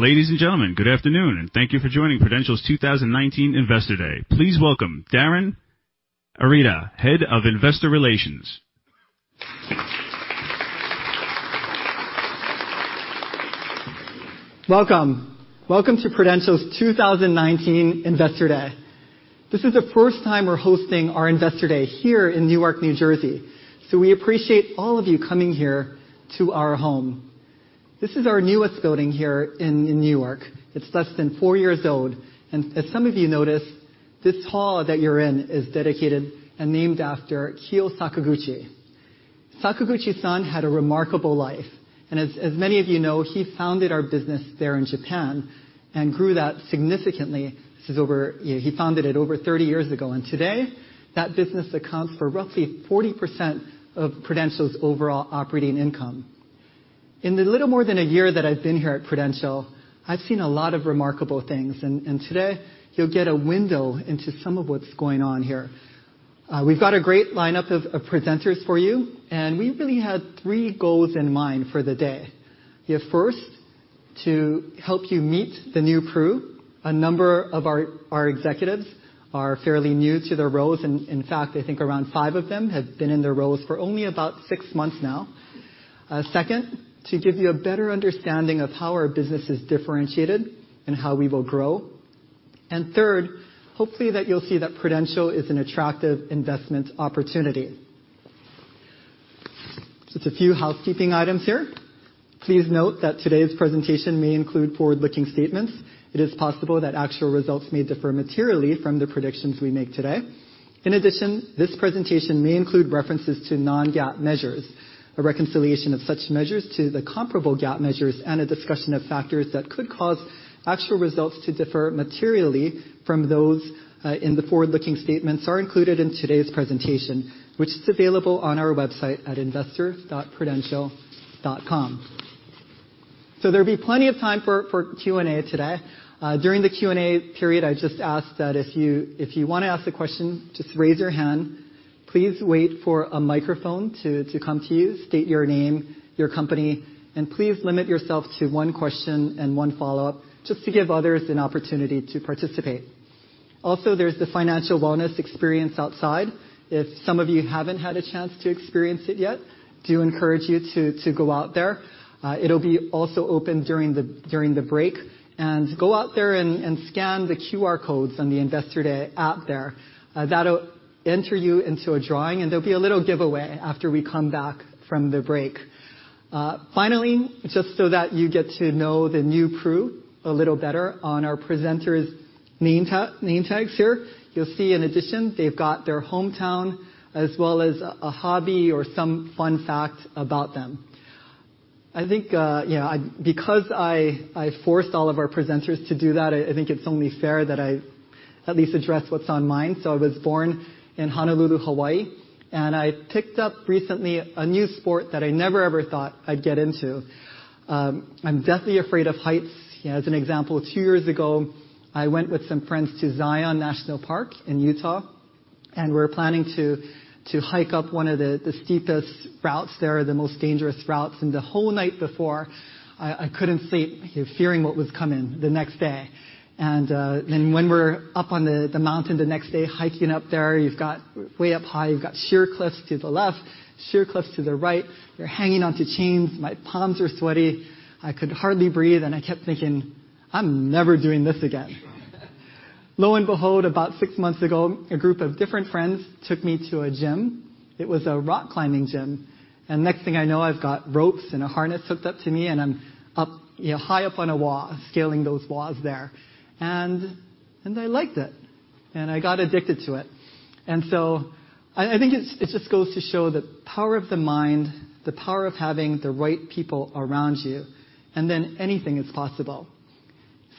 Ladies and gentlemen, good afternoon. Thank you for joining Prudential's 2019 Investor Day. Please welcome Darin Arita, Head of Investor Relations. Welcome. Welcome to Prudential's 2019 Investor Day. This is the first time we're hosting our Investor Day here in Newark, New Jersey. We appreciate all of you coming here to our home. This is our newest building here in Newark. It's less than four years old. As some of you noticed, this hall that you're in is dedicated and named after Kiyofumi Sakaguchi. Sakaguchi-san had a remarkable life. As many of you know, he founded our business there in Japan and grew that significantly. He founded it over 30 years ago. Today, that business accounts for roughly 40% of Prudential's overall operating income. In the little more than a year that I've been here at Prudential, I've seen a lot of remarkable things. Today, you'll get a window into some of what's going on here. We've got a great lineup of presenters for you. We really had three goals in mind for the day. First, to help you meet the new crew. A number of our executives are fairly new to their roles. In fact, I think around five of them have been in their roles for only about six months now. Second, to give you a better understanding of how our business is differentiated and how we will grow. Third, hopefully that you'll see that Prudential is an attractive investment opportunity. Just a few housekeeping items here. Please note that today's presentation may include forward-looking statements. It is possible that actual results may differ materially from the predictions we make today. In addition, this presentation may include references to non-GAAP measures. A reconciliation of such measures to the comparable GAAP measures and a discussion of factors that could cause actual results to differ materially from those in the forward-looking statements are included in today's presentation, which is available on our website at investor.prudential.com. There'll be plenty of time for Q&A today. During the Q&A period, I just ask that if you want to ask a question, just raise your hand. Please wait for a microphone to come to you, state your name, your company, and please limit yourself to one question and one follow-up, just to give others an opportunity to participate. Also, there's the financial wellness experience outside. If some of you haven't had a chance to experience it yet, I do encourage you to go out there. It'll be also open during the break. Go out there and scan the QR codes on the Investor Day app there. That will enter you into a drawing, and there will be a little giveaway after we come back from the break. Finally, just so that you get to know the new crew a little better, on our presenters' name tags here, you'll see in addition, they've got their hometown as well as a hobby or some fun fact about them. Because I forced all of our presenters to do that, I think it's only fair that I at least address what's on mine. I was born in Honolulu, Hawaii, and I picked up recently a new sport that I never ever thought I'd get into. I'm deathly afraid of heights. As an example, two years ago, I went with some friends to Zion National Park in Utah, and we were planning to hike up one of the steepest routes there, the most dangerous routes. The whole night before, I couldn't sleep, fearing what was coming the next day. Then when we're up on the mountain the next day, hiking up there, way up high, you've got sheer cliffs to the left, sheer cliffs to the right. You're hanging onto chains. My palms are sweaty. I could hardly breathe, and I kept thinking, "I'm never doing this again." Lo and behold, about six months ago, a group of different friends took me to a gym. It was a rock climbing gym. Next thing I know, I've got ropes and a harness hooked up to me, and I'm high up on a wall, scaling those walls there. I liked it. I got addicted to it. I think it just goes to show the power of the mind, the power of having the right people around you, and then anything is possible.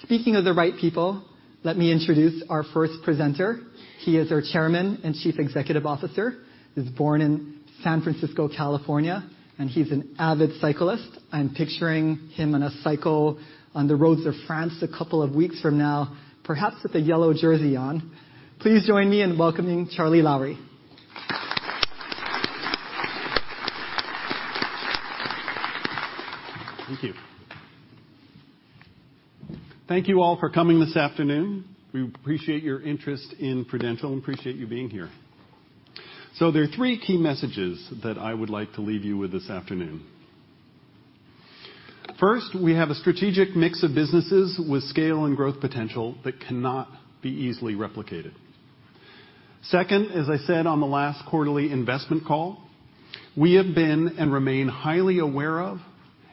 Speaking of the right people, let me introduce our first presenter. He is our Chairman and Chief Executive Officer. He was born in San Francisco, California, and he's an avid cyclist. I'm picturing him on a cycle on the roads of France a couple of weeks from now, perhaps with a yellow jersey on. Please join me in welcoming Charles Lowrey. Thank you. Thank you all for coming this afternoon. We appreciate your interest in Prudential and appreciate you being here. There are three key messages that I would like to leave you with this afternoon. First, we have a strategic mix of businesses with scale and growth potential that cannot be easily replicated. Second, as I said on the last quarterly investment call, we have been and remain highly aware of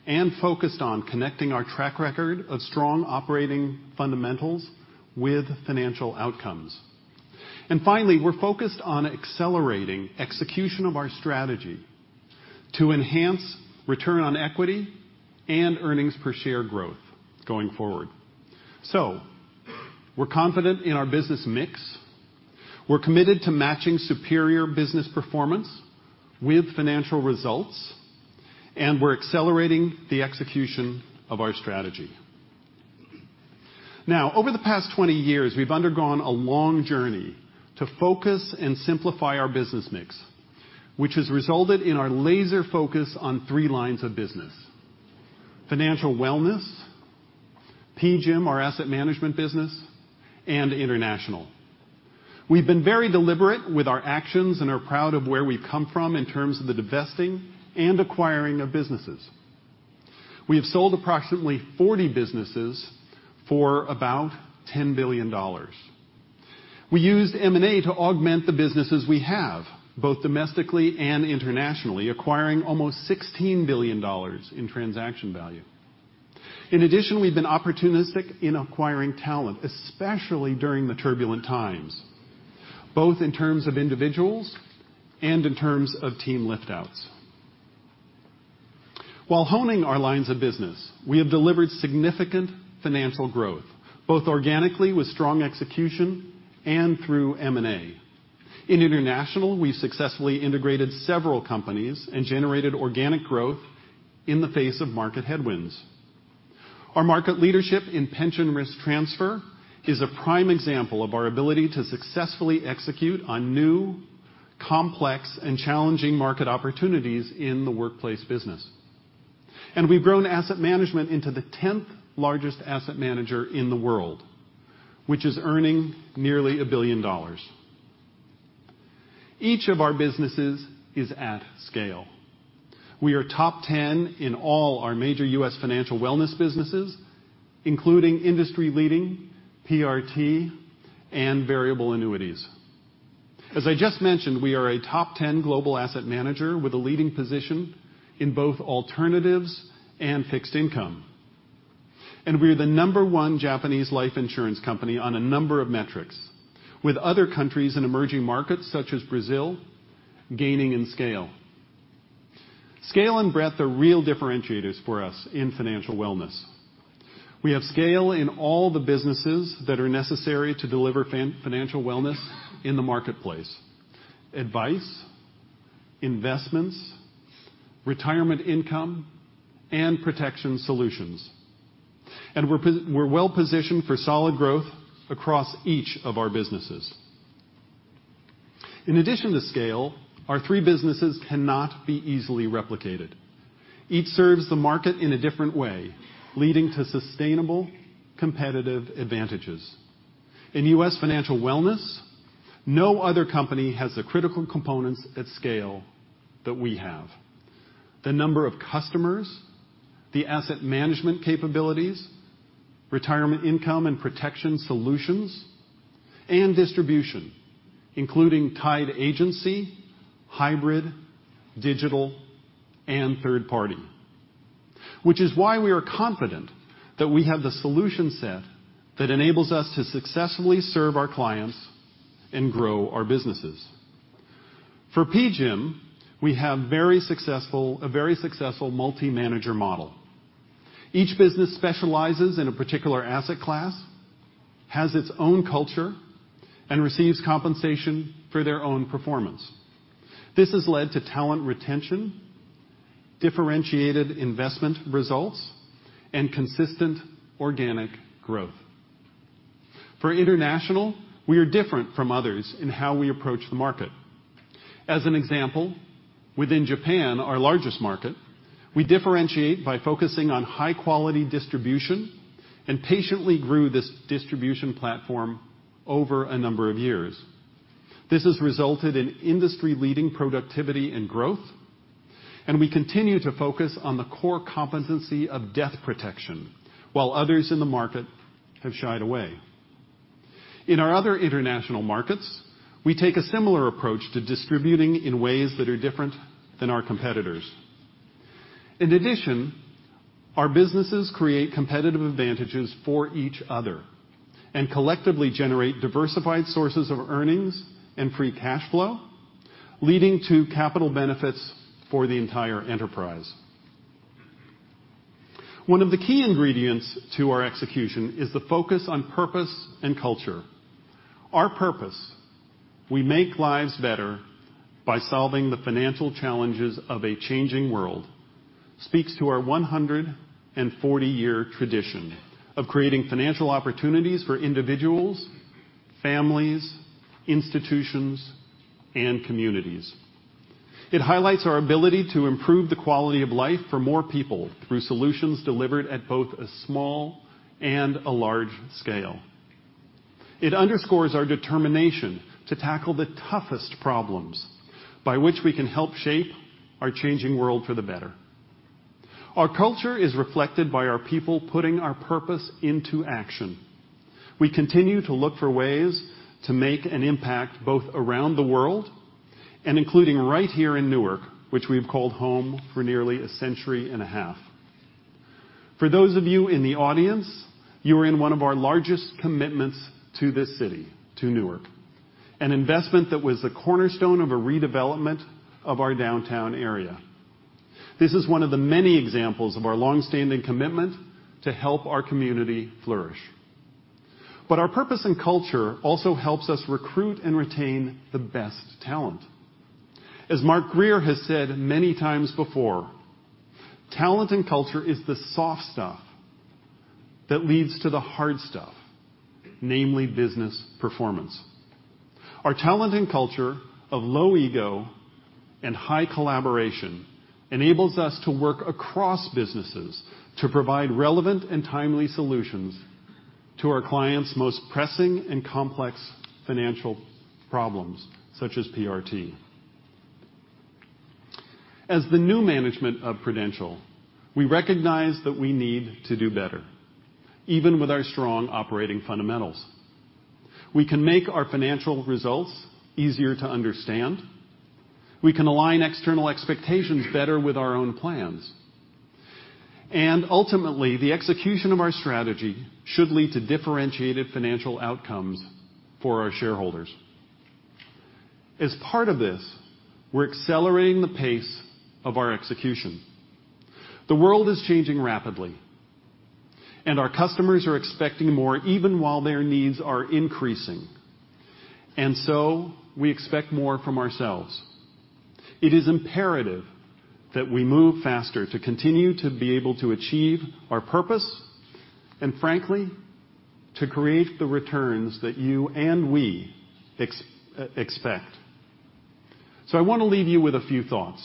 and focused on connecting our track record of strong operating fundamentals with financial outcomes. Finally, we're focused on accelerating execution of our strategy to enhance return on equity and earnings per share growth going forward. We're confident in our business mix. We're committed to matching superior business performance with financial results, and we're accelerating the execution of our strategy. Over the past 20 years, we've undergone a long journey to focus and simplify our business mix, which has resulted in our laser focus on three lines of business, financial wellness, PGIM, our asset management business, and International. We've been very deliberate with our actions and are proud of where we've come from in terms of the divesting and acquiring of businesses. We have sold approximately 40 businesses for about $10 billion. We used M&A to augment the businesses we have, both domestically and internationally, acquiring almost $16 billion in transaction value. In addition, we've been opportunistic in acquiring talent, especially during the turbulent times, both in terms of individuals and in terms of team lift-outs. While honing our lines of business, we have delivered significant financial growth, both organically with strong execution and through M&A. In International, we successfully integrated several companies and generated organic growth in the face of market headwinds. Our market leadership in pension risk transfer is a prime example of our ability to successfully execute on new, complex, and challenging market opportunities in the workplace business. We've grown asset management into the 10th largest asset manager in the world, which is earning nearly $1 billion. Each of our businesses is at scale. We are top 10 in all our major U.S. financial wellness businesses, including industry-leading PRT and variable annuities. As I just mentioned, we are a top 10 global asset manager with a leading position in both alternatives and fixed income. We're the number one Japanese life insurance company on a number of metrics, with other countries in emerging markets such as Brazil gaining in scale. Scale and breadth are real differentiators for us in financial wellness. We have scale in all the businesses that are necessary to deliver financial wellness in the marketplace, advice, investments, retirement income, and protection solutions. We're well positioned for solid growth across each of our businesses. In addition to scale, our three businesses cannot be easily replicated. Each serves the market in a different way, leading to sustainable competitive advantages. In U.S. financial wellness, no other company has the critical components at scale that we have. The number of customers, the asset management capabilities, retirement income and protection solutions, and distribution, including tied agency, hybrid, digital, and third party. Which is why we are confident that we have the solution set that enables us to successfully serve our clients and grow our businesses. For PGIM, we have a very successful multi-manager model. Each business specializes in a particular asset class, has its own culture, and receives compensation for their own performance. This has led to talent retention, differentiated investment results, and consistent organic growth. For International, we are different from others in how we approach the market. As an example, within Japan, our largest market, we differentiate by focusing on high-quality distribution and patiently grew this distribution platform over a number of years. This has resulted in industry-leading productivity and growth. We continue to focus on the core competency of death protection while others in the market have shied away. In our other international markets, we take a similar approach to distributing in ways that are different than our competitors. In addition, our businesses create competitive advantages for each other and collectively generate diversified sources of earnings and free cash flow, leading to capital benefits for the entire enterprise. One of the key ingredients to our execution is the focus on purpose and culture. Our purpose, "We make lives better by solving the financial challenges of a changing world," speaks to our 140-year tradition of creating financial opportunities for individuals, families, institutions, and communities. It highlights our ability to improve the quality of life for more people through solutions delivered at both a small and a large scale. It underscores our determination to tackle the toughest problems by which we can help shape our changing world for the better. Our culture is reflected by our people putting our purpose into action. We continue to look for ways to make an impact both around the world and including right here in Newark, which we've called home for nearly a century and a half. For those of you in the audience, you are in one of our largest commitments to this city, to Newark, an investment that was the cornerstone of a redevelopment of our downtown area. This is one of the many examples of our longstanding commitment to help our community flourish. Our purpose and culture also helps us recruit and retain the best talent. As Mark Grier has said many times before Talent and culture is the soft stuff that leads to the hard stuff, namely business performance. Our talent and culture of low ego and high collaboration enables us to work across businesses to provide relevant and timely solutions to our clients' most pressing and complex financial problems, such as PRT. As the new management of Prudential, we recognize that we need to do better, even with our strong operating fundamentals. We can make our financial results easier to understand. We can align external expectations better with our own plans. Ultimately, the execution of our strategy should lead to differentiated financial outcomes for our shareholders. As part of this, we're accelerating the pace of our execution. The world is changing rapidly, and our customers are expecting more even while their needs are increasing. We expect more from ourselves. It is imperative that we move faster to continue to be able to achieve our purpose, and frankly, to create the returns that you and we expect. I want to leave you with a few thoughts.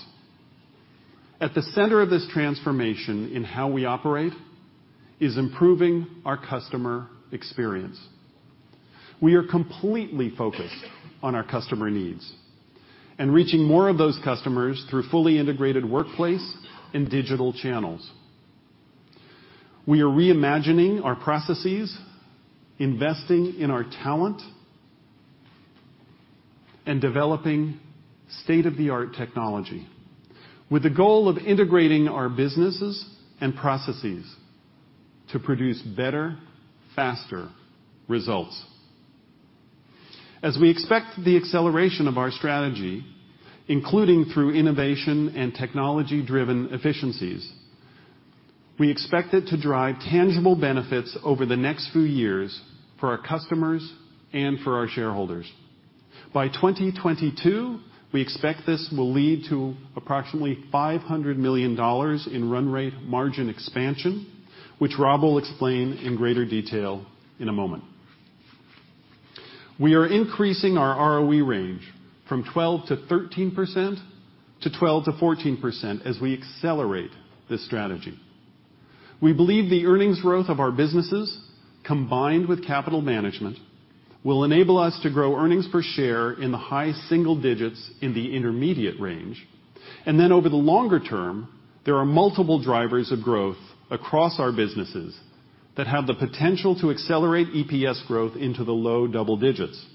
At the center of this transformation in how we operate is improving our customer experience. We are completely focused on our customer needs and reaching more of those customers through fully integrated workplace and digital channels. We are reimagining our processes, investing in our talent, and developing state-of-the-art technology with the goal of integrating our businesses and processes to produce better, faster results. As we expect the acceleration of our strategy, including through innovation and technology-driven efficiencies, we expect it to drive tangible benefits over the next few years for our customers and for our shareholders. By 2022, we expect this will lead to approximately $500 million in run rate margin expansion, which Rob will explain in greater detail in a moment. We are increasing our ROE range from 12%-13%, to 12%-14% as we accelerate this strategy. We believe the earnings growth of our businesses, combined with capital management, will enable us to grow earnings per share in the high single digits in the intermediate range. Over the longer term, there are multiple drivers of growth across our businesses that have the potential to accelerate EPS growth into the low double digits.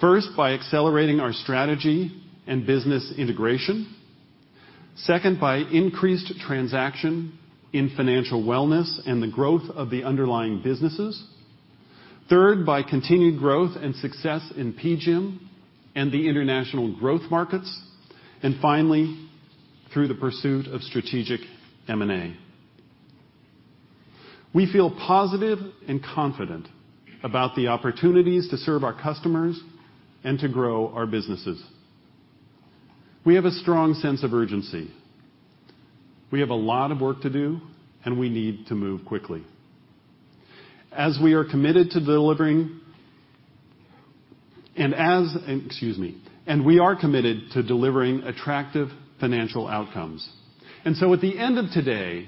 First, by accelerating our strategy and business integration. Second, by increased transaction in financial wellness and the growth of the underlying businesses. Third, by continued growth and success in PGIM and the international growth markets. Finally, through the pursuit of strategic M&A. We feel positive and confident about the opportunities to serve our customers and to grow our businesses. We have a strong sense of urgency. We have a lot of work to do, and we need to move quickly. As we are committed to delivering attractive financial outcomes. At the end of today,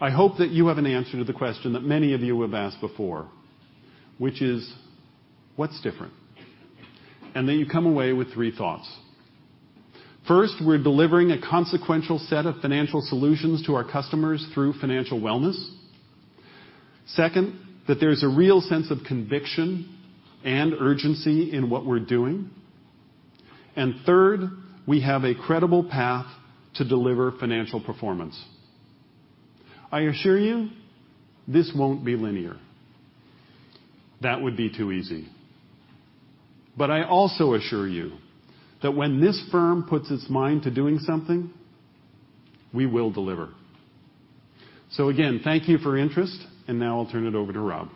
I hope that you have an answer to the question that many of you have asked before, which is, what's different? That you come away with three thoughts. First, we're delivering a consequential set of financial solutions to our customers through financial wellness. Second, that there's a real sense of conviction and urgency in what we're doing. Third, we have a credible path to deliver financial performance. I assure you, this won't be linear. That would be too easy. I also assure you that when this firm puts its mind to doing something, we will deliver. Again, thank you for your interest, and now I'll turn it over to Rob.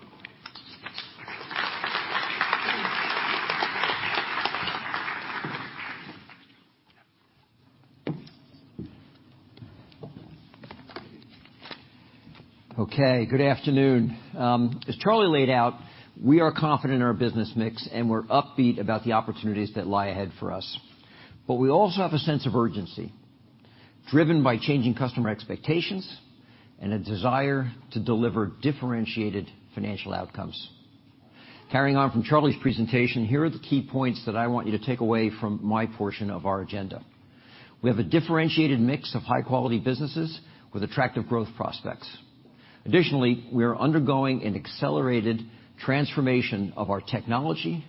Good afternoon. As Charlie laid out, we are confident in our business mix, and we're upbeat about the opportunities that lie ahead for us. We also have a sense of urgency, driven by changing customer expectations and a desire to deliver differentiated financial outcomes. Carrying on from Charlie's presentation, here are the key points that I want you to take away from my portion of our agenda. We have a differentiated mix of high-quality businesses with attractive growth prospects. Additionally, we are undergoing an accelerated transformation of our technology,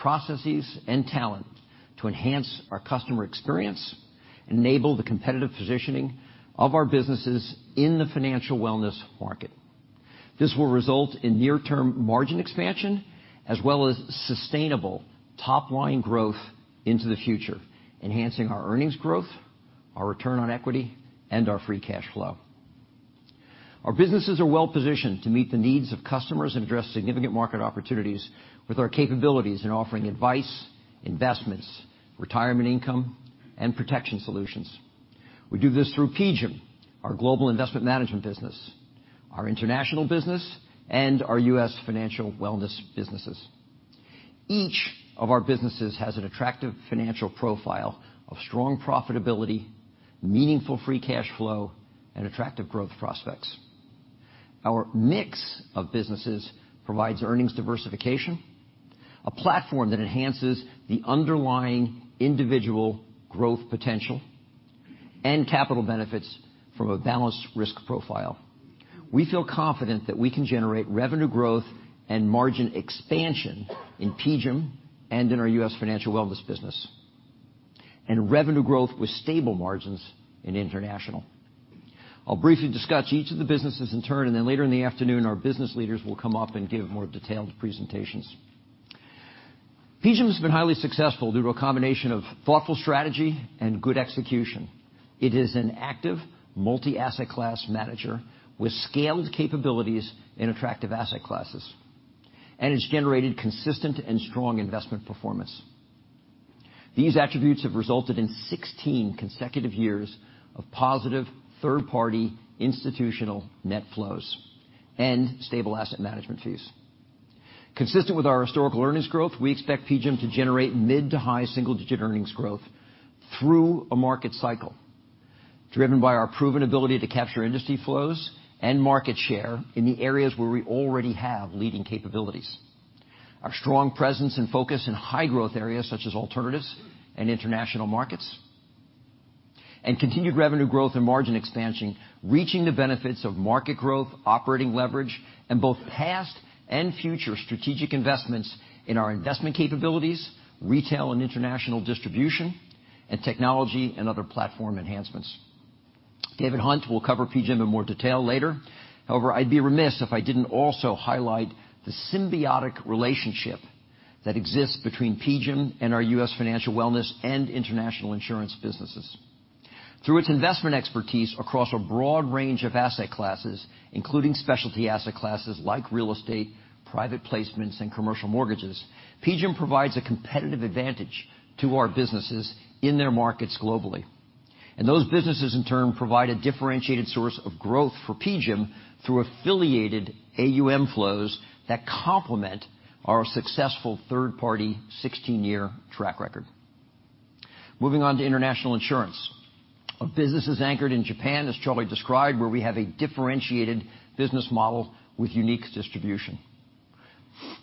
processes, and talent to enhance our customer experience, enable the competitive positioning of our businesses in the financial wellness market. This will result in near-term margin expansion, as well as sustainable top-line growth into the future, enhancing our earnings growth, our return on equity, and our free cash flow. Our businesses are well-positioned to meet the needs of customers and address significant market opportunities with our capabilities in offering advice, investments, retirement income, and protection solutions. We do this through PGIM, our global investment management business, our international business, and our U.S. financial wellness businesses. Each of our businesses has an attractive financial profile of strong profitability, meaningful free cash flow, and attractive growth prospects. Our mix of businesses provides earnings diversification, a platform that enhances the underlying individual growth potential, and capital benefits from a balanced risk profile. We feel confident that we can generate revenue growth and margin expansion in PGIM and in our U.S. financial wellness business, and revenue growth with stable margins in international. I'll briefly discuss each of the businesses in turn, later in the afternoon, our business leaders will come up and give more detailed presentations. PGIM has been highly successful due to a combination of thoughtful strategy and good execution. It is an active, multi-asset class manager with scaled capabilities in attractive asset classes and has generated consistent and strong investment performance. These attributes have resulted in 16 consecutive years of positive third-party institutional net flows and stable asset management fees. Consistent with our historical earnings growth, we expect PGIM to generate mid to high single-digit earnings growth through a market cycle, driven by our proven ability to capture industry flows and market share in the areas where we already have leading capabilities, our strong presence and focus in high growth areas such as alternatives and international markets, and continued revenue growth and margin expansion, reaching the benefits of market growth, operating leverage, and both past and future strategic investments in our investment capabilities, retail and international distribution, and technology and other platform enhancements. David Hunt will cover PGIM in more detail later. I'd be remiss if I didn't also highlight the symbiotic relationship that exists between PGIM and our U.S. financial wellness and international insurance businesses. Through its investment expertise across a broad range of asset classes, including specialty asset classes like real estate, private placements, and commercial mortgages, PGIM provides a competitive advantage to our businesses in their markets globally, and those businesses, in turn, provide a differentiated source of growth for PGIM through affiliated AUM flows that complement our successful third-party 16-year track record. Moving on to international insurance. Our business is anchored in Japan, as Charlie described, where we have a differentiated business model with unique distribution.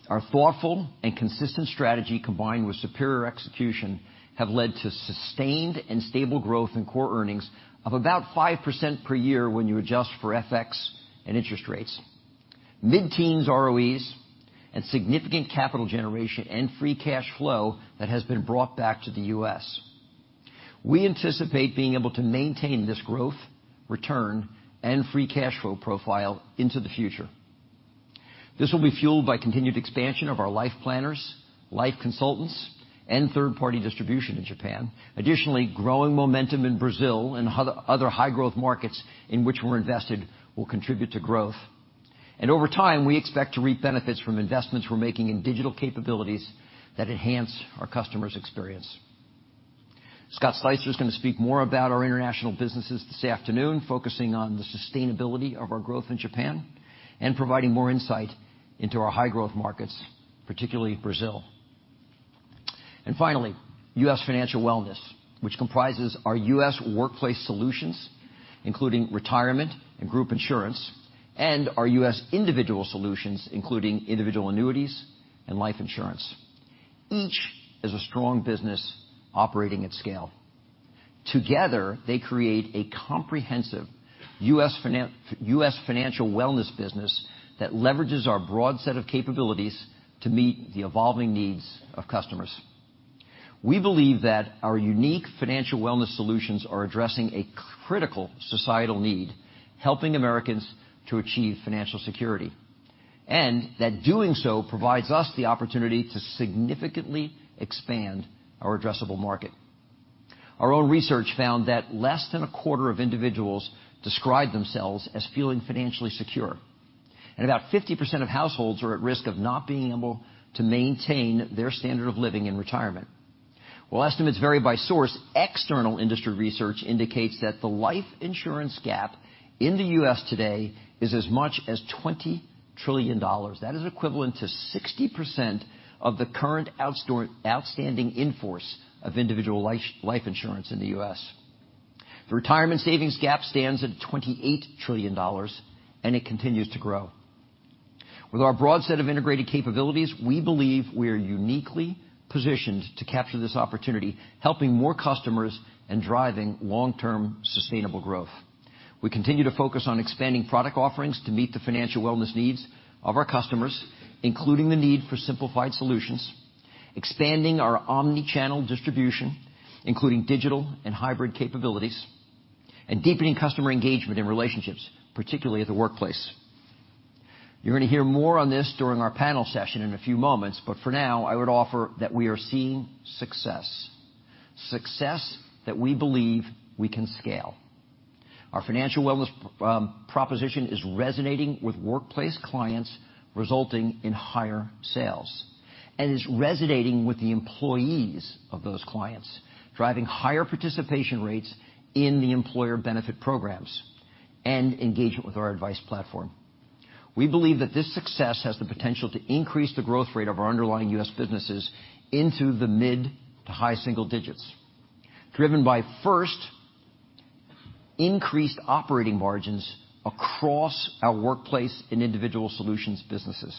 Our thoughtful and consistent strategy, combined with superior execution, have led to sustained and stable growth in core earnings of about 5% per year when you adjust for FX and interest rates, mid-teens ROEs, and significant capital generation and free cash flow that has been brought back to the U.S. We anticipate being able to maintain this growth, return, and free cash flow profile into the future. Growing momentum in Brazil and other high-growth markets in which we're invested will contribute to growth. Over time, we expect to reap benefits from investments we're making in digital capabilities that enhance our customers' experience. Scott Sleyster is going to speak more about our international businesses this afternoon, focusing on the sustainability of our growth in Japan and providing more insight into our high-growth markets, particularly Brazil. Finally, U.S. financial wellness, which comprises our U.S. workplace solutions, including retirement and group insurance, and our U.S. individual solutions, including individual annuities and life insurance. Each is a strong business operating at scale. Together, they create a comprehensive U.S. financial wellness business that leverages our broad set of capabilities to meet the evolving needs of customers. We believe that our unique financial wellness solutions are addressing a critical societal need, helping Americans to achieve financial security, and that doing so provides us the opportunity to significantly expand our addressable market. Our own research found that less than a quarter of individuals describe themselves as feeling financially secure, and about 50% of households are at risk of not being able to maintain their standard of living in retirement. While estimates vary by source, external industry research indicates that the life insurance gap in the U.S. today is as much as $20 trillion. That is equivalent to 60% of the current outstanding in-force of individual life insurance in the U.S. The retirement savings gap stands at $28 trillion. It continues to grow. With our broad set of integrated capabilities, we believe we are uniquely positioned to capture this opportunity, helping more customers and driving long-term sustainable growth. We continue to focus on expanding product offerings to meet the financial wellness needs of our customers, including the need for simplified solutions, expanding our omnichannel distribution, including digital and hybrid capabilities, and deepening customer engagement and relationships, particularly at the workplace. You're going to hear more on this during our panel session in a few moments. For now, I would offer that we are seeing success. Success that we believe we can scale. Our financial wellness proposition is resonating with Workplace Solutions clients, resulting in higher sales. It is resonating with the employees of those clients, driving higher participation rates in the employer benefit programs and engagement with our advice platform. We believe that this success has the potential to increase the growth rate of our underlying U.S. businesses into the mid to high single digits, driven by, first, increased operating margins across our Workplace Solutions and Individual Solutions businesses,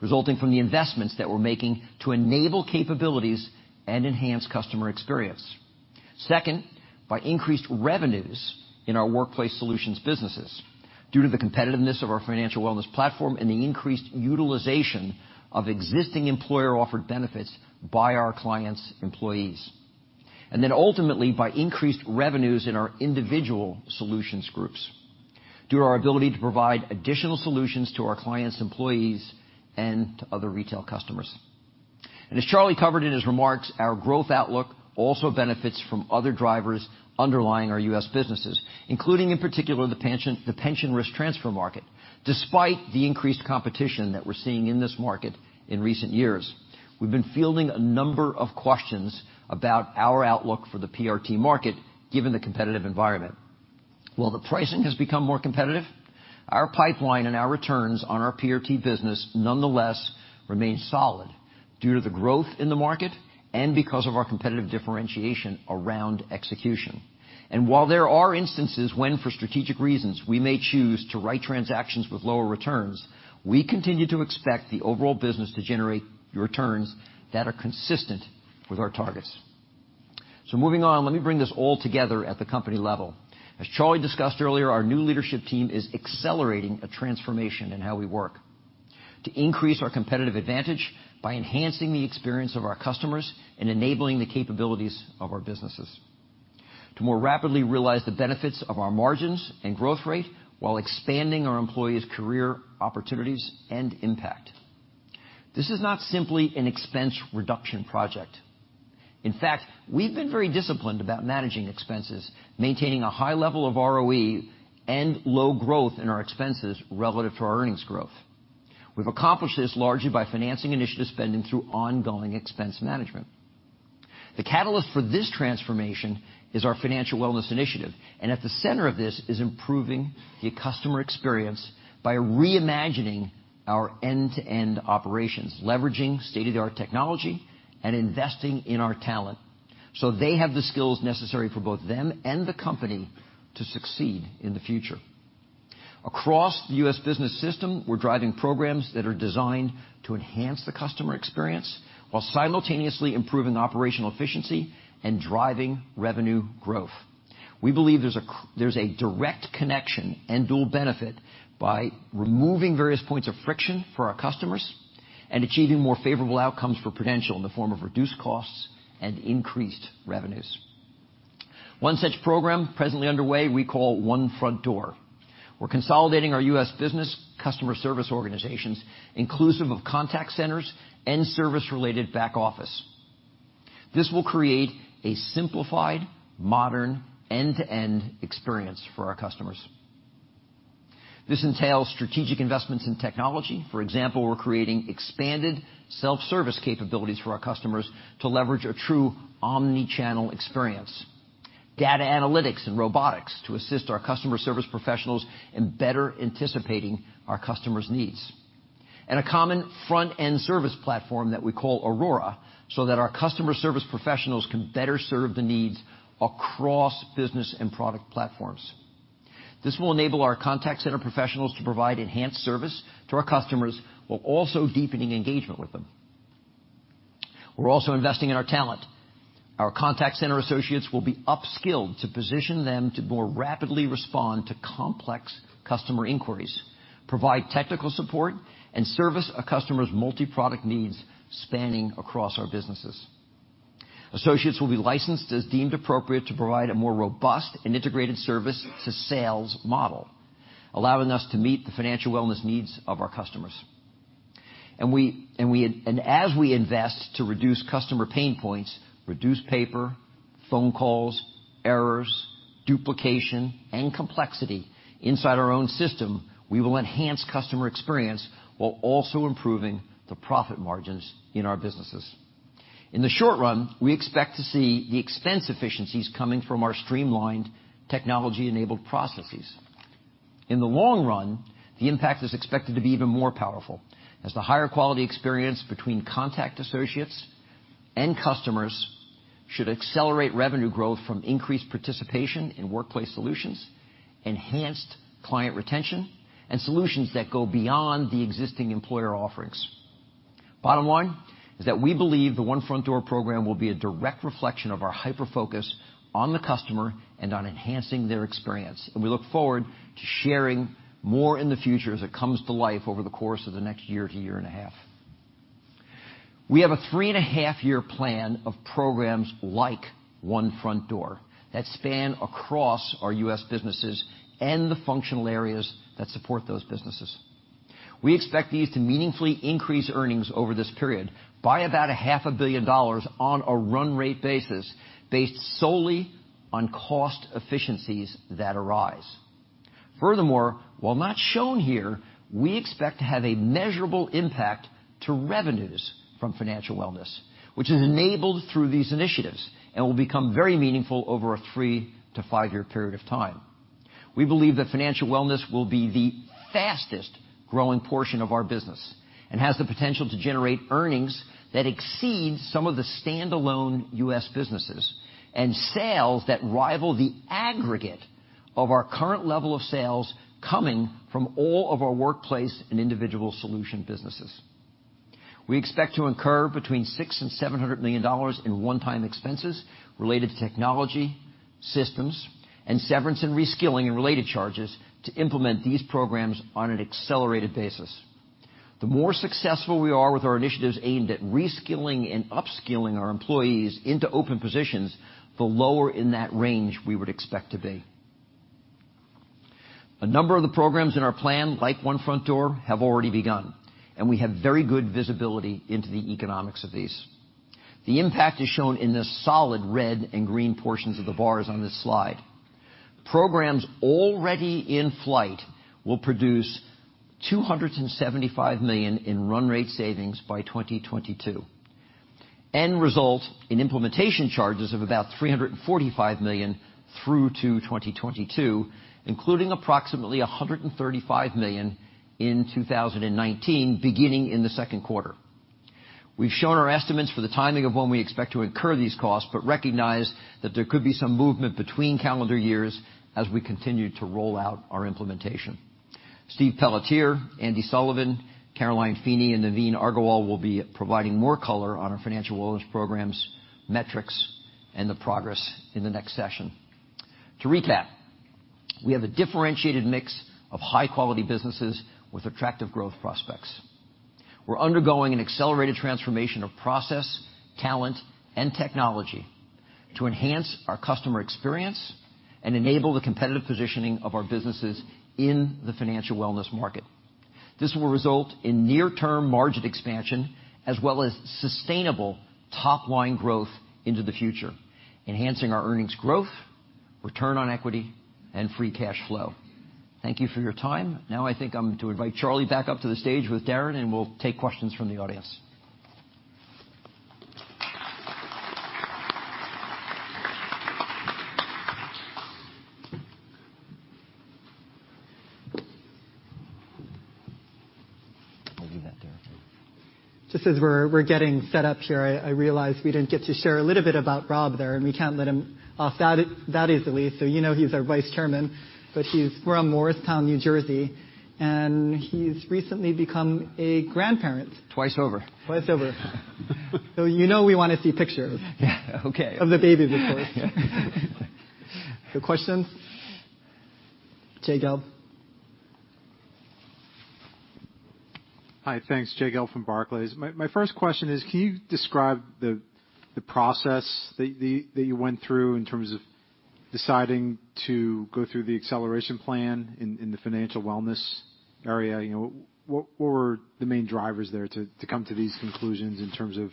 resulting from the investments that we're making to enable capabilities and enhance customer experience. Second, by increased revenues in our Workplace Solutions businesses due to the competitiveness of our financial wellness platform and the increased utilization of existing employer-offered benefits by our clients' employees. Ultimately, by increased revenues in our Individual Solutions groups through our ability to provide additional solutions to our clients' employees and to other retail customers. As Charlie covered in his remarks, our growth outlook also benefits from other drivers underlying our U.S. businesses, including, in particular, the pension risk transfer market, despite the increased competition that we're seeing in this market in recent years. We've been fielding a number of questions about our outlook for the PRT market, given the competitive environment. While the pricing has become more competitive, our pipeline and our returns on our PRT business nonetheless remain solid due to the growth in the market and because of our competitive differentiation around execution. While there are instances when, for strategic reasons, we may choose to write transactions with lower returns, we continue to expect the overall business to generate returns that are consistent with our targets. Moving on, let me bring this all together at the company level. As Charlie discussed earlier, our new leadership team is accelerating a transformation in how we work to increase our competitive advantage by enhancing the experience of our customers and enabling the capabilities of our businesses to more rapidly realize the benefits of our margins and growth rate while expanding our employees' career opportunities and impact. This is not simply an expense reduction project. In fact, we've been very disciplined about managing expenses, maintaining a high level of ROE, and low growth in our expenses relative to our earnings growth. We've accomplished this largely by financing initiative spending through ongoing expense management. The catalyst for this transformation is our financial wellness initiative, and at the center of this is improving the customer experience by reimagining our end-to-end operations, leveraging state-of-the-art technology and investing in our talent so they have the skills necessary for both them and the company to succeed in the future. Across the U.S. business system, we're driving programs that are designed to enhance the customer experience while simultaneously improving operational efficiency and driving revenue growth. We believe there's a direct connection and dual benefit by removing various points of friction for our customers and achieving more favorable outcomes for Prudential in the form of reduced costs and increased revenues. One such program presently underway, we call One Front Door. We're consolidating our U.S. business customer service organizations, inclusive of contact centers and service-related back office. This will create a simplified, modern, end-to-end experience for our customers. This entails strategic investments in technology. For example, we're creating expanded self-service capabilities for our customers to leverage a true omni-channel experience, data analytics and robotics to assist our customer service professionals in better anticipating our customers' needs, and a common front-end service platform that we call Aurora, so that our customer service professionals can better serve the needs across business and product platforms. This will enable our contact center professionals to provide enhanced service to our customers while also deepening engagement with them. We're also investing in our talent. Our contact center associates will be upskilled to position them to more rapidly respond to complex customer inquiries, provide technical support, and service a customer's multi-product needs spanning across our businesses. Associates will be licensed as deemed appropriate to provide a more robust and integrated service-to-sales model, allowing us to meet the financial wellness needs of our customers. As we invest to reduce customer pain points, reduce paper, phone calls, errors, duplication, and complexity inside our own system, we will enhance customer experience while also improving the profit margins in our businesses. In the short run, we expect to see the expense efficiencies coming from our streamlined technology-enabled processes. In the long run, the impact is expected to be even more powerful as the higher quality experience between contact associates and customers should accelerate revenue growth from increased participation in workplace solutions, enhanced client retention, and solutions that go beyond the existing employer offerings. Bottom line is that we believe the One Front Door program will be a direct reflection of our hyper-focus on the customer and on enhancing their experience, and we look forward to sharing more in the future as it comes to life over the course of the next year to year and a half. We have a three-and-a-half year plan of programs like One Front Door that span across our U.S. businesses and the functional areas that support those businesses. We expect these to meaningfully increase earnings over this period by about a half a billion dollars on a run rate basis, based solely on cost efficiencies that arise. Furthermore, while not shown here, we expect to have a measurable impact to revenues from financial wellness, which is enabled through these initiatives and will become very meaningful over a three to five-year period of time. We believe that financial wellness will be the fastest growing portion of our business, and has the potential to generate earnings that exceed some of the standalone U.S. businesses, and sales that rival the aggregate of our current level of sales coming from all of our Workplace and Individual Solution businesses. We expect to incur between 6 and $700 million in one-time expenses related to technology, systems, and severance and reskilling and related charges to implement these programs on an accelerated basis. The more successful we are with our initiatives aimed at reskilling and upskilling our employees into open positions, the lower in that range we would expect to be. A number of the programs in our plan, like One Front Door, have already begun, and we have very good visibility into the economics of these. The impact is shown in the solid red and green portions of the bars on this slide. Programs already in flight will produce $275 million in run rate savings by 2022, end result in implementation charges of about $345 million through to 2022, including approximately $135 million in 2019, beginning in the second quarter. We've shown our estimates for the timing of when we expect to incur these costs, but recognize that there could be some movement between calendar years as we continue to roll out our implementation. Steve Pelletier, Andy Sullivan, Caroline Feeney, and Naveen Agarwal will be providing more color on our financial wellness programs, metrics, and the progress in the next session. To recap, we have a differentiated mix of high-quality businesses with attractive growth prospects. We're undergoing an accelerated transformation of process, talent, and technology to enhance our customer experience and enable the competitive positioning of our businesses in the financial wellness market. This will result in near-term margin expansion, as well as sustainable top-line growth into the future, enhancing our earnings growth, return on equity, and free cash flow. Thank you for your time. Now I think I'm to invite Charlie back up to the stage with Darin, and we'll take questions from the audience. I'll leave that there. Just as we're getting set up here, I realize we didn't get to share a little bit about Rob there, and we can't let him off that easily. You know he's our Vice Chairman, but he's from Morristown, New Jersey, and he's recently become a grandparent. Twice over. Twice over. You know we want to see pictures. Yeah. Okay. Of the babies, of course. Yeah. Questions? Jay Gelb. Hi. Thanks. Jay Gelb from Barclays. My first question is, can you describe the process that you went through in terms of deciding to go through the acceleration plan in the financial wellness area? What were the main drivers there to come to these conclusions in terms of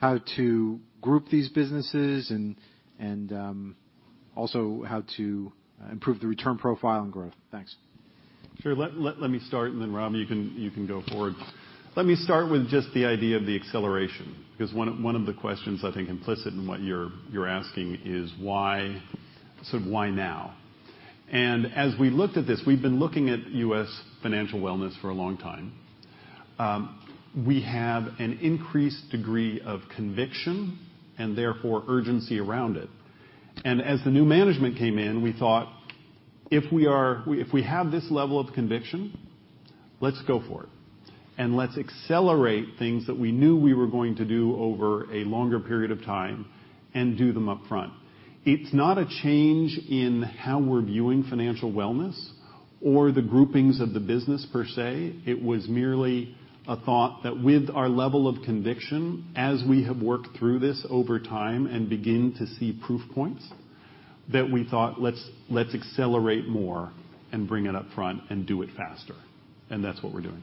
how to group these businesses and also how to improve the return profile and growth? Thanks. Sure. Let me start, then Rob, you can go forward. Let me start with just the idea of the acceleration, because one of the questions I think implicit in what you're asking is why now? As we looked at this, we've been looking at U.S. financial wellness for a long time. We have an increased degree of conviction, and therefore urgency around it. As the new management came in, we thought if we have this level of conviction, let's go for it, and let's accelerate things that we knew we were going to do over a longer period of time and do them upfront. It's not a change in how we're viewing financial wellness or the groupings of the business per se. It was merely a thought that with our level of conviction, as we have worked through this over time and begin to see proof points, that we thought let's accelerate more and bring it upfront and do it faster. That's what we're doing.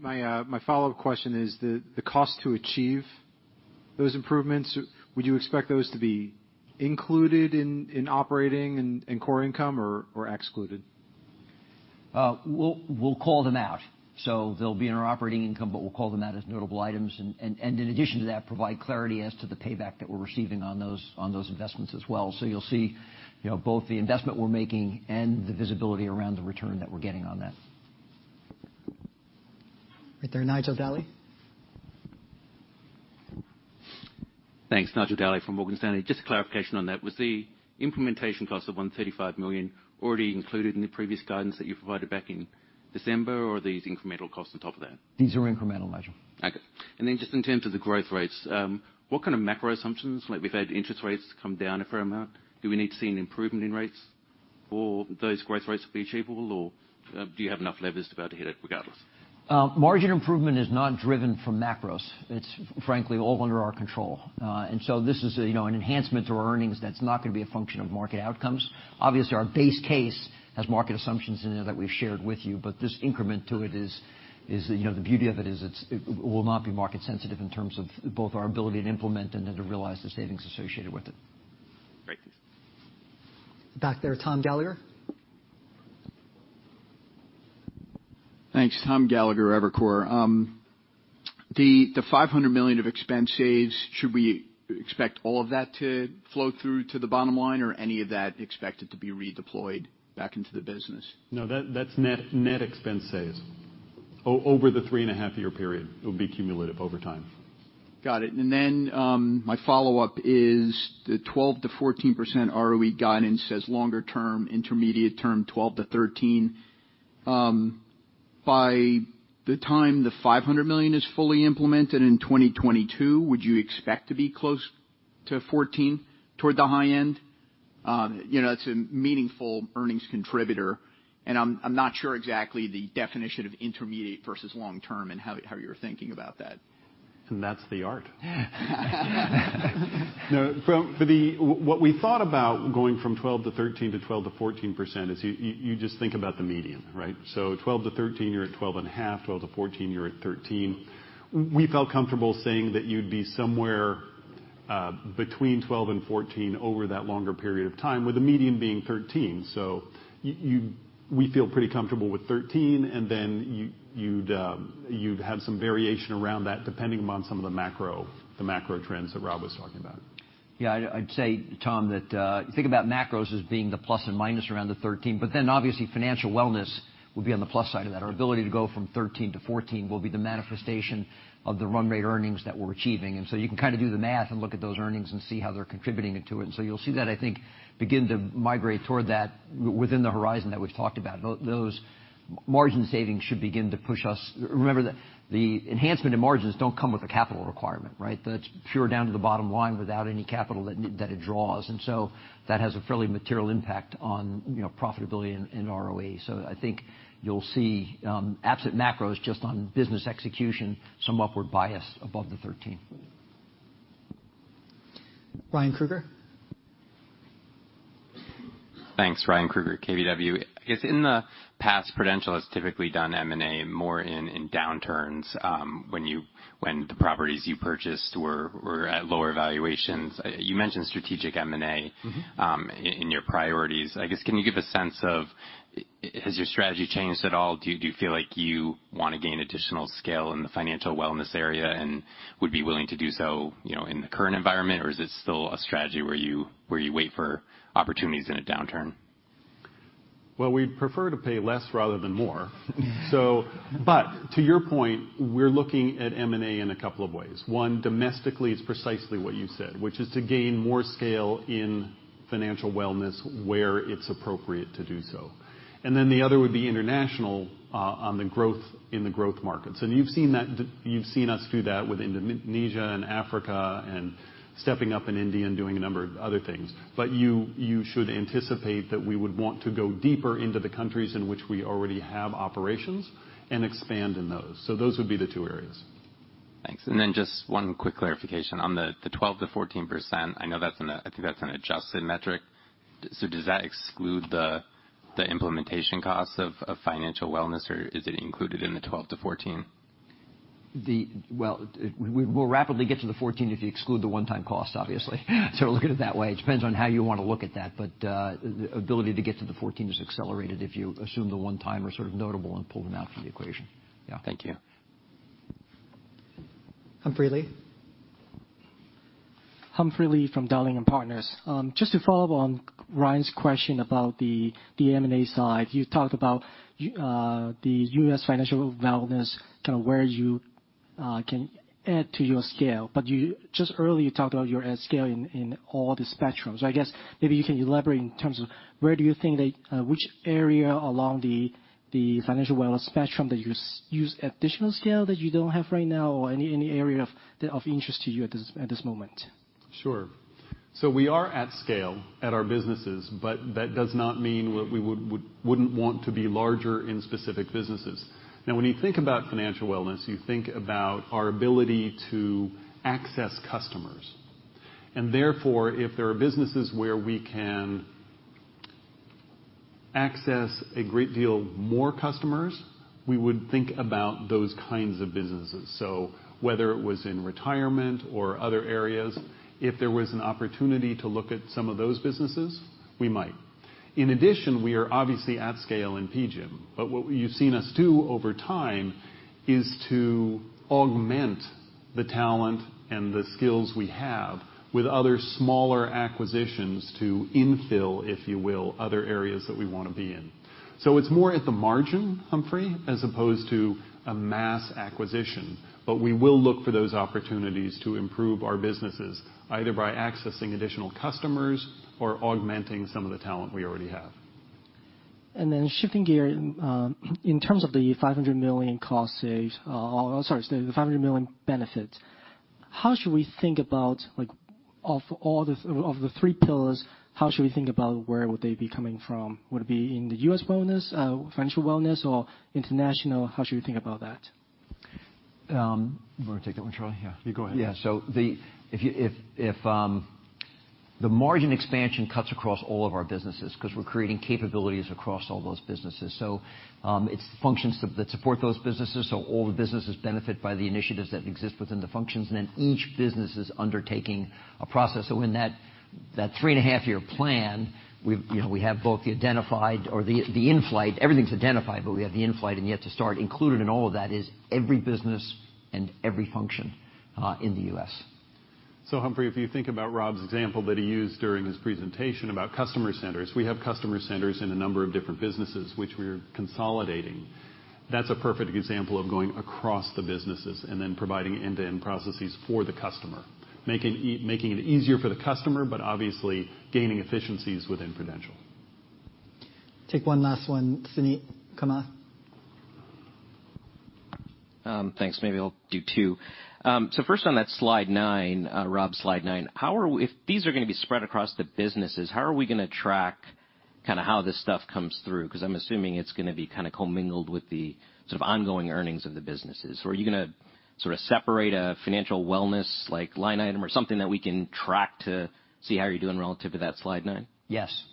My follow-up question is the cost to achieve those improvements, would you expect those to be included in operating and core income or excluded? We'll call them out. They'll be in our operating income, but we'll call them out as notable items. In addition to that, provide clarity as to the payback that we're receiving on those investments as well. You'll see both the investment we're making and the visibility around the return that we're getting on that. Right there, Nigel Dally. Thanks. Nigel Dally from Morgan Stanley. A clarification on that, was the implementation cost of $135 million already included in the previous guidance that you provided back in December, or are these incremental costs on top of that? These are incremental, Nigel. Okay. Just in terms of the growth rates, what kind of macro assumptions, like we've had interest rates come down a fair amount. Do we need to see an improvement in rates? Those growth rates will be achievable, or do you have enough levers to be able to hit it regardless? Margin improvement is not driven from macros. It's frankly all under our control. This is an enhancement to our earnings that's not going to be a function of market outcomes. Obviously, our base case has market assumptions in there that we've shared with you, but this increment to it, the beauty of it is it will not be market sensitive in terms of both our ability to implement and then to realize the savings associated with it. Great. Back there, Tom Gallagher. Thanks. Tom Gallagher, Evercore. The $500 million of expense saves, should we expect all of that to flow through to the bottom line or any of that expected to be redeployed back into the business? No, that's net expense saves over the three and a half year period. It'll be cumulative over time. Got it. My follow-up is the 12%-14% ROE guidance says longer term, intermediate term 12%-13%. By the time the $500 million is fully implemented in 2022, would you expect to be close to 14% toward the high end? That's a meaningful earnings contributor. I'm not sure exactly the definition of intermediate versus long-term and how you're thinking about that. That's the art. What we thought about going from 12%-13% to 12%-14% is you just think about the median, right? 12%-13%, you're at 12.5%. 12%-14%, you're at 13%. We felt comfortable saying that you'd be somewhere between 12% and 14% over that longer period of time, with the median being 13%. We feel pretty comfortable with 13%. Then you'd have some variation around that depending upon some of the macro trends that Rob was talking about. I'd say, Tom, that think about macros as being the plus and minus around the 13%. Obviously financial wellness will be on the plus side of that. Our ability to go from 13%-14% will be the manifestation of the run rate earnings that we're achieving. You can do the math and look at those earnings and see how they're contributing into it. You'll see that, I think, begin to migrate toward that within the horizon that we've talked about. Those margin savings should begin to push us. Remember that the enhancement in margins don't come with a capital requirement, right? That's pure down to the bottom line without any capital that it draws. That has a fairly material impact on profitability and ROE. I think you'll see, absent macros, just on business execution, some upward bias above the 13%. Ryan Krueger. Thanks. Ryan Krueger, KBW. I guess in the past, Prudential has typically done M&A more in downturns, when the properties you purchased were at lower valuations. You mentioned strategic M&A- -in your priorities. I guess can you give a sense of has your strategy changed at all? Do you feel like you want to gain additional scale in the financial wellness area and would be willing to do so in the current environment, or is it still a strategy where you wait for opportunities in a downturn? Well, we'd prefer to pay less rather than more. To your point, we're looking at M&A in a couple of ways. One, domestically, it's precisely what you said, which is to gain more scale in financial wellness where it's appropriate to do so. The other would be international, on the growth in the growth markets. You've seen us do that with Indonesia and Africa and stepping up in India and doing a number of other things. You should anticipate that we would want to go deeper into the countries in which we already have operations and expand in those. Those would be the two areas. Thanks. Just one quick clarification on the 12%-14%, I think that's an adjusted metric. Does that exclude the implementation costs of financial wellness, or is it included in the 12-14? We'll rapidly get to the 14 if you exclude the one-time cost, obviously. Look at it that way. It depends on how you want to look at that, but the ability to get to the 14 is accelerated if you assume the one-time are sort of notable and pull them out from the equation. Yeah. Thank you. Humphrey Lee. Humphrey Lee from Dowling & Partners. Just to follow up on Ryan's question about the M&A side. You talked about the U.S. financial wellness, where you can add to your scale, but just earlier you talked about your scale in all the spectrums. I guess maybe you can elaborate in terms of which area along the financial wellness spectrum that you use additional scale that you don't have right now or any area of interest to you at this moment? Sure. We are at scale at our businesses, but that does not mean we wouldn't want to be larger in specific businesses. Now when you think about financial wellness, you think about our ability to access customers. Therefore, if there are businesses where we can access a great deal more customers, we would think about those kinds of businesses. Whether it was in retirement or other areas, if there was an opportunity to look at some of those businesses, we might. In addition, we are obviously at scale in PGIM, but what you've seen us do over time is to augment the talent and the skills we have with other smaller acquisitions to infill, if you will, other areas that we want to be in. It's more at the margin, Humphrey, as opposed to a mass acquisition. We will look for those opportunities to improve our businesses, either by accessing additional customers or augmenting some of the talent we already have. Then shifting gear, in terms of the $500 million cost save Oh, sorry. The $500 million benefit. How should we think about, of the three pillars, how should we think about where would they be coming from? Would it be in the U.S. Business, financial wellness or international? How should we think about that? You want to take that one, Charlie? Yeah. You go ahead. Yeah. The margin expansion cuts across all of our businesses because we're creating capabilities across all those businesses. It's the functions that support those businesses, all the businesses benefit by the initiatives that exist within the functions, each business is undertaking a process. In that three-and-a-half-year plan we have both the identified or Everything's identified, but we have the in-flight and yet to start. Included in all of that is every business and every function in the U.S. Humphrey, if you think about Rob's example that he used during his presentation about customer centers, we have customer centers in a number of different businesses which we're consolidating. That's a perfect example of going across the businesses and then providing end-to-end processes for the customer, making it easier for the customer, but obviously gaining efficiencies within Prudential. Take one last one. Suneet Kamath. Thanks. Maybe I'll do two. First on that slide nine, Rob, slide nine, if these are going to be spread across the businesses, how are we going to track how this stuff comes through? I'm assuming it's going to be co-mingled with the sort of ongoing earnings of the businesses. Are you going to sort of separate a financial wellness line item or something that we can track to see how you're doing relative to that slide nine? Yes.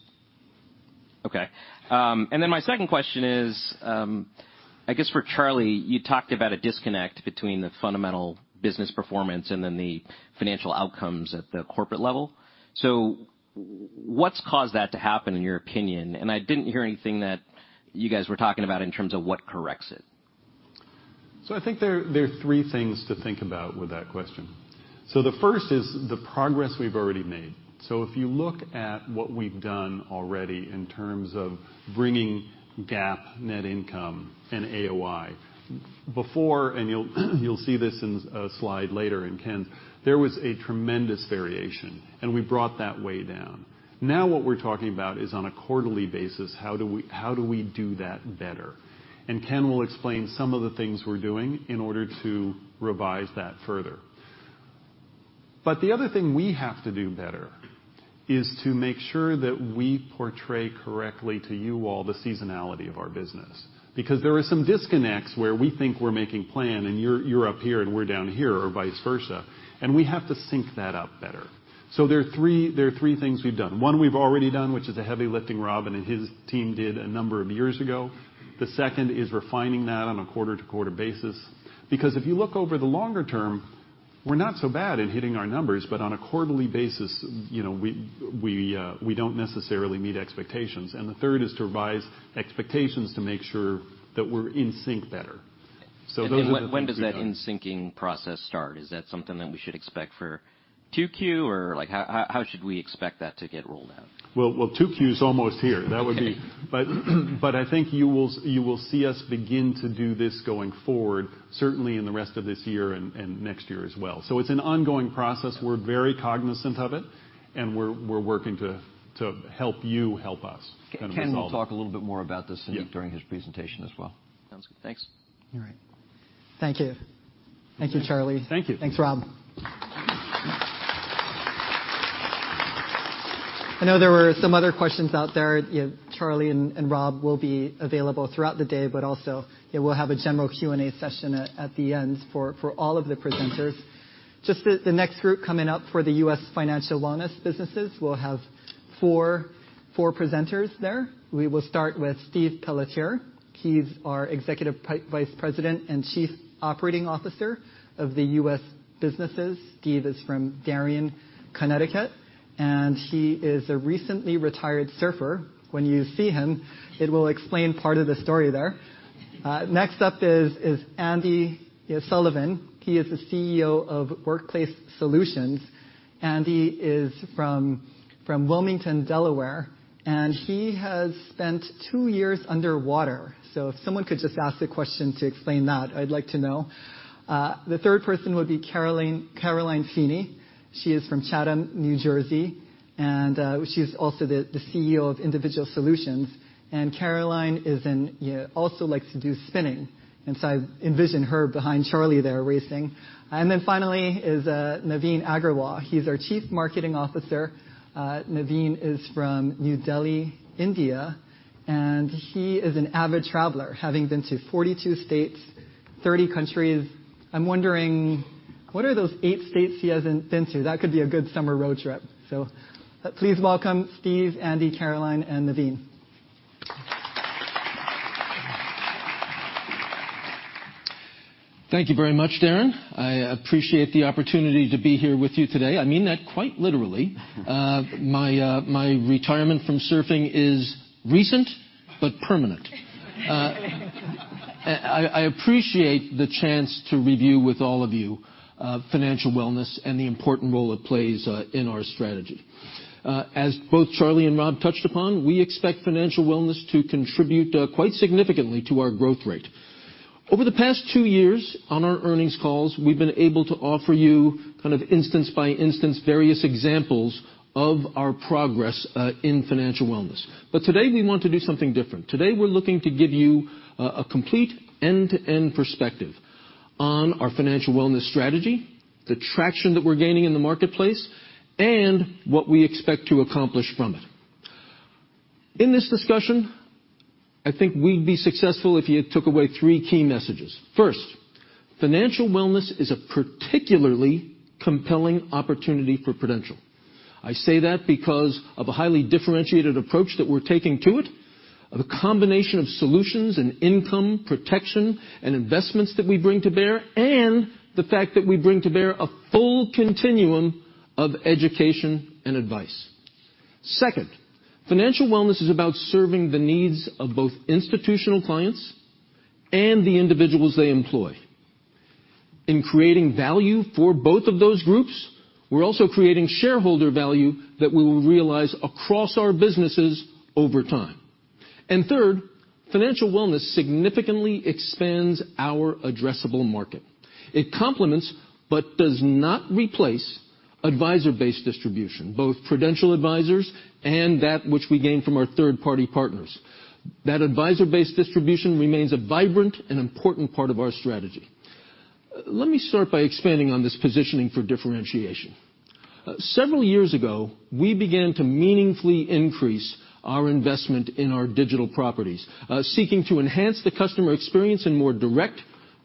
Okay. My second question is, I guess for Charlie, you talked about a disconnect between the fundamental business performance and then the financial outcomes at the corporate level. What's caused that to happen, in your opinion? I didn't hear anything that you guys were talking about in terms of what corrects it. I think there are three things to think about with that question. The first is the progress we've already made. If you look at what we've done already in terms of bringing GAAP net income and AOI before, you'll see this in a slide later in Ken's, there was a tremendous variation, and we brought that way down. What we're talking about is on a quarterly basis, how do we do that better? Ken will explain some of the things we're doing in order to revise that further. The other thing we have to do better is to make sure that we portray correctly to you all the seasonality of our business. There are some disconnects where we think we're making plan and you're up here and we're down here or vice versa, and we have to sync that up better. There are three things we've done. One, we've already done, which is the heavy lifting Rob and his team did a number of years ago. The second is refining that on a quarter-to-quarter basis. Because if you look over the longer term, we're not so bad at hitting our numbers, but on a quarterly basis we don't necessarily meet expectations. The third is to revise expectations to make sure that we're in sync better. Those are the things we've done. When does that in-syncing process start? Is that something that we should expect for 2Q, how should we expect that to get rolled out? 2Q is almost here. Okay I think you will see us begin to do this going forward, certainly in the rest of this year and next year as well. It's an ongoing process. We're very cognizant of it, we're working to help you help us kind of resolve it. Ken will talk a little bit more about this. Yeah Suneet, during his presentation as well. Sounds good. Thanks. All right. Thank you. Thank you, Charlie. Thank you. Thanks, Rob. I know there were some other questions out there. Charlie and Rob will be available throughout the day, but also, we'll have a general Q&A session at the end for all of the presenters. Just the next group coming up for the U.S. Financial Wellness businesses, we'll have four presenters there. We will start with Steve Pelletier. He's our Executive Vice President and Chief Operating Officer of the U.S. Businesses. Steve is from Darien, Connecticut, and he is a recently retired surfer. When you see him, it will explain part of the story there. Next up is Andy Sullivan. He is the CEO of Workplace Solutions. Andy is from Wilmington, Delaware, and he has spent two years underwater. If someone could just ask a question to explain that, I'd like to know. The third person would be Caroline Feeney. She is from Chatham, New Jersey, and she's also the CEO of Individual Solutions. Caroline also likes to do spinning. I envision her behind Charlie there racing. Finally is Naveen Agarwal. He's our Chief Marketing Officer. Naveen is from New Delhi, India, and he is an avid traveler, having been to 42 states, 30 countries. I'm wondering, what are those eight states he hasn't been to? That could be a good summer road trip. Please welcome Steve, Andy, Caroline, and Naveen. Thank you very much, Darin. I appreciate the opportunity to be here with you today. I mean that quite literally. My retirement from surfing is recent but permanent. I appreciate the chance to review with all of you Financial Wellness and the important role it plays in our strategy. As both Charlie and Rob touched upon, we expect Financial Wellness to contribute quite significantly to our growth rate. Over the past two years on our earnings calls, we've been able to offer you instance by instance, various examples of our progress in Financial Wellness. Today, we want to do something different. Today, we're looking to give you a complete end-to-end perspective on our Financial Wellness strategy, the traction that we're gaining in the marketplace, and what we expect to accomplish from it. In this discussion, I think we'd be successful if you took away three key messages. First, financial wellness is a particularly compelling opportunity for Prudential. I say that because of a highly differentiated approach that we're taking to it, of a combination of solutions and income protection and investments that we bring to bear, and the fact that we bring to bear a full continuum of education and advice. Second, financial wellness is about serving the needs of both institutional clients and the individuals they employ. In creating value for both of those groups, we're also creating shareholder value that we will realize across our businesses over time. Third, financial wellness significantly expands our addressable market. It complements but does not replace advisor-based distribution, both Prudential advisors and that which we gain from our third-party partners. That advisor-based distribution remains a vibrant and important part of our strategy. Let me start by expanding on this positioning for differentiation. Several years ago, we began to meaningfully increase our investment in our digital properties, seeking to enhance the customer experience in more direct,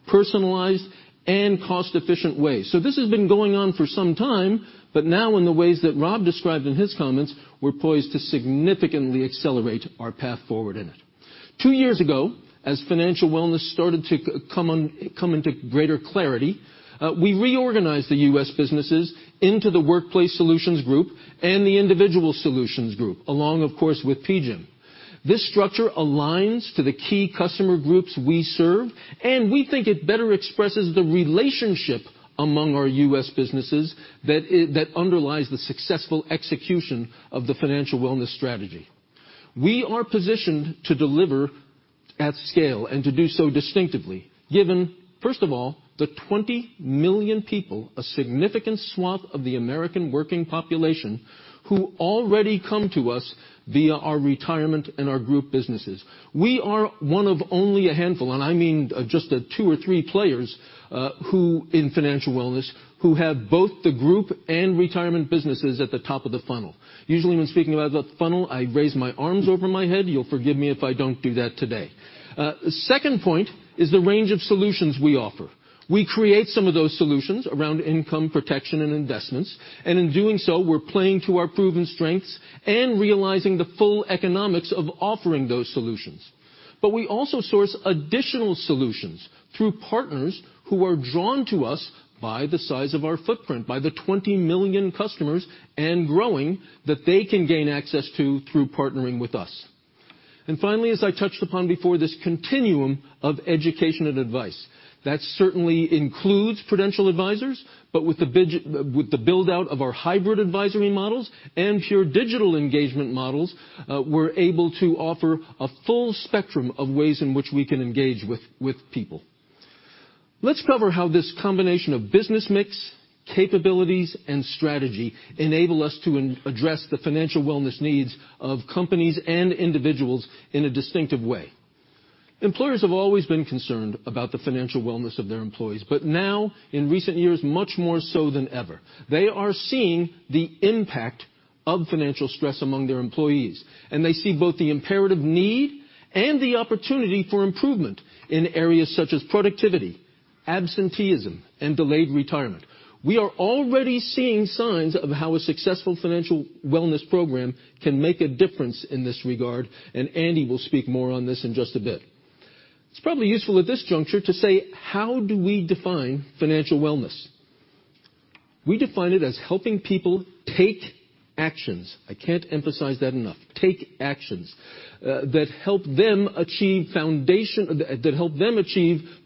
personalized, and cost-efficient ways. This has been going on for some time, but now in the ways that Rob described in his comments, we're poised to significantly accelerate our path forward in it. Two years ago, as financial wellness started to come into greater clarity, we reorganized the U.S. businesses into the U.S. Workplace Solutions Group and the U.S. Individual Solutions Group, along of course with PGIM. This structure aligns to the key customer groups we serve, and we think it better expresses the relationship among our U.S. businesses that underlies the successful execution of the financial wellness strategy. We are positioned to deliver at scale and to do so distinctively, given, first of all, the 20 million people, a significant swath of the American working population, who already come to us via our retirement and our group businesses. We are one of only a handful, and I mean just two or three players in financial wellness, who have both the group and retirement businesses at the top of the funnel. Usually, when speaking about the funnel, I raise my arms over my head. You'll forgive me if I don't do that today. Second point is the range of solutions we offer. We create some of those solutions around income protection and investments, and in doing so, we're playing to our proven strengths and realizing the full economics of offering those solutions. We also source additional solutions through partners who are drawn to us by the size of our footprint, by the 20 million customers and growing, that they can gain access to through partnering with us. Finally, as I touched upon before, this continuum of education and advice. That certainly includes Prudential advisors, but with the build-out of our hybrid advisory models and pure digital engagement models, we're able to offer a full spectrum of ways in which we can engage with people. Let's cover how this combination of business mix, capabilities, and strategy enable us to address the financial wellness needs of companies and individuals in a distinctive way. Employers have always been concerned about the financial wellness of their employees, but now in recent years, much more so than ever. They are seeing the impact of financial stress among their employees. They see both the imperative need and the opportunity for improvement in areas such as productivity, absenteeism, and delayed retirement. We are already seeing signs of how a successful financial wellness program can make a difference in this regard. Andy Sullivan will speak more on this in just a bit. It's probably useful at this juncture to say: how do we define financial wellness? We define it as helping people take actions, I can't emphasize that enough, take actions that help them achieve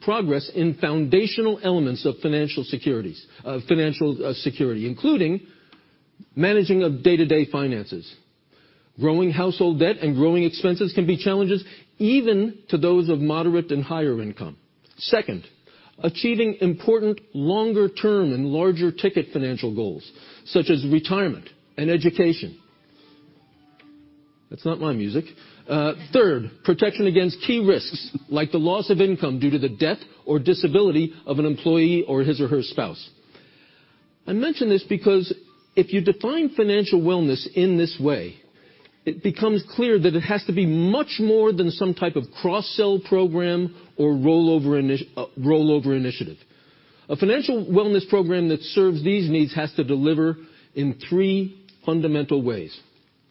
progress in foundational elements of financial security, including managing of day-to-day finances. Growing household debt and growing expenses can be challenges even to those of moderate and higher income. Second, achieving important longer-term and larger ticket financial goals, such as retirement and education. That's not my music. Third, protection against key risks like the loss of income due to the death or disability of an employee or his or her spouse. I mention this because if you define financial wellness in this way, it becomes clear that it has to be much more than some type of cross-sell program or rollover initiative. A financial wellness program that serves these needs has to deliver in three fundamental ways.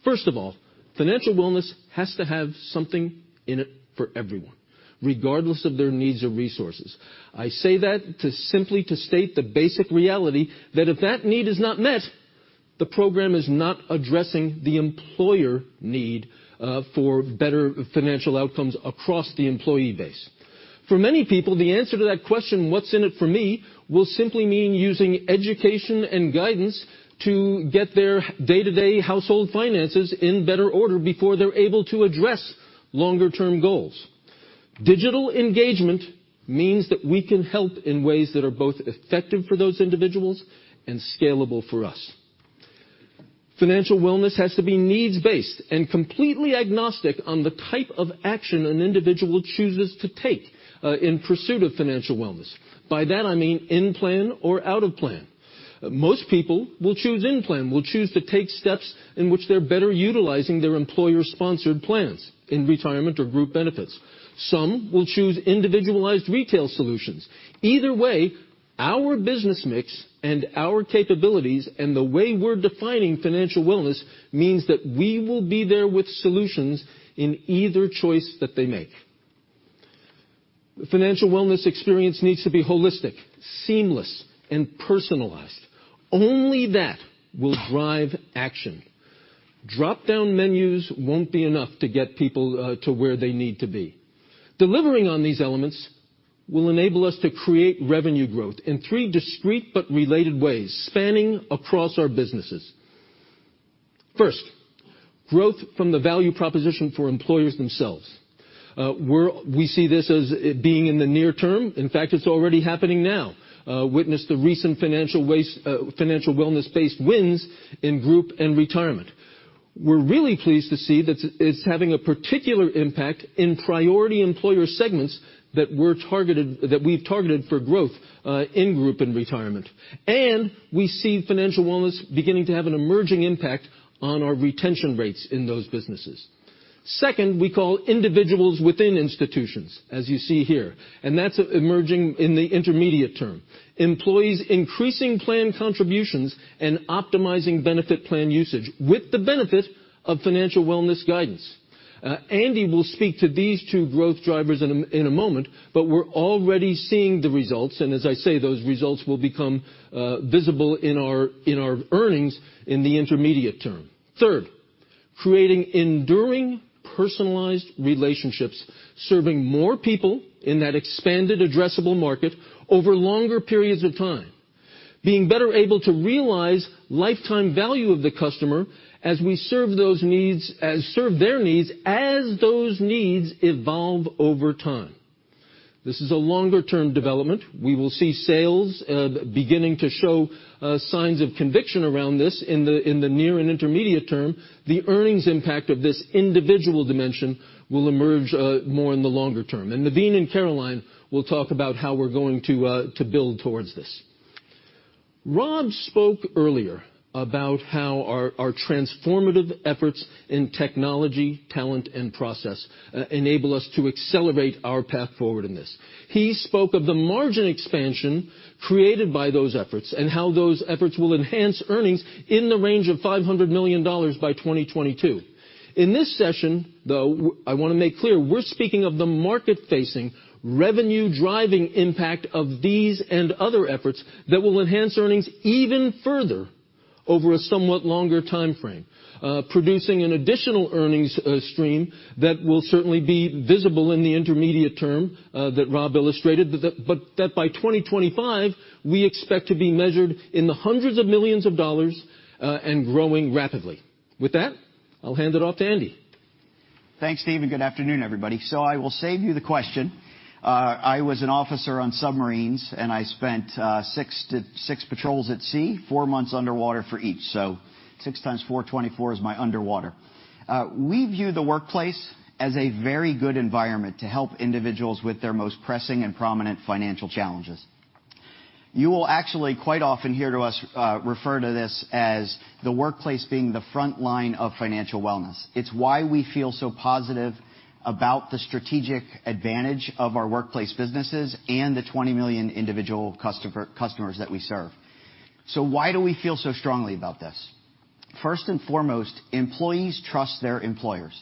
First of all, financial wellness has to have something in it for everyone, regardless of their needs or resources. I say that simply to state the basic reality that if that need is not met, the program is not addressing the employer need for better financial outcomes across the employee base. For many people, the answer to that question, what's in it for me, will simply mean using education and guidance to get their day-to-day household finances in better order before they're able to address longer-term goals. Digital engagement means that we can help in ways that are both effective for those individuals and scalable for us. Financial wellness has to be needs-based and completely agnostic on the type of action an individual chooses to take in pursuit of financial wellness. By that, I mean in-plan or out-of-plan. Most people will choose in-plan, will choose to take steps in which they're better utilizing their employer-sponsored plans in Retirement or Group Benefits. Some will choose individualized retail solutions. Either way, our business mix and our capabilities and the way we're defining financial wellness means that we will be there with solutions in either choice that they make. The financial wellness experience needs to be holistic, seamless, and personalized. Only that will drive action. Drop-down menus won't be enough to get people to where they need to be. Delivering on these elements will enable us to create revenue growth in three discrete but related ways, spanning across our businesses. First, growth from the value proposition for employers themselves. We see this as being in the near term. In fact, it's already happening now. Witness the recent financial wellness-based wins in Group and Retirement. We're really pleased to see that it's having a particular impact in priority employer segments that we've targeted for growth in Group and Retirement. We see financial wellness beginning to have an emerging impact on our retention rates in those businesses. Second, we call individuals within institutions, as you see here. That's emerging in the intermediate term. Employees increasing plan contributions and optimizing benefit plan usage with the benefit of financial wellness guidance. Andy will speak to these two growth drivers in a moment, but we're already seeing the results. As I say, those results will become visible in our earnings in the intermediate term. Third, creating enduring personalized relationships, serving more people in that expanded addressable market over longer periods of time, being better able to realize lifetime value of the customer as we serve their needs as those needs evolve over time. This is a longer-term development. We will see sales beginning to show signs of conviction around this in the near and intermediate term. Naveen and Caroline will talk about how we're going to build towards this. Rob spoke earlier about how our transformative efforts in technology, talent, and process enable us to accelerate our path forward in this. He spoke of the margin expansion created by those efforts and how those efforts will enhance earnings in the range of $500 million by 2022. In this session, though, I want to make clear, we're speaking of the market-facing, revenue-driving impact of these and other efforts that will enhance earnings even further over a somewhat longer timeframe. Producing an additional earnings stream that will certainly be visible in the intermediate term that Rob illustrated, but that by 2025, we expect to be measured in the hundreds of millions of dollars and growing rapidly. With that, I'll hand it off to Andy. Thanks, Steve, and good afternoon, everybody. I will save you the question. I was an officer on submarines, and I spent six patrols at sea, four months underwater for each. Six times 4, 24 is my underwater. We view the workplace as a very good environment to help individuals with their most pressing and prominent financial challenges. You will actually quite often hear us refer to this as the workplace being the frontline of financial wellness. It's why we feel so positive about the strategic advantage of our workplace businesses and the 20 million individual customers that we serve. Why do we feel so strongly about this? First and foremost, employees trust their employers.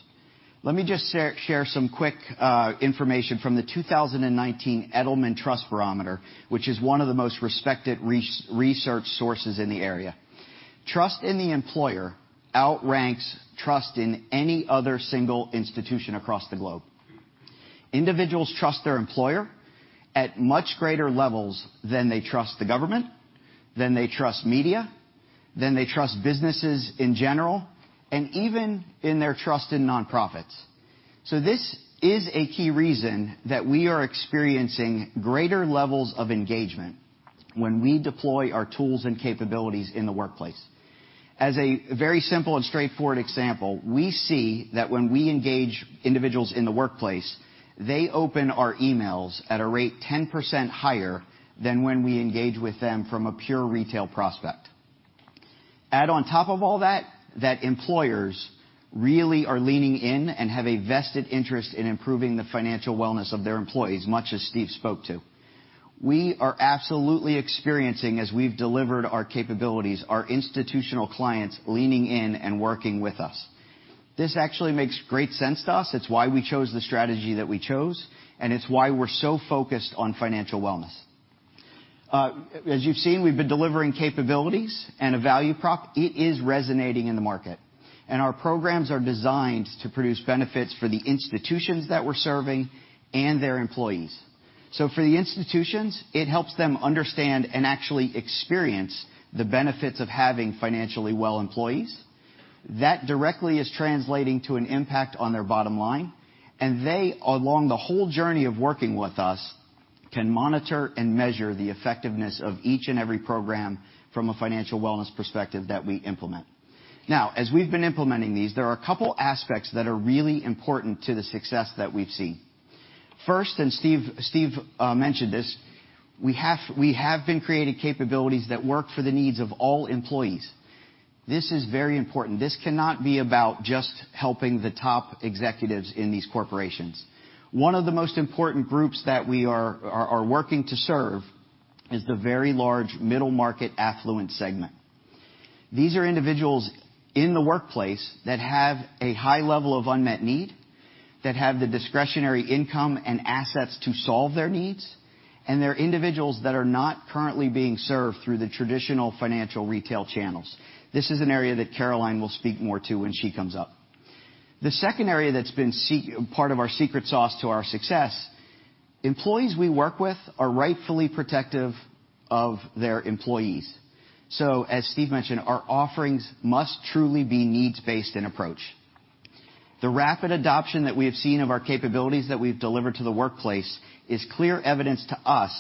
Let me just share some quick information from the 2019 Edelman Trust Barometer, which is one of the most respected research sources in the area. Trust in the employer outranks trust in any other single institution across the globe. Individuals trust their employer at much greater levels than they trust the government, than they trust media, than they trust businesses in general, and even in their trust in nonprofits. This is a key reason that we are experiencing greater levels of engagement when we deploy our tools and capabilities in the workplace. As a very simple and straightforward example, we see that when we engage individuals in the workplace, they open our emails at a rate 10% higher than when we engage with them from a pure retail prospect. Add on top of all that employers really are leaning in and have a vested interest in improving the financial wellness of their employees, much as Steve spoke to. We are absolutely experiencing, as we've delivered our capabilities, our institutional clients leaning in and working with us. This actually makes great sense to us. It's why we chose the strategy that we chose, and it's why we're so focused on financial wellness. As you've seen, we've been delivering capabilities and a value prop. It is resonating in the market. Our programs are designed to produce benefits for the institutions that we're serving and their employees. For the institutions, it helps them understand and actually experience the benefits of having financially well employees. That directly is translating to an impact on their bottom line, and they, along the whole journey of working with us, can monitor and measure the effectiveness of each and every program from a financial wellness perspective that we implement. As we've been implementing these, there are a couple aspects that are really important to the success that we've seen. First, Steve mentioned this, we have been creating capabilities that work for the needs of all employees. This is very important. This cannot be about just helping the top executives in these corporations. One of the most important groups that we are working to serve is the very large middle-market affluent segment. These are individuals in the workplace that have a high level of unmet need, that have the discretionary income and assets to solve their needs, and they're individuals that are not currently being served through the traditional financial retail channels. This is an area that Caroline will speak more to when she comes up. The second area that's been part of our secret sauce to our success, employees we work with are rightfully protective of their employees. As Steve mentioned, our offerings must truly be needs-based in approach. The rapid adoption that we have seen of our capabilities that we've delivered to the workplace is clear evidence to us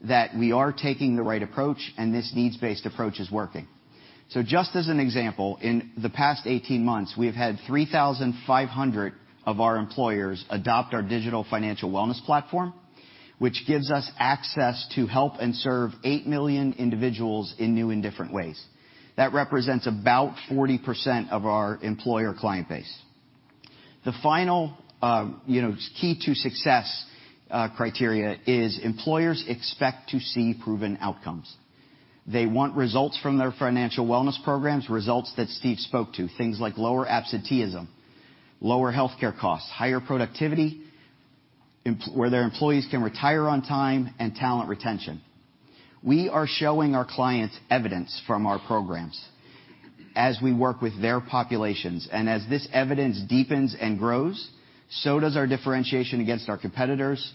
that we are taking the right approach. This needs-based approach is working. Just as an example, in the past 18 months, we have had 3,500 of our employers adopt our digital financial wellness platform, which gives us access to help and serve 8 million individuals in new and different ways. That represents about 40% of our employer client base. The final key to success criteria is employers expect to see proven outcomes. They want results from their financial wellness programs, results that Steve spoke to, things like lower absenteeism, lower healthcare costs, higher productivity, where their employees can retire on time, and talent retention. We are showing our clients evidence from our programs as we work with their populations. As this evidence deepens and grows, so does our differentiation against our competitors.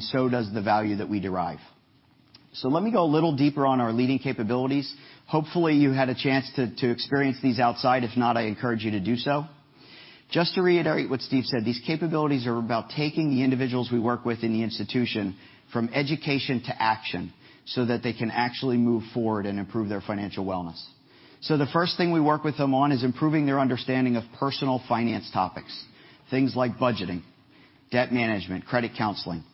So does the value that we derive. Let me go a little deeper on our leading capabilities. Hopefully, you had a chance to experience these outside. If not, I encourage you to do so. To reiterate what Steve said, these capabilities are about taking the individuals we work with in the institution from education to action so that they can actually move forward and improve their financial wellness. The first thing we work with them on is improving their understanding of personal finance topics, things like budgeting, debt management, credit counseling.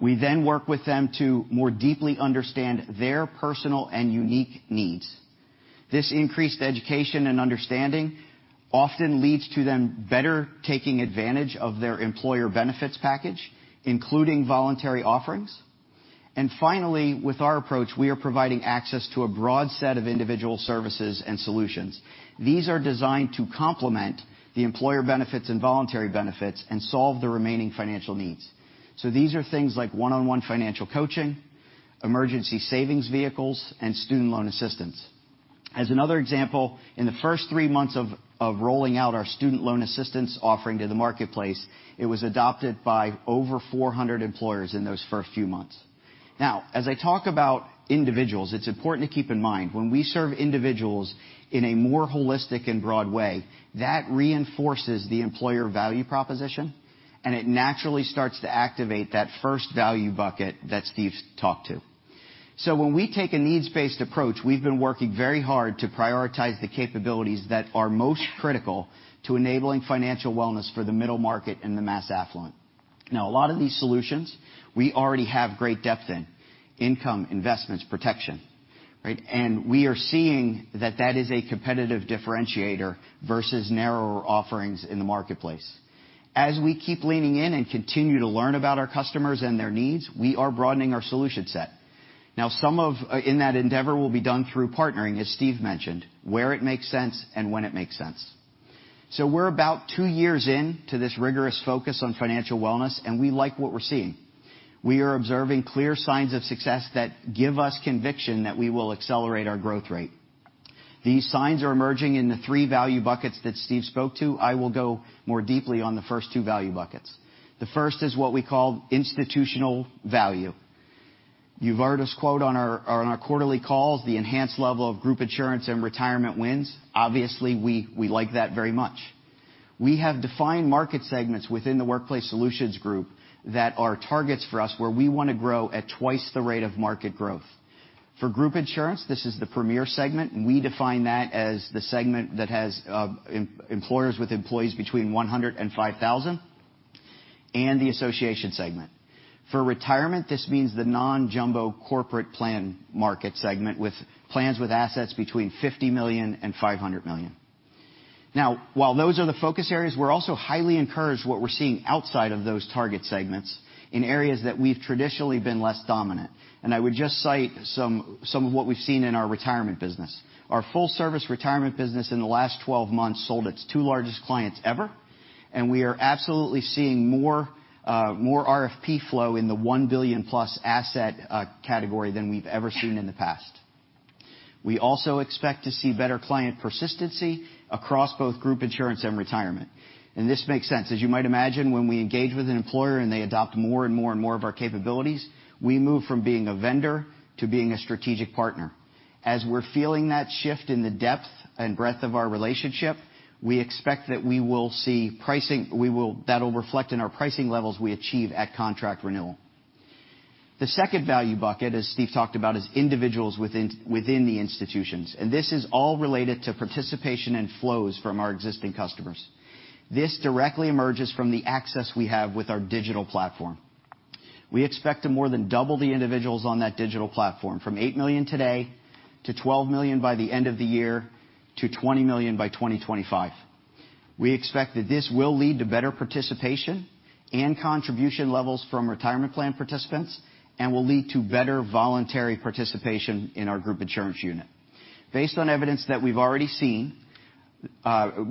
We then work with them to more deeply understand their personal and unique needs. This increased education and understanding often leads to them better taking advantage of their employer benefits package, including voluntary offerings. Finally, with our approach, we are providing access to a broad set of individual services and solutions. These are designed to complement the employer benefits and voluntary benefits and solve the remaining financial needs. These are things like one-on-one financial coaching, emergency savings vehicles, and student loan assistance. As another example, in the first three months of rolling out our student loan assistance offering to the marketplace, it was adopted by over 400 employers in those first few months. As I talk about individuals, it's important to keep in mind, when we serve individuals in a more holistic and broad way, that reinforces the employer value proposition, and it naturally starts to activate that first value bucket that Steve's talked to. When we take a needs-based approach, we've been working very hard to prioritize the capabilities that are most critical to enabling financial wellness for the middle market and the mass affluent. A lot of these solutions, we already have great depth in, income, investments, protection, right? We are seeing that that is a competitive differentiator versus narrower offerings in the marketplace. As we keep leaning in and continue to learn about our customers and their needs, we are broadening our solution set. Some of in that endeavor will be done through partnering, as Steve mentioned, where it makes sense and when it makes sense. We're about two years in to this rigorous focus on financial wellness, and we like what we're seeing. We are observing clear signs of success that give us conviction that we will accelerate our growth rate. These signs are emerging in the three value buckets that Steve spoke to. I will go more deeply on the first two value buckets. The first is what we call institutional value. You've heard us quote on our quarterly calls, the enhanced level of group insurance and retirement wins. Obviously, we like that very much. We have defined market segments within the Workplace Solutions group that are targets for us, where we want to grow at twice the rate of market growth. For group insurance, this is the premier segment, and we define that as the segment that has employers with employees between 100 and 5,000, and the association segment. For retirement, this means the non-jumbo corporate plan market segment with plans with assets between $50 million and $500 million. While those are the focus areas, we're also highly encouraged what we're seeing outside of those target segments in areas that we've traditionally been less dominant. I would just cite some of what we've seen in our retirement business. Our full-service retirement business in the last 12 months sold its two largest clients ever, we are absolutely seeing more RFP flow in the $1 billion-plus asset category than we've ever seen in the past. We also expect to see better client persistency across both group insurance and retirement. This makes sense. As you might imagine, when we engage with an employer and they adopt more and more of our capabilities, we move from being a vendor to being a strategic partner. As we're feeling that shift in the depth and breadth of our relationship, we expect that that'll reflect in our pricing levels we achieve at contract renewal. The second value bucket, as Steve talked about, is individuals within the institutions, and this is all related to participation and flows from our existing customers. This directly emerges from the access we have with our digital platform. We expect to more than double the individuals on that digital platform, from 8 million today to 12 million by the end of the year to 20 million by 2025. We expect that this will lead to better participation and contribution levels from retirement plan participants and will lead to better voluntary participation in our group insurance unit. Based on evidence that we've already seen,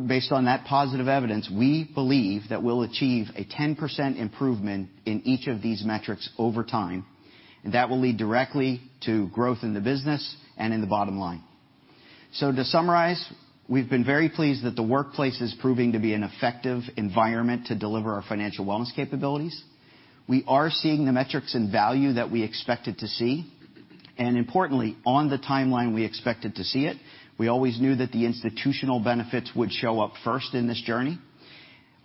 based on that positive evidence, we believe that we'll achieve a 10% improvement in each of these metrics over time, and that will lead directly to growth in the business and in the bottom line. To summarize, we've been very pleased that the workplace is proving to be an effective environment to deliver our financial wellness capabilities. We are seeing the metrics and value that we expected to see, and importantly, on the timeline we expected to see it. We always knew that the institutional benefits would show up first in this journey.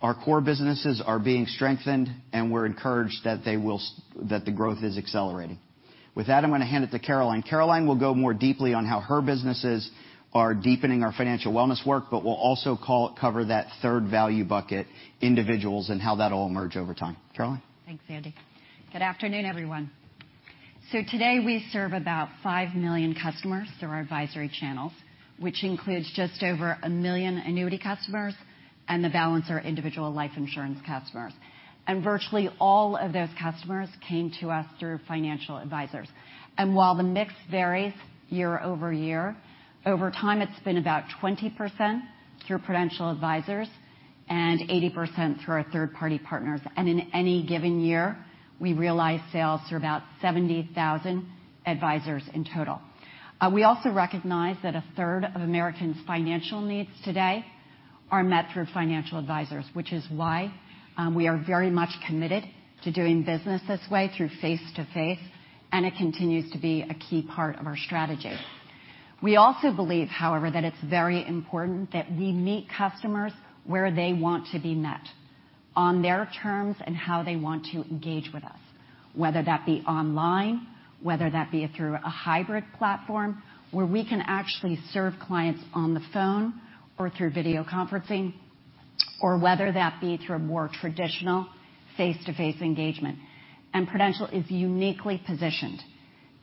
Our core businesses are being strengthened, and we're encouraged that the growth is accelerating. With that, I'm going to hand it to Caroline. Caroline will go more deeply on how her businesses are deepening our financial wellness work, but will also cover that third value bucket, individuals, and how that'll emerge over time. Caroline? Thanks, Andy. Good afternoon, everyone. Today, we serve about 5 million customers through our advisory channels, which includes just over 1 million annuity customers, and the balance are individual life insurance customers. Virtually all of those customers came to us through financial advisors. While the mix varies year-over-year, over time, it's been about 20% through Prudential Advisors and 80% through our third-party partners. In any given year, we realize sales through about 70,000 advisors in total. We also recognize that a third of Americans' financial needs today are met through financial advisors, which is why we are very much committed to doing business this way through face to face, and it continues to be a key part of our strategy. We also believe, however, that it's very important that we meet customers where they want to be met, on their terms, and how they want to engage with us, whether that be online, whether that be through a hybrid platform where we can actually serve clients on the phone or through video conferencing, or whether that be through a more traditional face-to-face engagement. Prudential is uniquely positioned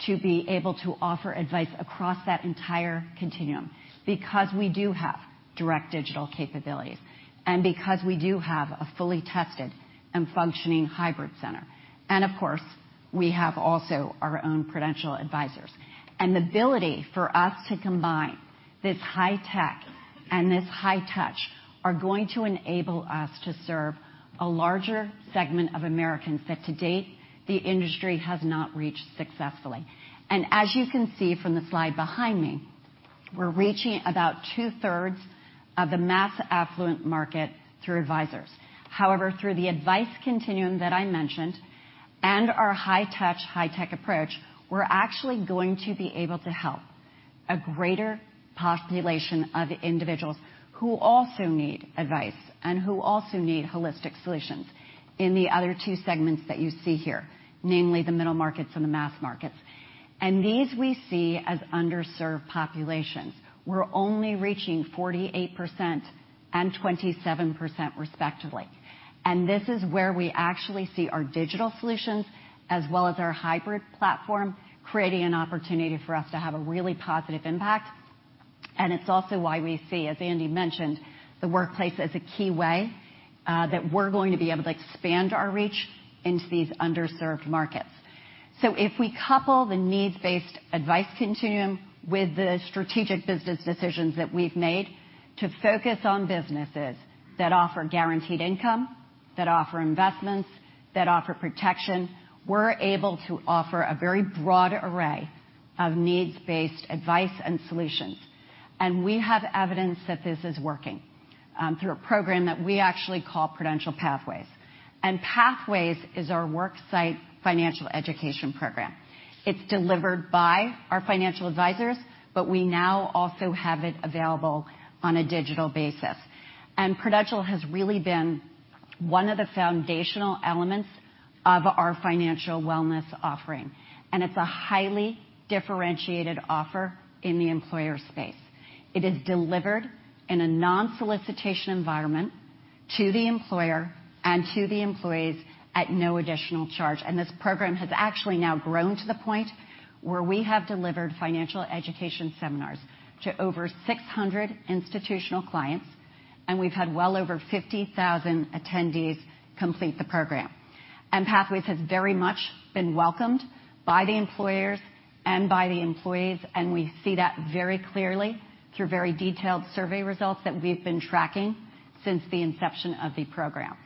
to be able to offer advice across that entire continuum because we do have direct digital capabilities and because we do have a fully tested and functioning hybrid center. Of course, we have also our own Prudential advisors. The ability for us to combine this high tech and this high touch are going to enable us to serve a larger segment of Americans that to date the industry has not reached successfully. As you can see from the slide behind me, we're reaching about two-thirds of the mass affluent market through advisors. However, through the advice continuum that I mentioned and our high touch, high tech approach, we're actually going to be able to help a greater population of individuals who also need advice and who also need holistic solutions in the other two segments that you see here, namely the middle markets and the mass markets. These we see as underserved populations. We're only reaching 48% and 27%, respectively. This is where we actually see our digital solutions as well as our hybrid platform creating an opportunity for us to have a really positive impact. It's also why we see, as Andy mentioned, the workplace as a key way that we're going to be able to expand our reach into these underserved markets. If we couple the needs-based advice continuum with the strategic business decisions that we've made to focus on businesses that offer guaranteed income, that offer investments, that offer protection, we're able to offer a very broad array of needs-based advice and solutions. We have evidence that this is working through a program that we actually call Prudential Pathways. Pathways is our worksite financial education program. It's delivered by our financial advisors, but we now also have it available on a digital basis. Prudential has really been one of the foundational elements of our financial wellness offering, and it's a highly differentiated offer in the employer space. It is delivered in a non-solicitation environment to the employer and to the employees at no additional charge. This program has actually now grown to the point where we have delivered financial education seminars to over 600 institutional clients, and we've had well over 50,000 attendees complete the program. Pathways has very much been welcomed by the employers and by the employees, and we see that very clearly through very detailed survey results that we've been tracking since the inception of the program.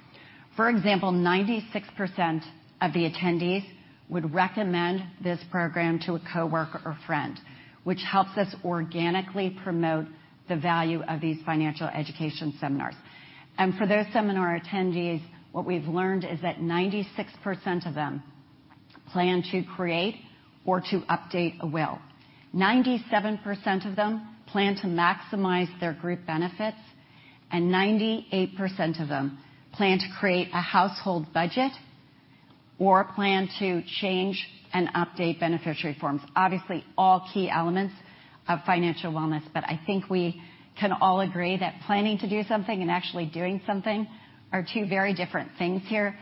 For example, 96% of the attendees would recommend this program to a coworker or friend, which helps us organically promote the value of these financial education seminars. For those seminar attendees, what we've learned is that 96% of them plan to create or to update a will. 97% of them plan to maximize their group benefits, and 98% of them plan to create a household budget or plan to change and update beneficiary forms. Obviously, all key elements of financial wellness. I think we can all agree that planning to do something and actually doing something are two very different things here.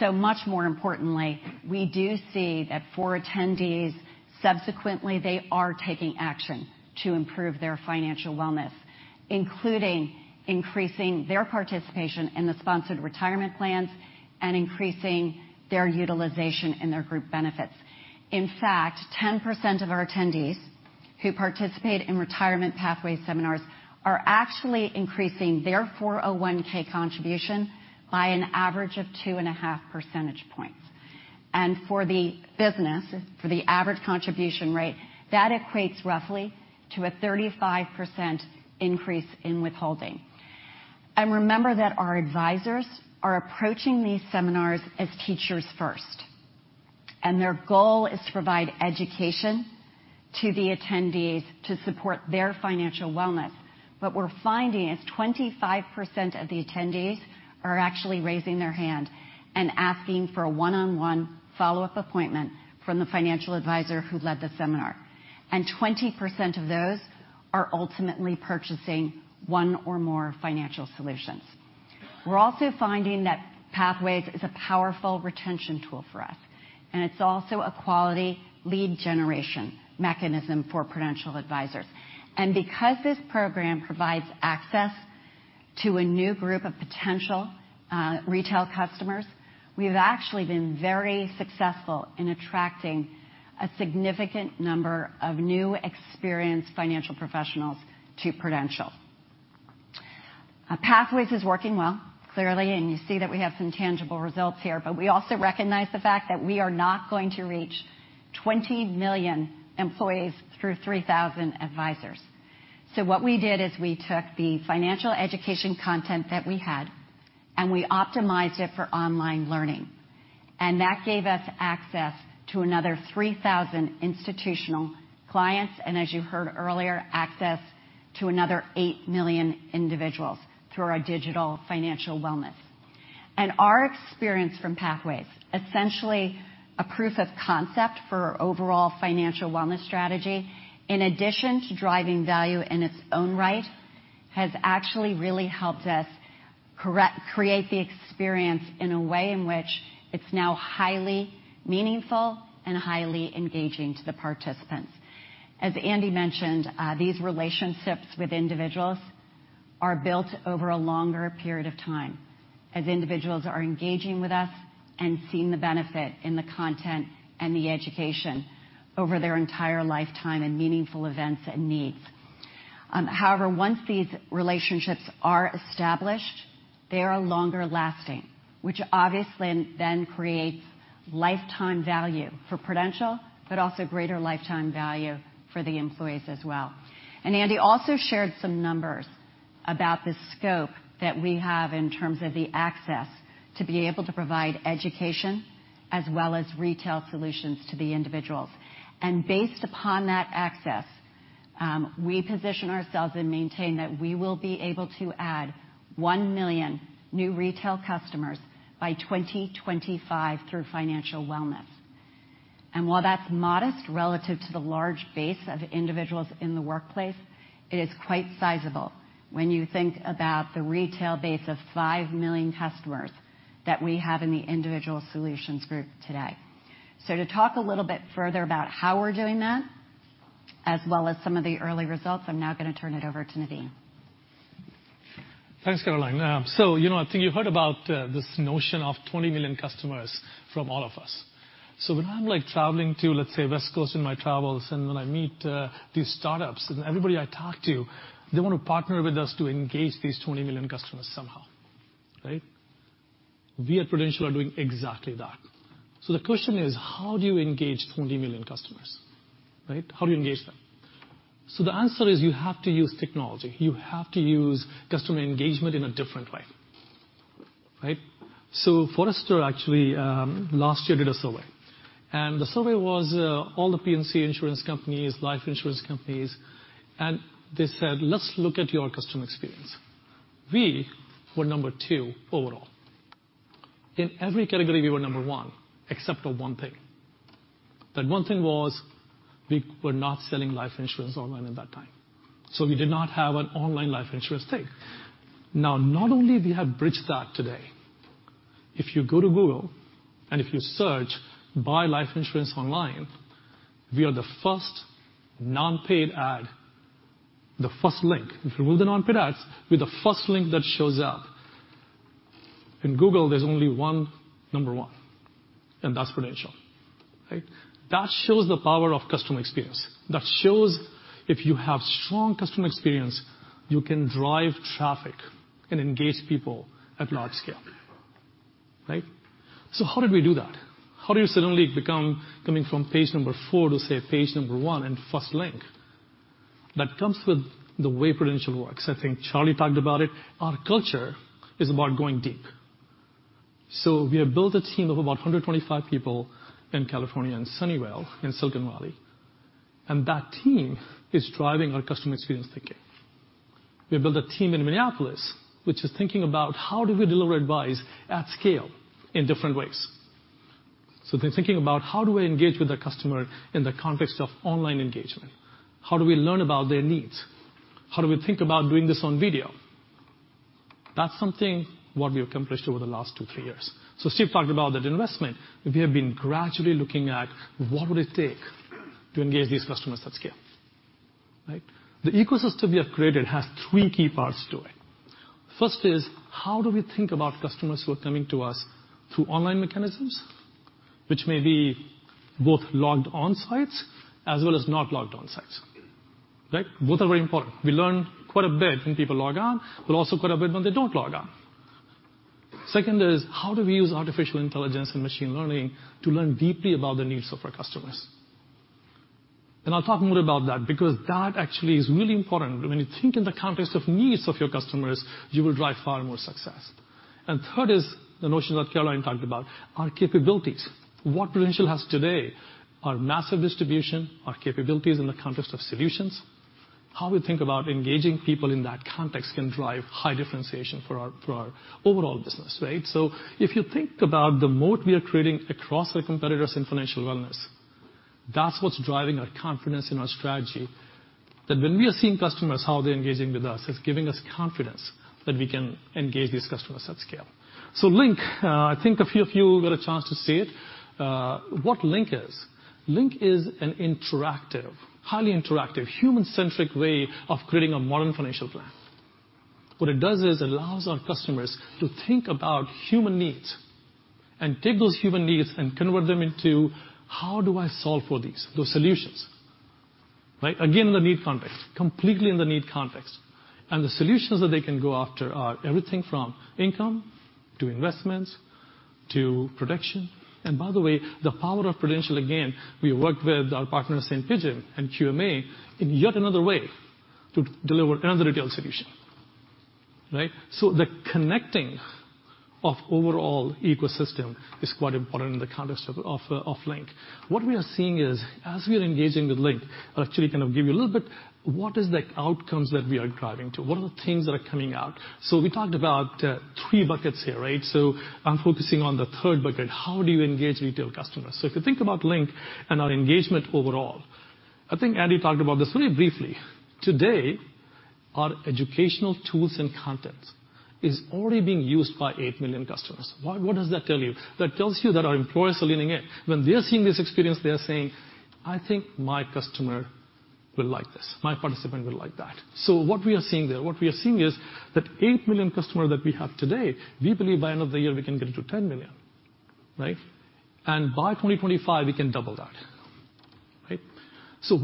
Much more importantly, we do see that for attendees, subsequently, they are taking action to improve their financial wellness, including increasing their participation in the sponsored retirement plans and increasing their utilization and their group benefits. In fact, 10% of our attendees who participate in Retirement Pathways seminars are actually increasing their 401 contribution by an average of two and a half percentage points. For the business, for the average contribution rate, that equates roughly to a 35% increase in withholding. Remember that our advisors are approaching these seminars as teachers first, and their goal is to provide education to the attendees to support their financial wellness. What we're finding is 25% of the attendees are actually raising their hand and asking for a one-on-one follow-up appointment from the financial advisor who led the seminar. 20% of those are ultimately purchasing one or more financial solutions. We're also finding that Pathways is a powerful retention tool for us, and it's also a quality lead generation mechanism for Prudential advisors. Because this program provides access to a new group of potential retail customers, we've actually been very successful in attracting a significant number of new experienced financial professionals to Prudential. Pathways is working well, clearly, and you see that we have some tangible results here. We also recognize the fact that we are not going to reach 20 million employees through 3,000 advisors. What we did is we took the financial education content that we had, and we optimized it for online learning. That gave us access to another 3,000 institutional clients and, as you heard earlier, access to another 8 million individuals through our digital financial wellness. Our experience from Pathways, essentially a proof of concept for our overall financial wellness strategy, in addition to driving value in its own right, has actually really helped us create the experience in a way in which it's now highly meaningful and highly engaging to the participants. As Andy mentioned, these relationships with individuals are built over a longer period of time as individuals are engaging with us and seeing the benefit in the content and the education over their entire lifetime and meaningful events and needs. However, once these relationships are established, they are longer lasting, which obviously then creates lifetime value for Prudential, but also greater lifetime value for the employees as well. Andy also shared some numbers about the scope that we have in terms of the access to be able to provide education as well as retail solutions to the individuals. Based upon that access, we position ourselves and maintain that we will be able to add 1 million new retail customers by 2025 through financial wellness. While that's modest relative to the large base of individuals in the workplace, it is quite sizable when you think about the retail base of 5 million customers that we have in the Individual Solutions group today. To talk a little bit further about how we're doing that, as well as some of the early results, I'm now going to turn it over to Naveen. Thanks, Caroline. I think you heard about this notion of 20 million customers from all of us. When I'm traveling to, let's say, West Coast in my travels, and when I meet these startups and everybody I talk to, they want to partner with us to engage these 20 million customers somehow, right? We at Prudential are doing exactly that. The question is, how do you engage 20 million customers, right? How do you engage them? The answer is you have to use technology. You have to use customer engagement in a different way. Right? Forrester actually, last year, did a survey. The survey was all the P&C insurance companies, life insurance companies, and they said, "Let's look at your customer experience." We were number 2 overall. In every category, we were number 1, except for one thing. That one thing was we were not selling life insurance online at that time. We did not have an online life insurance thing. Now, not only we have bridged that today, if you go to Google, and if you search buy life insurance online, we are the first non-paid ad, the first link. If you remove the non-paid ads, we are the first link that shows up. In Google, there's only one number 1. That's Prudential. That shows the power of customer experience. That shows if you have strong customer experience, you can drive traffic and engage people at large scale. How did we do that? How do you suddenly become coming from page number 4 to, say, page number 1 and first link? That comes with the way Prudential works. I think Charlie talked about it. Our culture is about going deep. We have built a team of about 125 people in California, in Sunnyvale, in Silicon Valley, and that team is driving our customer experience thinking. We built a team in Minneapolis, which is thinking about how do we deliver advice at scale in different ways. They're thinking about how do we engage with the customer in the context of online engagement? How do we learn about their needs? How do we think about doing this on video? That's something what we have accomplished over the last 2, 3 years. Steve talked about that investment. We have been gradually looking at what would it take to engage these customers at scale. The ecosystem we have created has 3 key parts to it. First is, how do we think about customers who are coming to us through online mechanisms, which may be both logged-on sites as well as not logged-on sites? Both are very important. We learn quite a bit when people log on, but also quite a bit when they don't log on. Second is, how do we use artificial intelligence and machine learning to learn deeply about the needs of our customers? I'll talk more about that, because that actually is really important. When you think in the context of needs of your customers, you will drive far more success. Third is the notion that Caroline talked about, our capabilities. What Prudential has today are massive distribution, are capabilities in the context of solutions. How we think about engaging people in that context can drive high differentiation for our overall business. If you think about the moat we are creating across our competitors in financial wellness, that's what's driving our confidence in our strategy. When we are seeing customers, how they're engaging with us, it's giving us confidence that we can engage these customers at scale. Link, I think a few of you got a chance to see it. What Link is, Link is an interactive, highly interactive, human-centric way of creating a modern financial plan. What it does is allows our customers to think about human needs and take those human needs and convert them into, how do I solve for these, those solutions? Again, in the need context, completely in the need context. The solutions that they can go after are everything from income to investments to protection. By the way, the power of Prudential, again, we worked with our partners Saint Pigeon and QMA in yet another way to deliver another retail solution. The connecting of overall ecosystem is quite important in the context of Link. What we are seeing is, as we are engaging with Link, I'll actually give you a little bit, what is the outcomes that we are driving to? What are the things that are coming out? We talked about three buckets here. I'm focusing on the third bucket. How do you engage retail customers? If you think about Link and our engagement overall, I think Andy talked about this really briefly. Today, our educational tools and content is already being used by eight million customers. What does that tell you? That tells you that our employers are leaning in. When they're seeing this experience, they are saying, "I think my customer will like this. My participant will like that." What we are seeing there is that eight million customer that we have today, we believe by end of the year, we can get it to 10 million. By 2025, we can double that.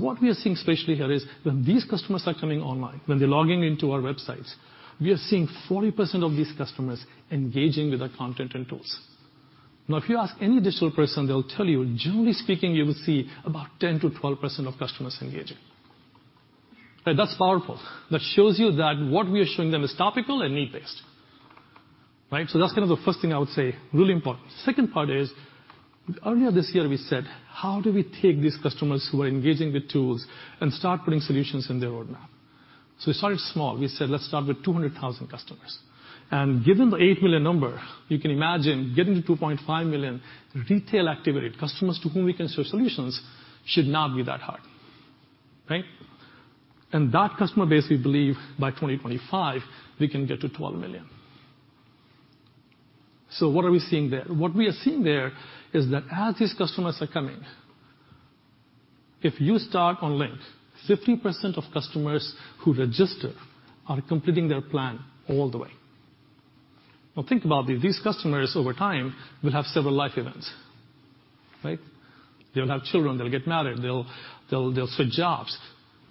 What we are seeing especially here is when these customers are coming online, when they're logging into our websites, we are seeing 40% of these customers engaging with our content and tools. Now, if you ask any digital person, they'll tell you, generally speaking, you will see about 10%-12% of customers engaging. That's powerful. That shows you that what we are showing them is topical and need-based. That's kind of the first thing I would say, really important. Second part is, earlier this year, we said, how do we take these customers who are engaging with tools and start putting solutions in their roadmap? We started small. We said, let's start with 200,000 customers. Given the eight million number, you can imagine getting to 2.5 million retail activity, customers to whom we can show solutions, should not be that hard. That customer base, we believe by 2025, we can get to 12 million. What are we seeing there? What we are seeing there is that as these customers are coming, if you start on Link, 50% of customers who register are completing their plan all the way. Now think about it, these customers over time will have several life events. They'll have children, they'll get married, they'll switch jobs.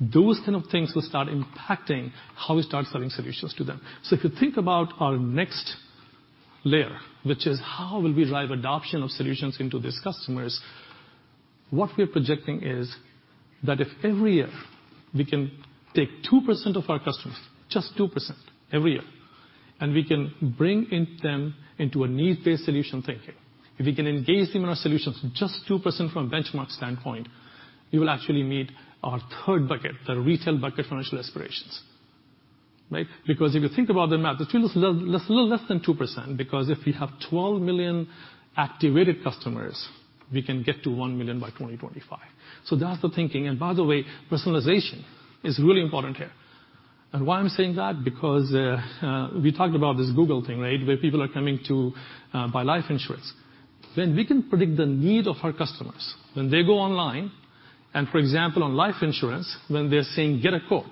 Those kind of things will start impacting how we start selling solutions to them. If you think about our next layer, which is how will we drive adoption of solutions into these customers, what we're projecting is that if every year we can take 2% of our customers, just 2% every year, and we can bring them into a needs-based solution thinking, if we can engage them in our solutions, just 2% from a benchmark standpoint, we will actually meet our third bucket, the retail bucket financial aspirations. If you think about the math, it's a little less than 2%, if we have 12 million activated customers, we can get to 1 million by 2025. That's the thinking. By the way, personalization is really important here. Why I'm saying that, because we talked about this Google thing, where people are coming to buy life insurance. When we can predict the need of our customers, when they go online, and for example, on life insurance, when they're saying, get a quote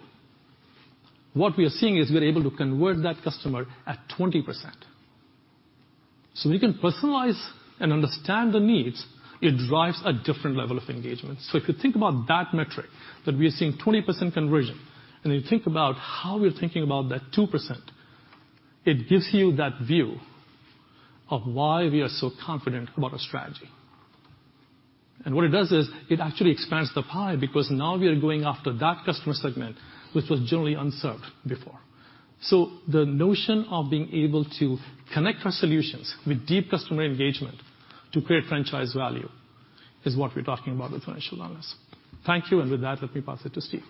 What we are seeing is we're able to convert that customer at 20%. We can personalize and understand the needs, it drives a different level of engagement. If you think about that metric, that we are seeing 20% conversion, and you think about how we're thinking about that 2%, it gives you that view of why we are so confident about a strategy. What it does is, it actually expands the pie because now we are going after that customer segment, which was generally unserved before. The notion of being able to connect our solutions with deep customer engagement to create franchise value is what we're talking about with financial wellness. Thank you, and with that, let me pass it to Steve.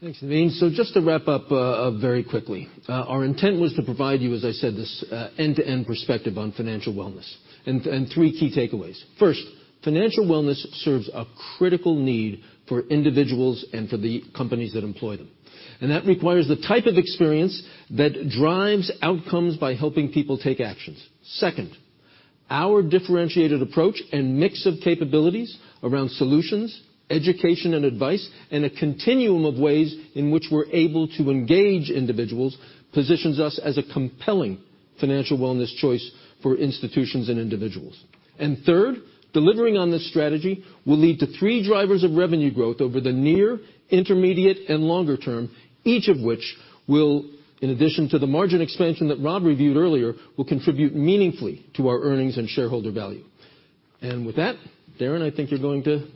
Thanks, Naveen. Just to wrap up, very quickly. Our intent was to provide you, as I said, this end-to-end perspective on financial wellness, and three key takeaways. First, financial wellness serves a critical need for individuals and for the companies that employ them. That requires the type of experience that drives outcomes by helping people take actions. Second, our differentiated approach and mix of capabilities around solutions, education, and advice, and a continuum of ways in which we're able to engage individuals, positions us as a compelling financial wellness choice for institutions and individuals. Third, delivering on this strategy will lead to three drivers of revenue growth over the near, intermediate, and longer term, each of which will, in addition to the margin expansion that Rob reviewed earlier, will contribute meaningfully to our earnings and shareholder value. With that, Darin, I think you're going to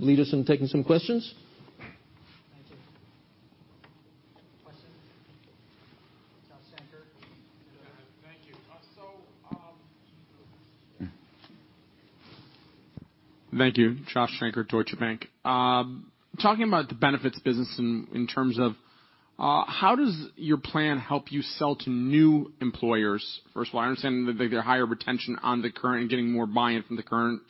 lead us in taking some questions. Thank you. Question? Joshua Shanker. Thank you. Thank you. Joshua Shanker, Deutsche Bank. Talking about the benefits business in terms of, how does your plan help you sell to new employers? First of all, I understand that they get higher retention on the current and getting more buy-in from the current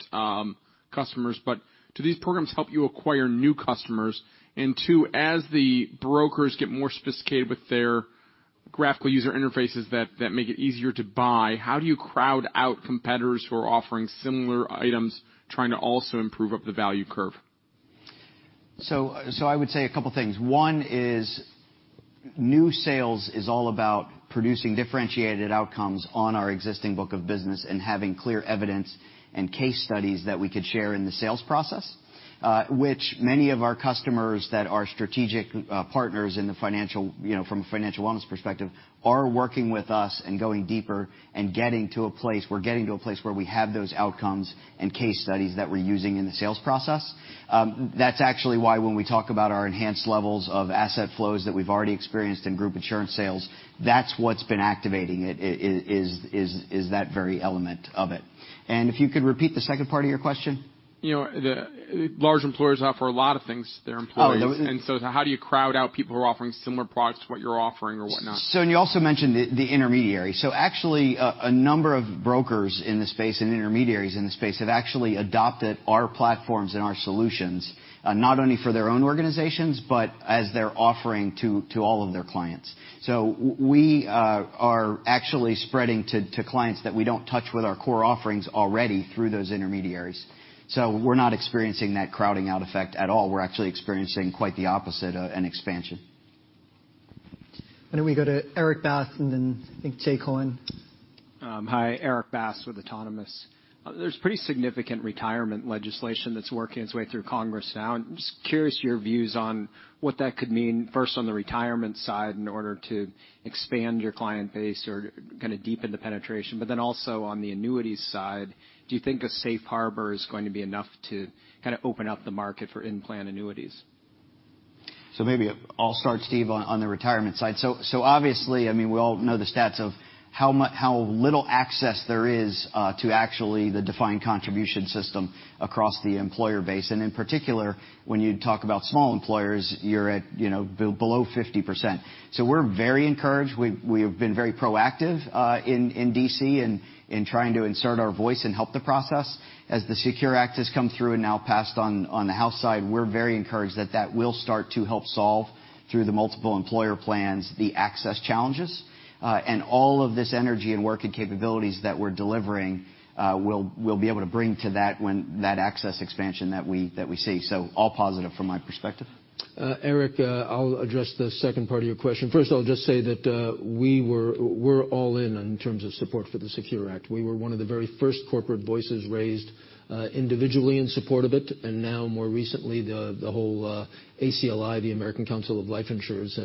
customers, but do these programs help you acquire new customers? 2, as the brokers get more sophisticated with their graphical user interfaces that make it easier to buy, how do you crowd out competitors who are offering similar items, trying to also improve up the value curve? I would say a couple things. 1 is, new sales is all about producing differentiated outcomes on our existing book of business and having clear evidence and case studies that we could share in the sales process, which many of our customers that are strategic partners from a financial wellness perspective are working with us and going deeper and getting to a place where we have those outcomes and case studies that we're using in the sales process. That's actually why when we talk about our enhanced levels of asset flows that we've already experienced in group insurance sales, that's what's been activating it, is that very element of it. If you could repeat the second part of your question? The large employers offer a lot of things to their employees. Oh, yeah. How do you crowd out people who are offering similar products to what you're offering or whatnot? You also mentioned the intermediary. Actually, a number of brokers in the space and intermediaries in the space have actually adopted our platforms and our solutions, not only for their own organizations, but as their offering to all of their clients. We are actually spreading to clients that we don't touch with our core offerings already through those intermediaries. We're not experiencing that crowding out effect at all. We're actually experiencing quite the opposite, an expansion. Why don't we go to Erik Bass. Then I think Jay Gelb. Hi, Erik Bass with Autonomous. There's pretty significant retirement legislation that's working its way through Congress now. Just curious your views on what that could mean, first on the retirement side in order to expand your client base or kind of deepen the penetration. Then also on the annuities side, do you think a safe harbor is going to be enough to kind of open up the market for in-plan annuities? Maybe I'll start, Steve, on the retirement side. Obviously, we all know the stats of how little access there is to actually the defined contribution system across the employer base. In particular, when you talk about small employers, you're at below 50%. We're very encouraged. We have been very proactive in DC in trying to insert our voice and help the process. As the SECURE Act has come through and now passed on the House side, we're very encouraged that that will start to help solve, through the multiple employer plans, the access challenges. All of this energy and work and capabilities that we're delivering, we'll be able to bring to that when that access expansion that we see. All positive from my perspective. Erik, I'll address the second part of your question. First, I'll just say that we're all in terms of support for the SECURE Act. We were one of the very first corporate voices raised individually in support of it. Now more recently, the whole ACLI, the American Council of Life Insurers,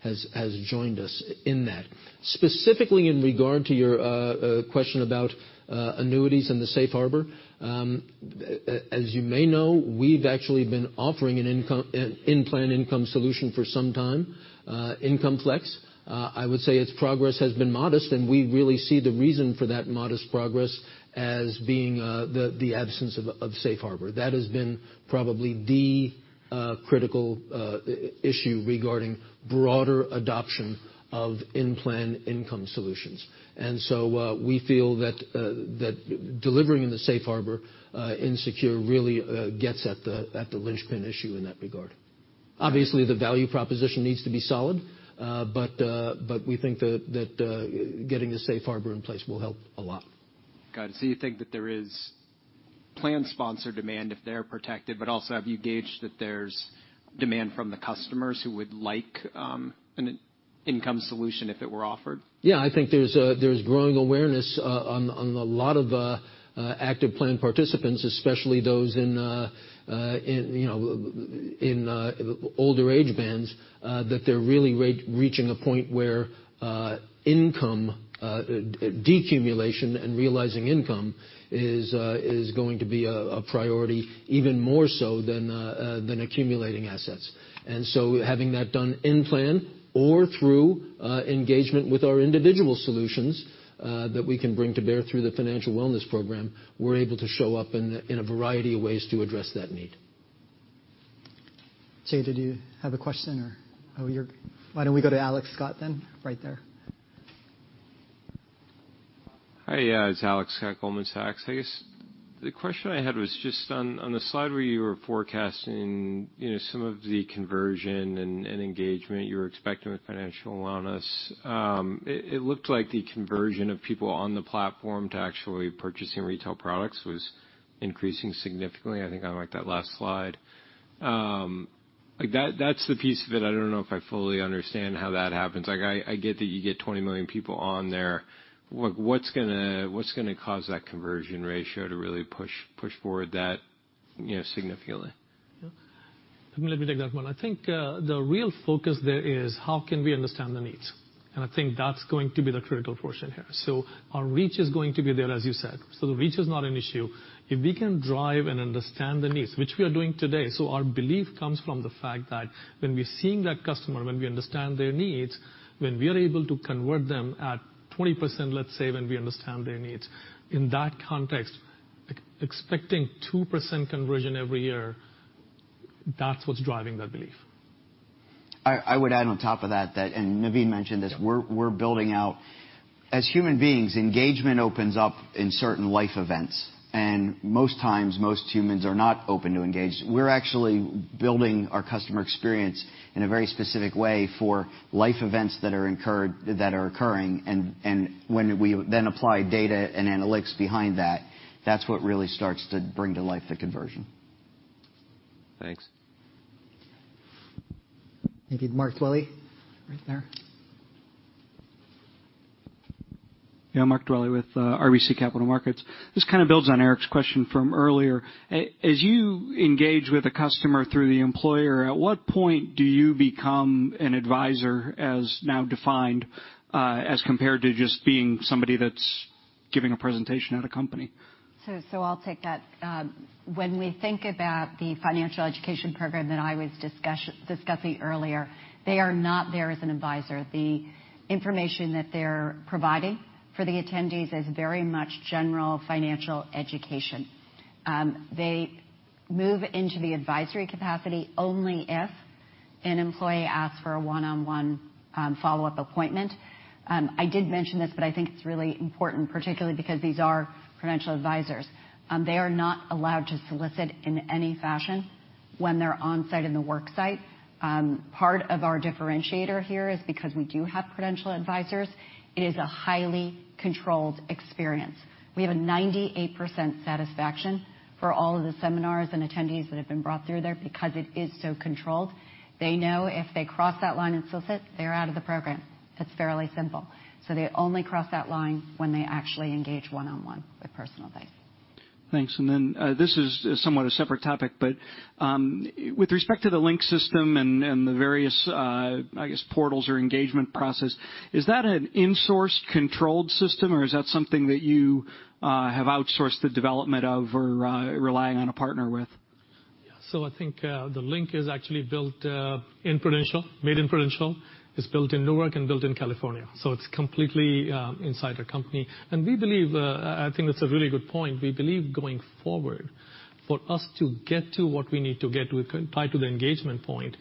has joined us in that. Specifically in regard to your question about annuities and the safe harbor, as you may know, we've actually been offering an in-plan income solution for some time, IncomeFlex. I would say its progress has been modest. We really see the reason for that modest progress as being the absence of safe harbor. That has been probably the critical issue regarding broader adoption of in-plan income solutions. We feel that delivering in the safe harbor in SECURE really gets at the linchpin issue in that regard. Obviously, the value proposition needs to be solid. We think that getting the safe harbor in place will help a lot. Got it. You think that there is plan sponsor demand if they're protected, but also have you gauged that there's demand from the customers who would like an income solution if it were offered? Yeah, I think there's growing awareness on a lot of active plan participants, especially those in older age bands, that they're really reaching a point where income decumulation and realizing income is going to be a priority even more so than accumulating assets. Having that done in plan or through engagement with our Individual Solutions that we can bring to bear through the Financial Wellness Program, we're able to show up in a variety of ways to address that need. Jay, did you have a question or Why don't we go to Alex Scott then? Right there. Hi, it's Alex Scott, Goldman Sachs. I guess the question I had was just on the slide where you were forecasting some of the conversion and engagement you were expecting with financial wellness. It looked like the conversion of people on the platform to actually purchasing retail products was increasing significantly. I think on like that last slide. That's the piece that I don't know if I fully understand how that happens. I get that you get 20 million people on there. What's going to cause that conversion ratio to really push forward that significantly? Yeah. Naveen, you can take that one. I think the real focus there is how can we understand the needs? I think that's going to be the critical portion here. Our reach is going to be there, as you said. The reach is not an issue. If we can drive and understand the needs, which we are doing today, our belief comes from the fact that when we're seeing that customer, when we understand their needs, when we are able to convert them at 20%, let's say, when we understand their needs. In that context, expecting 2% conversion every year, that's what's driving that belief. I would add on top of that, and Naveen mentioned this, we're building out. As human beings, engagement opens up in certain life events. Most times, most humans are not open to engage. We're actually building our customer experience in a very specific way for life events that are occurring, and when we then apply data and analytics behind that's what really starts to bring to life the conversion. Thanks. Thank you. Mark Dwelle, right there. Mark Dwelle with RBC Capital Markets. This kind of builds on Erik's question from earlier. As you engage with a customer through the employer, at what point do you become an advisor as now defined, as compared to just being somebody that's giving a presentation at a company? I'll take that. When we think about the financial education program that I was discussing earlier, they are not there as an advisor. The information that they're providing for the attendees is very much general financial education. They move into the advisory capacity only if an employee asks for a one-on-one follow-up appointment. I did mention this, but I think it's really important, particularly because these are Prudential advisors. They are not allowed to solicit in any fashion when they're on-site in the work site. Part of our differentiator here is because we do have Prudential advisors, it is a highly controlled experience. We have a 98% satisfaction for all of the seminars and attendees that have been brought through there because it is so controlled. They know if they cross that line and solicit, they're out of the program. It's fairly simple. They only cross that line when they actually engage one-on-one with personal advice. Thanks. This is somewhat a separate topic, with respect to the LINK system and the various, I guess, portals or engagement process, is that an insourced controlled system, or is that something that you have outsourced the development of or relying on a partner with? I think the LINK is actually built in Prudential, made in Prudential. It's built in Newark and built in California. It's completely inside our company. We believe, I think that's a really good point. We believe going forward, for us to get to what we need to get to tie to the engagement point,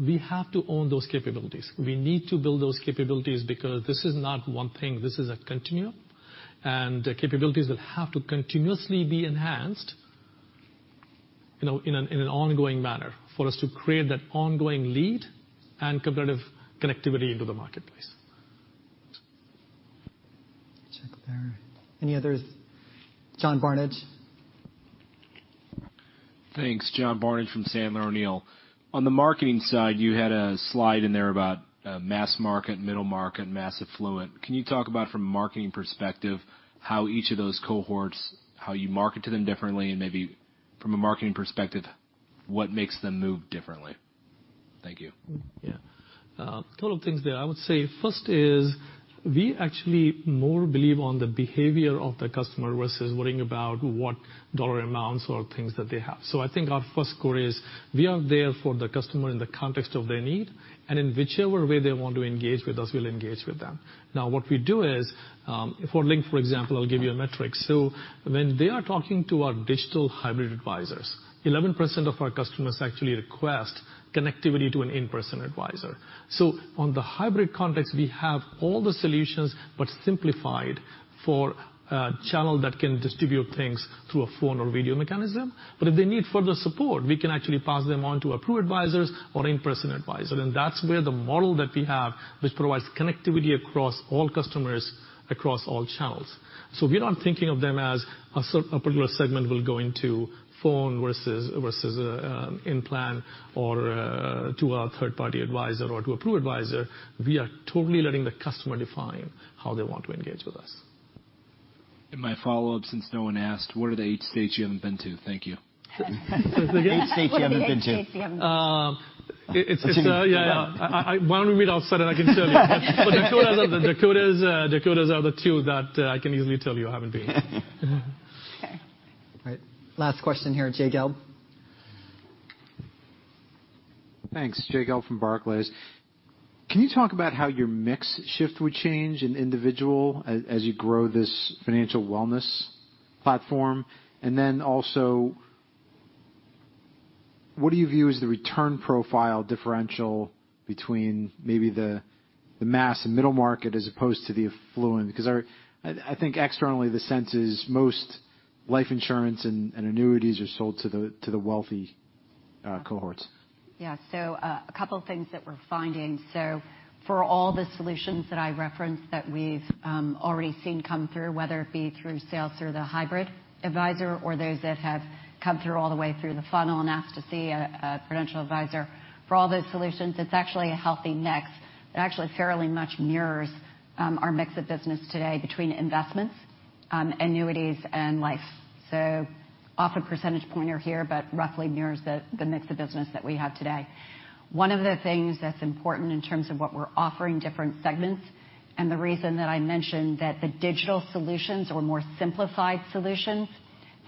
we have to own those capabilities. We need to build those capabilities because this is not one thing, this is a continuum, and capabilities will have to continuously be enhanced in an ongoing manner for us to create that ongoing lead and competitive connectivity into the marketplace. Let's check there. Any others? John Barnidge. Thanks. John Barnidge from Sandler O'Neill. On the marketing side, you had a slide in there about mass market, middle market, mass affluent. Can you talk about from a marketing perspective, how each of those cohorts, how you market to them differently, and maybe from a marketing perspective, what makes them move differently? Thank you. Yeah. A couple of things there. I would say first is we actually more believe on the behavior of the customer versus worrying about what dollar amounts or things that they have. I think our first score is we are there for the customer in the context of their need, and in whichever way they want to engage with us, we'll engage with them. Now, what we do is, for LINK, for example, I'll give you a metric. When they are talking to our digital hybrid advisors, 11% of our customers actually request connectivity to an in-person advisor. On the hybrid context, we have all the solutions, but simplified for a channel that can distribute things through a phone or video mechanism. If they need further support, we can actually pass them on to approved advisors or in-person advisor. That's where the model that we have, which provides connectivity across all customers across all channels. We're not thinking of them as a particular segment will go into phone versus in plan or to a third-party advisor or to a Pru advisor. We are totally letting the customer define how they want to engage with us. My follow-up, since no one asked, what are the eight states you haven't been to? Thank you. The eight states you haven't been to. The eight states you haven't been to. Why don't we meet outside and I can show you? The Dakotas are the two that I can easily tell you I haven't been. Okay. All right. Last question here, Jay Gelb. Thanks. Jay Gelb from Barclays. Can you talk about how your mix shift would change in individual as you grow this financial wellness platform? Also, what do you view as the return profile differential between maybe the mass and middle market as opposed to the affluent? Externally, the sense is most life insurance and annuities are sold to the wealthy cohorts. A couple of things that we're finding. For all the solutions that I referenced that we've already seen come through, whether it be through sales, through the hybrid advisor or those that have come through all the way through the funnel and asked to see a Prudential advisor, for all those solutions, it's actually a healthy mix that actually fairly much mirrors our mix of business today between investments, annuities, and life. Off a percentage point here, but roughly mirrors the mix of business that we have today. One of the things that's important in terms of what we're offering different segments, the reason that I mentioned that the digital solutions or more simplified solutions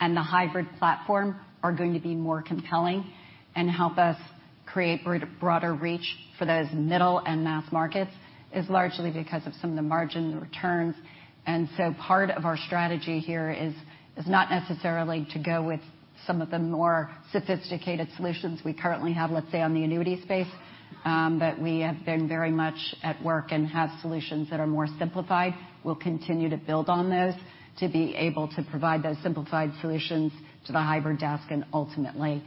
and the hybrid platform are going to be more compelling and help us create broader reach for those middle and mass markets is largely because of some of the margin returns. Part of our strategy here is not necessarily to go with some of the more sophisticated solutions we currently have, let's say, on the annuity space. We have been very much at work and have solutions that are more simplified. We'll continue to build on those to be able to provide those simplified solutions to the hybrid desk and ultimately,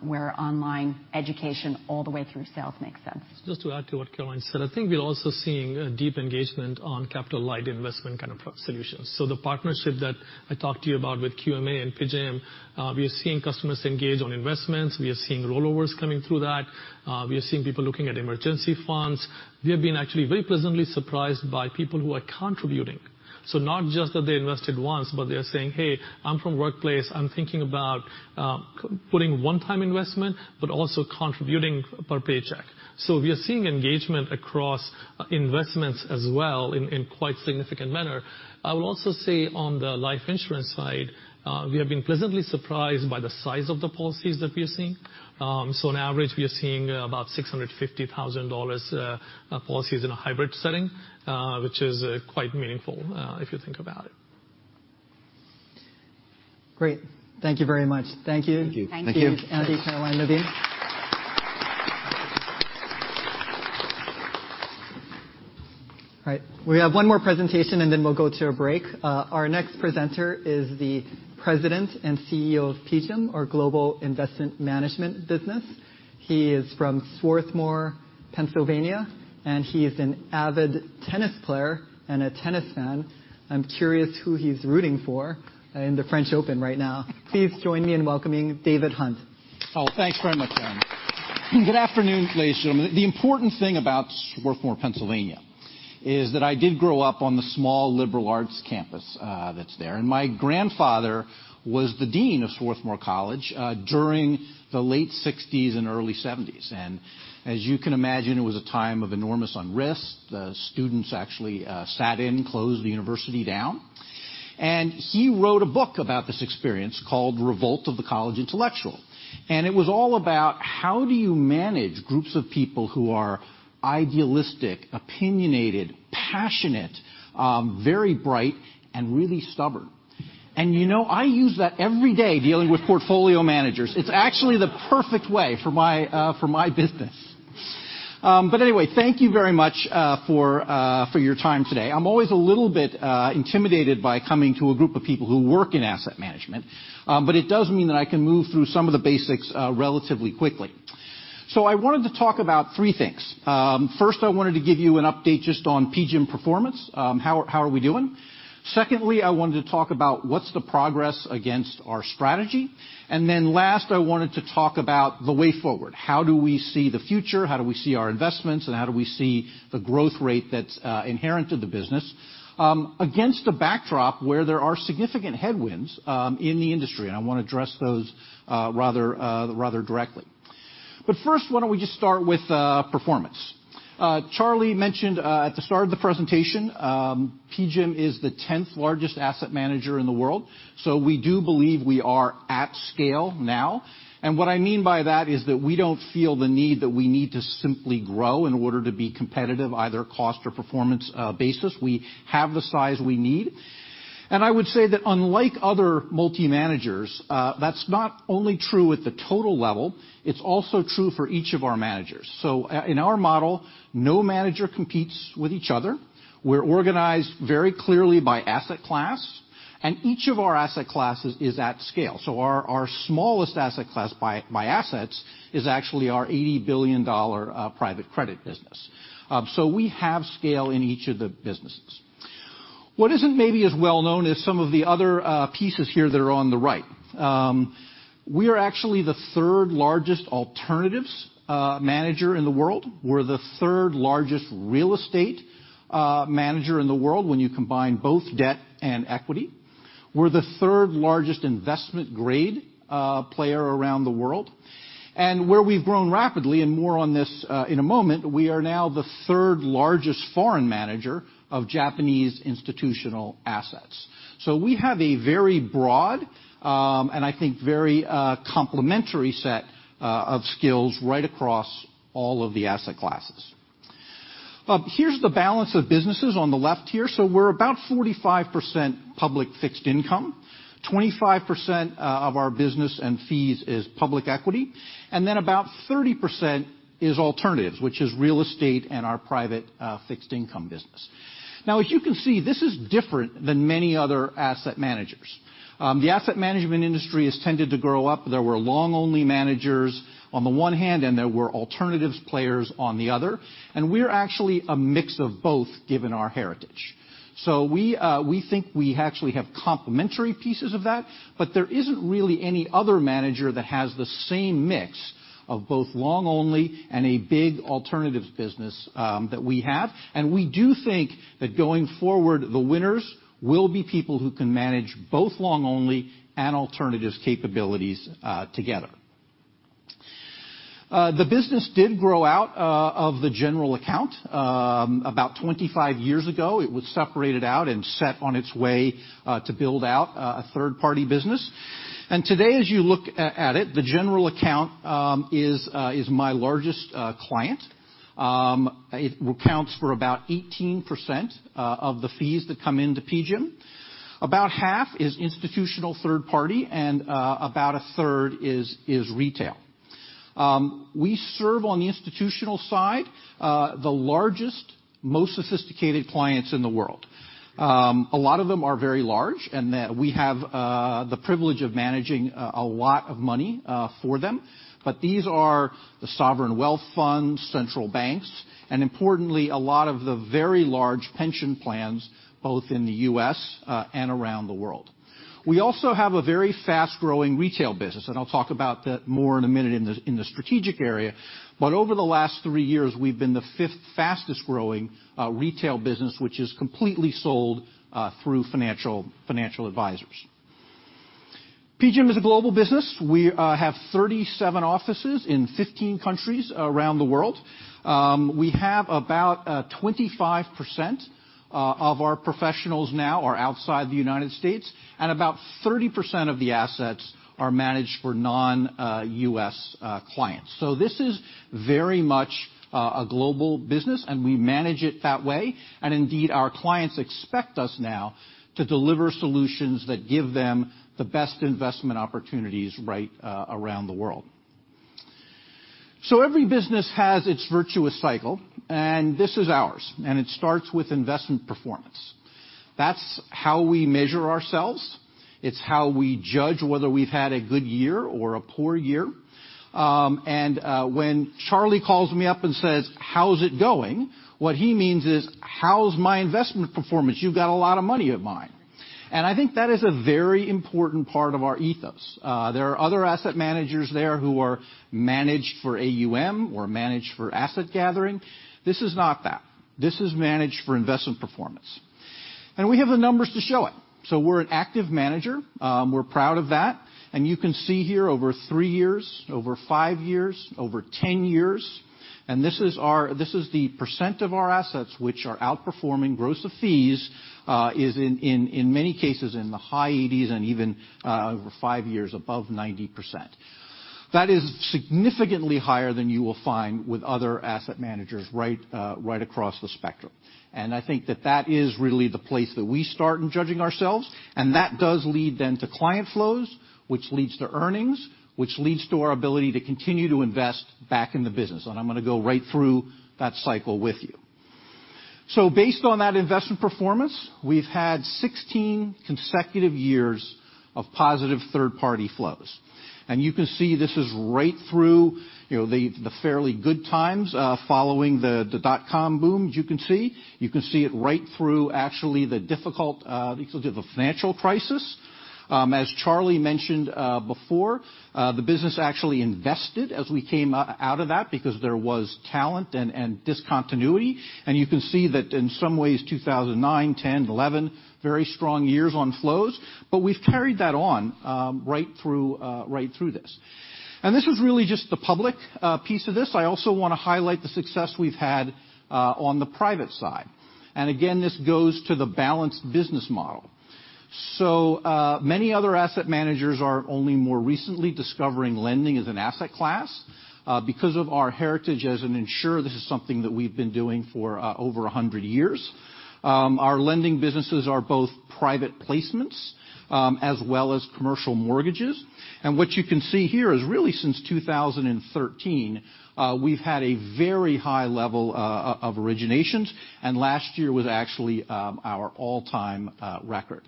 where online education all the way through sales makes sense. Just to add to what Caroline said, I think we're also seeing a deep engagement on capital-light investment kind of solutions. The partnership that I talked to you about with QMA and PGIM, we are seeing customers engage on investments, we are seeing rollovers coming through that. We are seeing people looking at emergency funds. We have been actually very pleasantly surprised by people who are contributing. Not just that they invested once, but they are saying, "Hey, I'm from workplace. I'm thinking about putting one-time investment, but also contributing per paycheck." We are seeing engagement across investments as well in quite significant manner. I will also say on the life insurance side, we have been pleasantly surprised by the size of the policies that we are seeing. On average, we are seeing about $650,000 policies in a hybrid setting, which is quite meaningful if you think about it. Great. Thank you very much. Thank you. Thank you. Thank you. Andy, Caroline, Naveen. All right. We have one more presentation, then we'll go to a break. Our next presenter is the president and CEO of PGIM, our global investment management business. He is from Swarthmore, Pennsylvania, and he is an avid tennis player and a tennis fan. I'm curious who he's rooting for in the French Open right now. Please join me in welcoming David Hunt. Oh, thanks very much, Darin. Good afternoon, ladies and gentlemen. The important thing about Swarthmore, Pennsylvania, is that I did grow up on the small liberal arts campus that's there. My grandfather was the dean of Swarthmore College during the late '60s and early '70s. As you can imagine, it was a time of enormous unrest. The students actually sat in, closed the university down. He wrote a book about this experience called "The Revolt of the College Intellectual." It was all about how do you manage groups of people who are idealistic, opinionated, passionate, very bright, and really stubborn. I use that every day dealing with portfolio managers. It's actually the perfect way for my business. Anyway, thank you very much for your time today. I'm always a little bit intimidated by coming to a group of people who work in asset management. It does mean that I can move through some of the basics relatively quickly. I wanted to talk about three things. First, I wanted to give you an update just on PGIM performance, how are we doing? Secondly, I wanted to talk about what's the progress against our strategy. Last, I wanted to talk about the way forward. How do we see the future? How do we see our investments, and how do we see the growth rate that's inherent to the business against a backdrop where there are significant headwinds in the industry? I want to address those rather directly. First, why don't we just start with performance. Charlie mentioned at the start of the presentation, PGIM is the 10th largest asset manager in the world. We do believe we are at scale now. What I mean by that is that we don't feel the need that we need to simply grow in order to be competitive, either cost or performance basis. We have the size we need. I would say that unlike other multi-managers, that's not only true at the total level, it's also true for each of our managers. In our model, no manager competes with each other. We're organized very clearly by asset class. Each of our asset classes is at scale. Our smallest asset class by assets is actually our $80 billion private credit business. We have scale in each of the businesses. What isn't maybe as well-known is some of the other pieces here that are on the right. We are actually the third-largest alternatives manager in the world. We're the third-largest real estate manager in the world when you combine both debt and equity. We're the third-largest investment grade player around the world. Where we've grown rapidly, and more on this in a moment, we are now the third-largest foreign manager of Japanese institutional assets. We have a very broad, and I think very complementary set of skills right across all of the asset classes. Here's the balance of businesses on the left here. We're about 45% public fixed income, 25% of our business and fees is public equity, about 30% is alternatives, which is real estate and our private fixed income business. As you can see, this is different than many other asset managers. The asset management industry has tended to grow up. There were long-only managers on the one hand, and there were alternatives players on the other. We're actually a mix of both, given our heritage. We think we actually have complementary pieces of that, but there isn't really any other manager that has the same mix of both long-only and a big alternatives business that we have. We do think that going forward, the winners will be people who can manage both long-only and alternatives capabilities together. The business did grow out of the general account. About 25 years ago, it was separated out and set on its way to build out a third-party business. Today, as you look at it, the general account is my largest client. It accounts for about 18% of the fees that come into PGIM. About half is institutional third party, and about a third is retail. We serve on the institutional side the largest, most sophisticated clients in the world. A lot of them are very large, and we have the privilege of managing a lot of money for them. These are the sovereign wealth funds, central banks, and importantly, a lot of the very large pension plans, both in the U.S. and around the world. We also have a very fast-growing retail business, I'll talk about that more in a minute in the strategic area. Over the last three years, we've been the fifth fastest-growing retail business, which is completely sold through financial advisors. PGIM is a global business. We have 37 offices in 15 countries around the world. We have about 25% of our professionals now are outside the U.S., and about 30% of the assets are managed for non-U.S. clients. This is very much a global business, and we manage it that way. Indeed, our clients expect us now to deliver solutions that give them the best investment opportunities right around the world. Every business has its virtuous cycle, and this is ours, and it starts with investment performance. That's how we measure ourselves. It's how we judge whether we've had a good year or a poor year. When Charlie calls me up and says, "How's it going?" What he means is, "How's my investment performance? You've got a lot of money of mine." I think that is a very important part of our ethos. There are other asset managers there who are managed for AUM or managed for asset gathering. This is not that. This is managed for investment performance. We have the numbers to show it. We're an active manager. We're proud of that. You can see here over three years, over five years, over 10 years, and this is the % of our assets which are outperforming gross of fees, is in many cases in the high 80s and even over five years above 90%. That is significantly higher than you will find with other asset managers right across the spectrum. I think that that is really the place that we start in judging ourselves, and that does lead then to client flows, which leads to earnings, which leads to our ability to continue to invest back in the business. I'm going to go right through that cycle with you. Based on that investment performance, we've had 16 consecutive years of positive third-party flows. You can see this is right through the fairly good times following the dot-com boom, as you can see. You can see it right through, actually, the difficult financial crisis. As Charlie mentioned before, the business actually invested as we came out of that because there was talent and discontinuity. You can see that in some ways, 2009, '10, '11, very strong years on flows. We've carried that on right through this. This is really just the public piece of this. I also want to highlight the success we've had on the private side. Again, this goes to the balanced business model. So many other asset managers are only more recently discovering lending as an asset class. Because of our heritage as an insurer, this is something that we've been doing for over 100 years. Our lending businesses are both private placements as well as commercial mortgages. What you can see here is really since 2013, we've had a very high level of originations. Last year was actually our all-time record.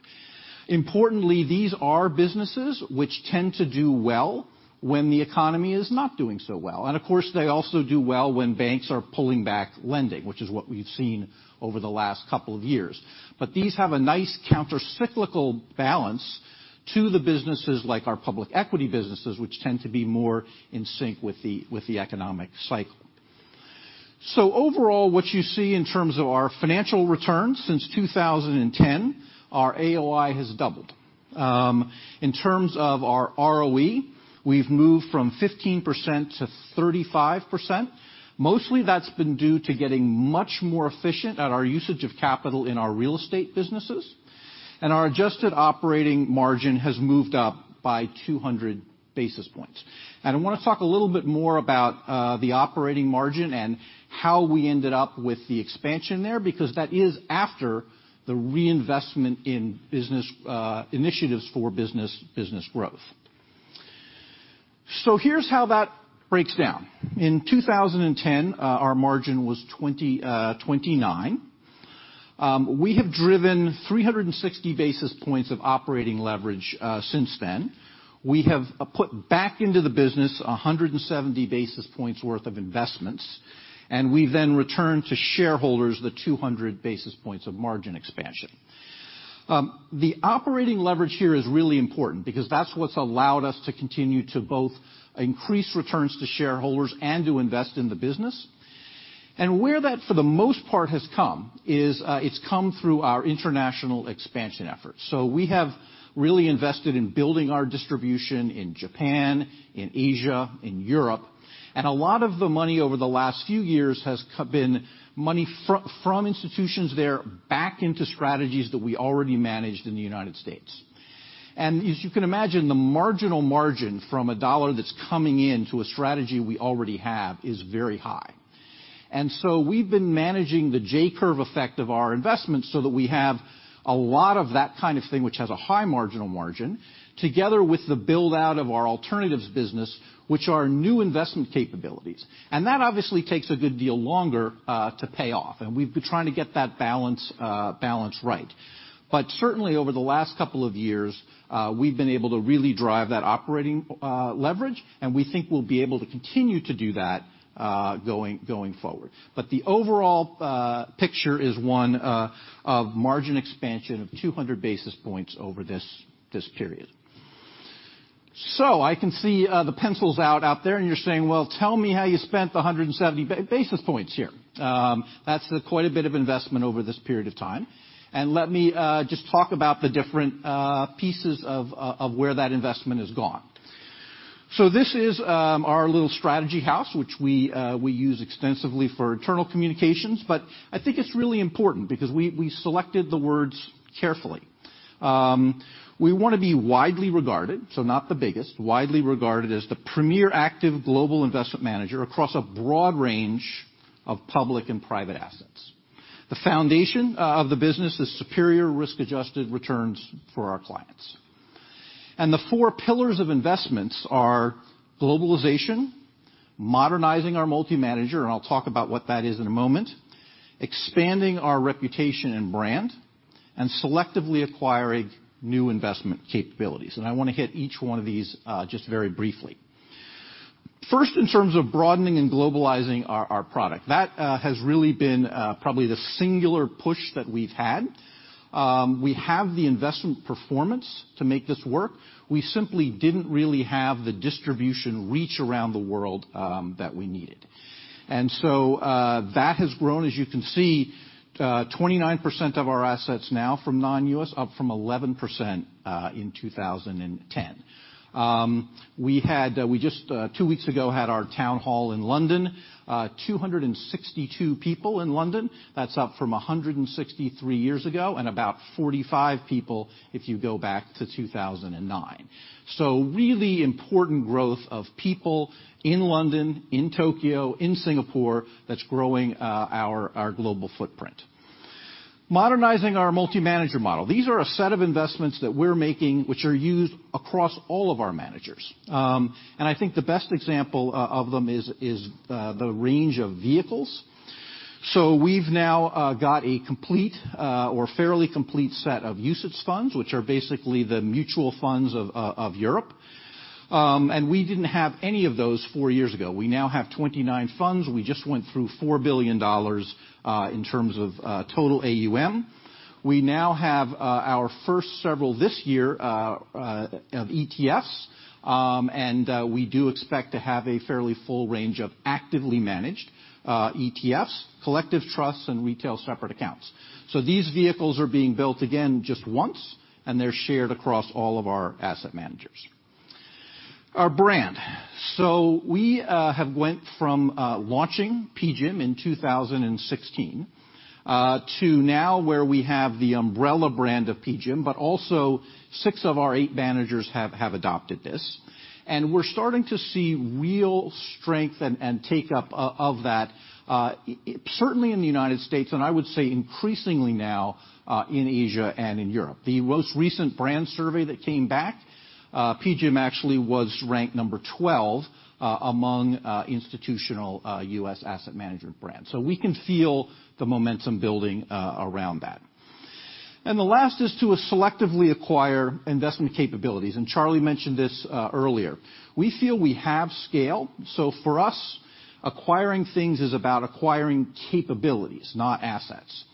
Importantly, these are businesses which tend to do well when the economy is not doing so well. Of course, they also do well when banks are pulling back lending, which is what we've seen over the last couple of years. But these have a nice countercyclical balance to the businesses like our public equity businesses, which tend to be more in sync with the economic cycle. Overall, what you see in terms of our financial returns since 2010, our AOI has doubled. In terms of our ROE, we've moved from 15%-35%. Mostly that's been due to getting much more efficient at our usage of capital in our real estate businesses, and our adjusted operating margin has moved up by 200 basis points. I want to talk a little bit more about the operating margin and how we ended up with the expansion there, because that is after the reinvestment in initiatives for business growth. Here's how that breaks down. In 2010, our margin was 29%. We have driven 360 basis points of operating leverage since then. We have put back into the business 170 basis points worth of investments, and we've then returned to shareholders the 200 basis points of margin expansion. The operating leverage here is really important because that's what's allowed us to continue to both increase returns to shareholders and to invest in the business. Where that, for the most part, has come is, it's come through our international expansion efforts. We have really invested in building our distribution in Japan, in Asia, in Europe, and a lot of the money over the last few years has been money from institutions there back into strategies that we already managed in the U.S. As you can imagine, the marginal margin from a $1 that's coming in to a strategy we already have is very high. We've been managing the J-curve effect of our investments so that we have a lot of that kind of thing, which has a high marginal margin, together with the build-out of our alternatives business, which are new investment capabilities. That obviously takes a good deal longer to pay off, and we've been trying to get that balance right. Certainly over the last couple of years, we've been able to really drive that operating leverage, and we think we'll be able to continue to do that going forward. The overall picture is one of margin expansion of 200 basis points over this period. I can see the pencils out there, and you're saying, "Well, tell me how you spent the 170 basis points here." That's quite a bit of investment over this period of time. Let me just talk about the different pieces of where that investment has gone. This is our little strategy house, which we use extensively for internal communications, but I think it's really important because we selected the words carefully. We want to be widely regarded, so not the biggest, widely regarded as the premier active global investment manager across a broad range of public and private assets. The foundation of the business is superior risk-adjusted returns for our clients. The four pillars of investments are globalization, modernizing our multi-manager, and I'll talk about what that is in a moment, expanding our reputation and brand, and selectively acquiring new investment capabilities. I want to hit each one of these just very briefly. First, in terms of broadening and globalizing our product. That has really been probably the singular push that we've had. We have the investment performance to make this work. We simply didn't really have the distribution reach around the world that we needed. That has grown, as you can see, 29% of our assets now from non-U.S., up from 11% in 2010. We just two weeks ago had our town hall in London. 262 people in London. That's up from 160 three years ago and about 45 people if you go back to 2009. Really important growth of people in London, in Tokyo, in Singapore, that's growing our global footprint. Modernizing our multi-manager model. These are a set of investments that we're making which are used across all of our managers. I think the best example of them is the range of vehicles. We've now got a complete or fairly complete set of UCITS funds, which are basically the mutual funds of Europe. We didn't have any of those four years ago. We now have 29 funds. We just went through $4 billion in terms of total AUM. We now have our first several this year of ETFs, and we do expect to have a fairly full range of actively managed ETFs, collective trusts, and retail separate accounts. These vehicles are being built again just once, and they're shared across all of our asset managers. Our brand. We have went from launching PGIM in 2016, to now where we have the umbrella brand of PGIM, but also six of our eight managers have adopted this. We're starting to see real strength and take-up of that, certainly in the United States, and I would say increasingly now in Asia and in Europe. The most recent brand survey that came back, PGIM actually was ranked number 12 among institutional U.S. asset management brands. We can feel the momentum building around that. The last is to selectively acquire investment capabilities, Charlie mentioned this earlier. We feel we have scale, for us, acquiring things is about acquiring capabilities, not assets.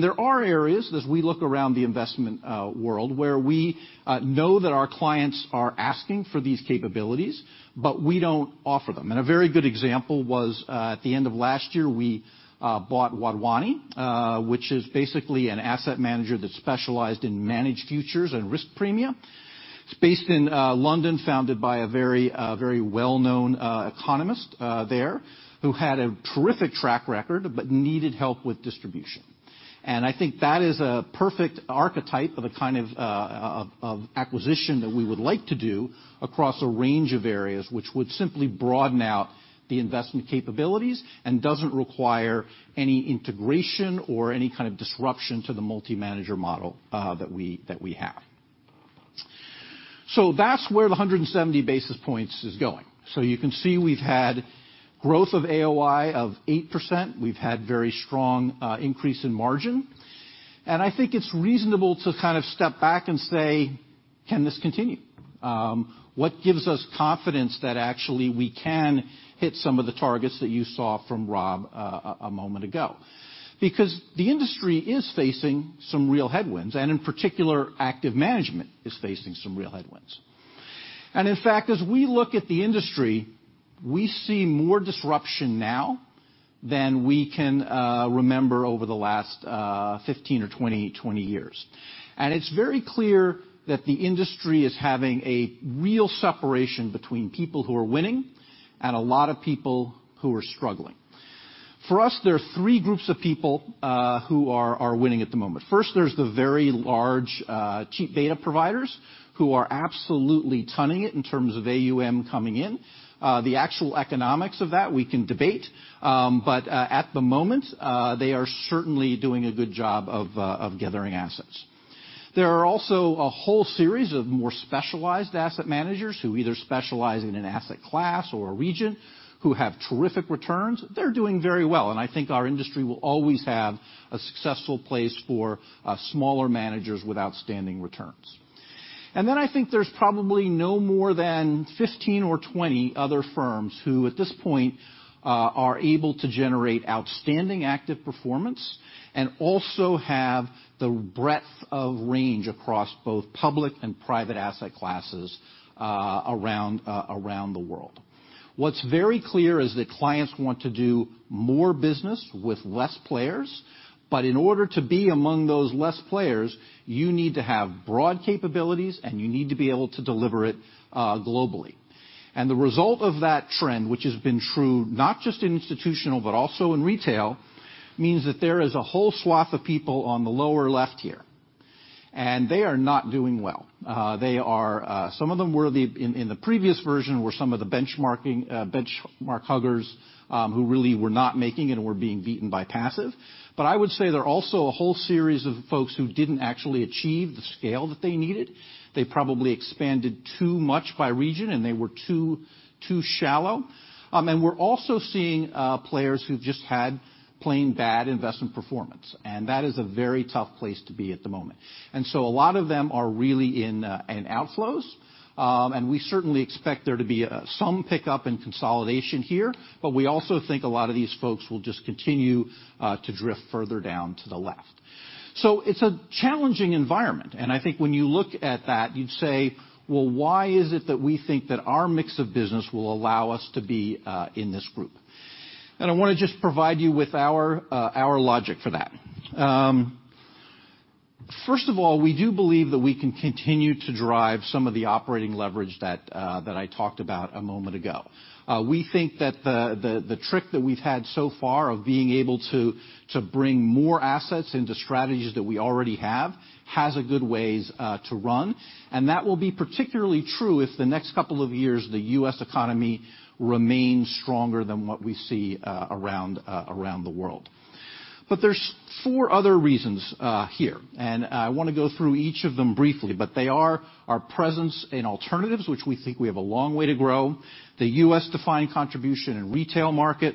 There are areas, as we look around the investment world, where we know that our clients are asking for these capabilities, but we don't offer them. A very good example was, at the end of last year, we bought Wadhwani, which is basically an asset manager that specialized in managed futures and risk premia. It's based in London, founded by a very well-known economist there who had a terrific track record but needed help with distribution. I think that is a perfect archetype of the kind of acquisition that we would like to do across a range of areas, which would simply broaden out the investment capabilities and doesn't require any integration or any kind of disruption to the multi-manager model that we have. That's where the 170 basis points is going. You can see we've had growth of AOI of 8%. We've had very strong increase in margin. I think it's reasonable to step back and say, "Can this continue?" What gives us confidence that actually, we can hit some of the targets that you saw from Rob a moment ago? The industry is facing some real headwinds, and in particular, active management is facing some real headwinds. In fact, as we look at the industry, we see more disruption now than we can remember over the last 15 or 20 years. It's very clear that the industry is having a real separation between people who are winning and a lot of people who are struggling. For us, there are three groups of people who are winning at the moment. First, there's the very large, cheap beta providers who are absolutely tonning it in terms of AUM coming in. The actual economics of that, we can debate, but at the moment, they are certainly doing a good job of gathering assets. There are also a whole series of more specialized asset managers who either specialize in an asset class or a region who have terrific returns. They're doing very well. I think our industry will always have a successful place for smaller managers with outstanding returns. I think there's probably no more than 15 or 20 other firms who, at this point, are able to generate outstanding active performance and also have the breadth of range across both public and private asset classes around the world. What's very clear is that clients want to do more business with less players, but in order to be among those less players, you need to have broad capabilities, and you need to be able to deliver it globally. The result of that trend, which has been true not just in institutional but also in retail, means that there is a whole swath of people on the lower left here, and they are not doing well. Some of them, in the previous version, were some of the benchmark huggers who really were not making it and were being beaten by passive. I would say there are also a whole series of folks who didn't actually achieve the scale that they needed. They probably expanded too much by region, and they were too shallow. We're also seeing players who've just had plain bad investment performance, and that is a very tough place to be at the moment. A lot of them are really in outflows. We certainly expect there to be some pickup in consolidation here, but we also think a lot of these folks will just continue to drift further down to the left. It's a challenging environment, and I think when you look at that, you'd say, "Well, why is it that we think that our mix of business will allow us to be in this group?" I want to just provide you with our logic for that. First of all, we do believe that we can continue to drive some of the operating leverage that I talked about a moment ago. We think that the trick that we've had so far of being able to bring more assets into strategies that we already have has a good ways to run, and that will be particularly true if the next couple of years, the U.S. economy remains stronger than what we see around the world. There are four other reasons here, and I want to go through each of them briefly, but they are our presence in alternatives, which we think we have a long way to grow, the U.S. defined contribution and retail market,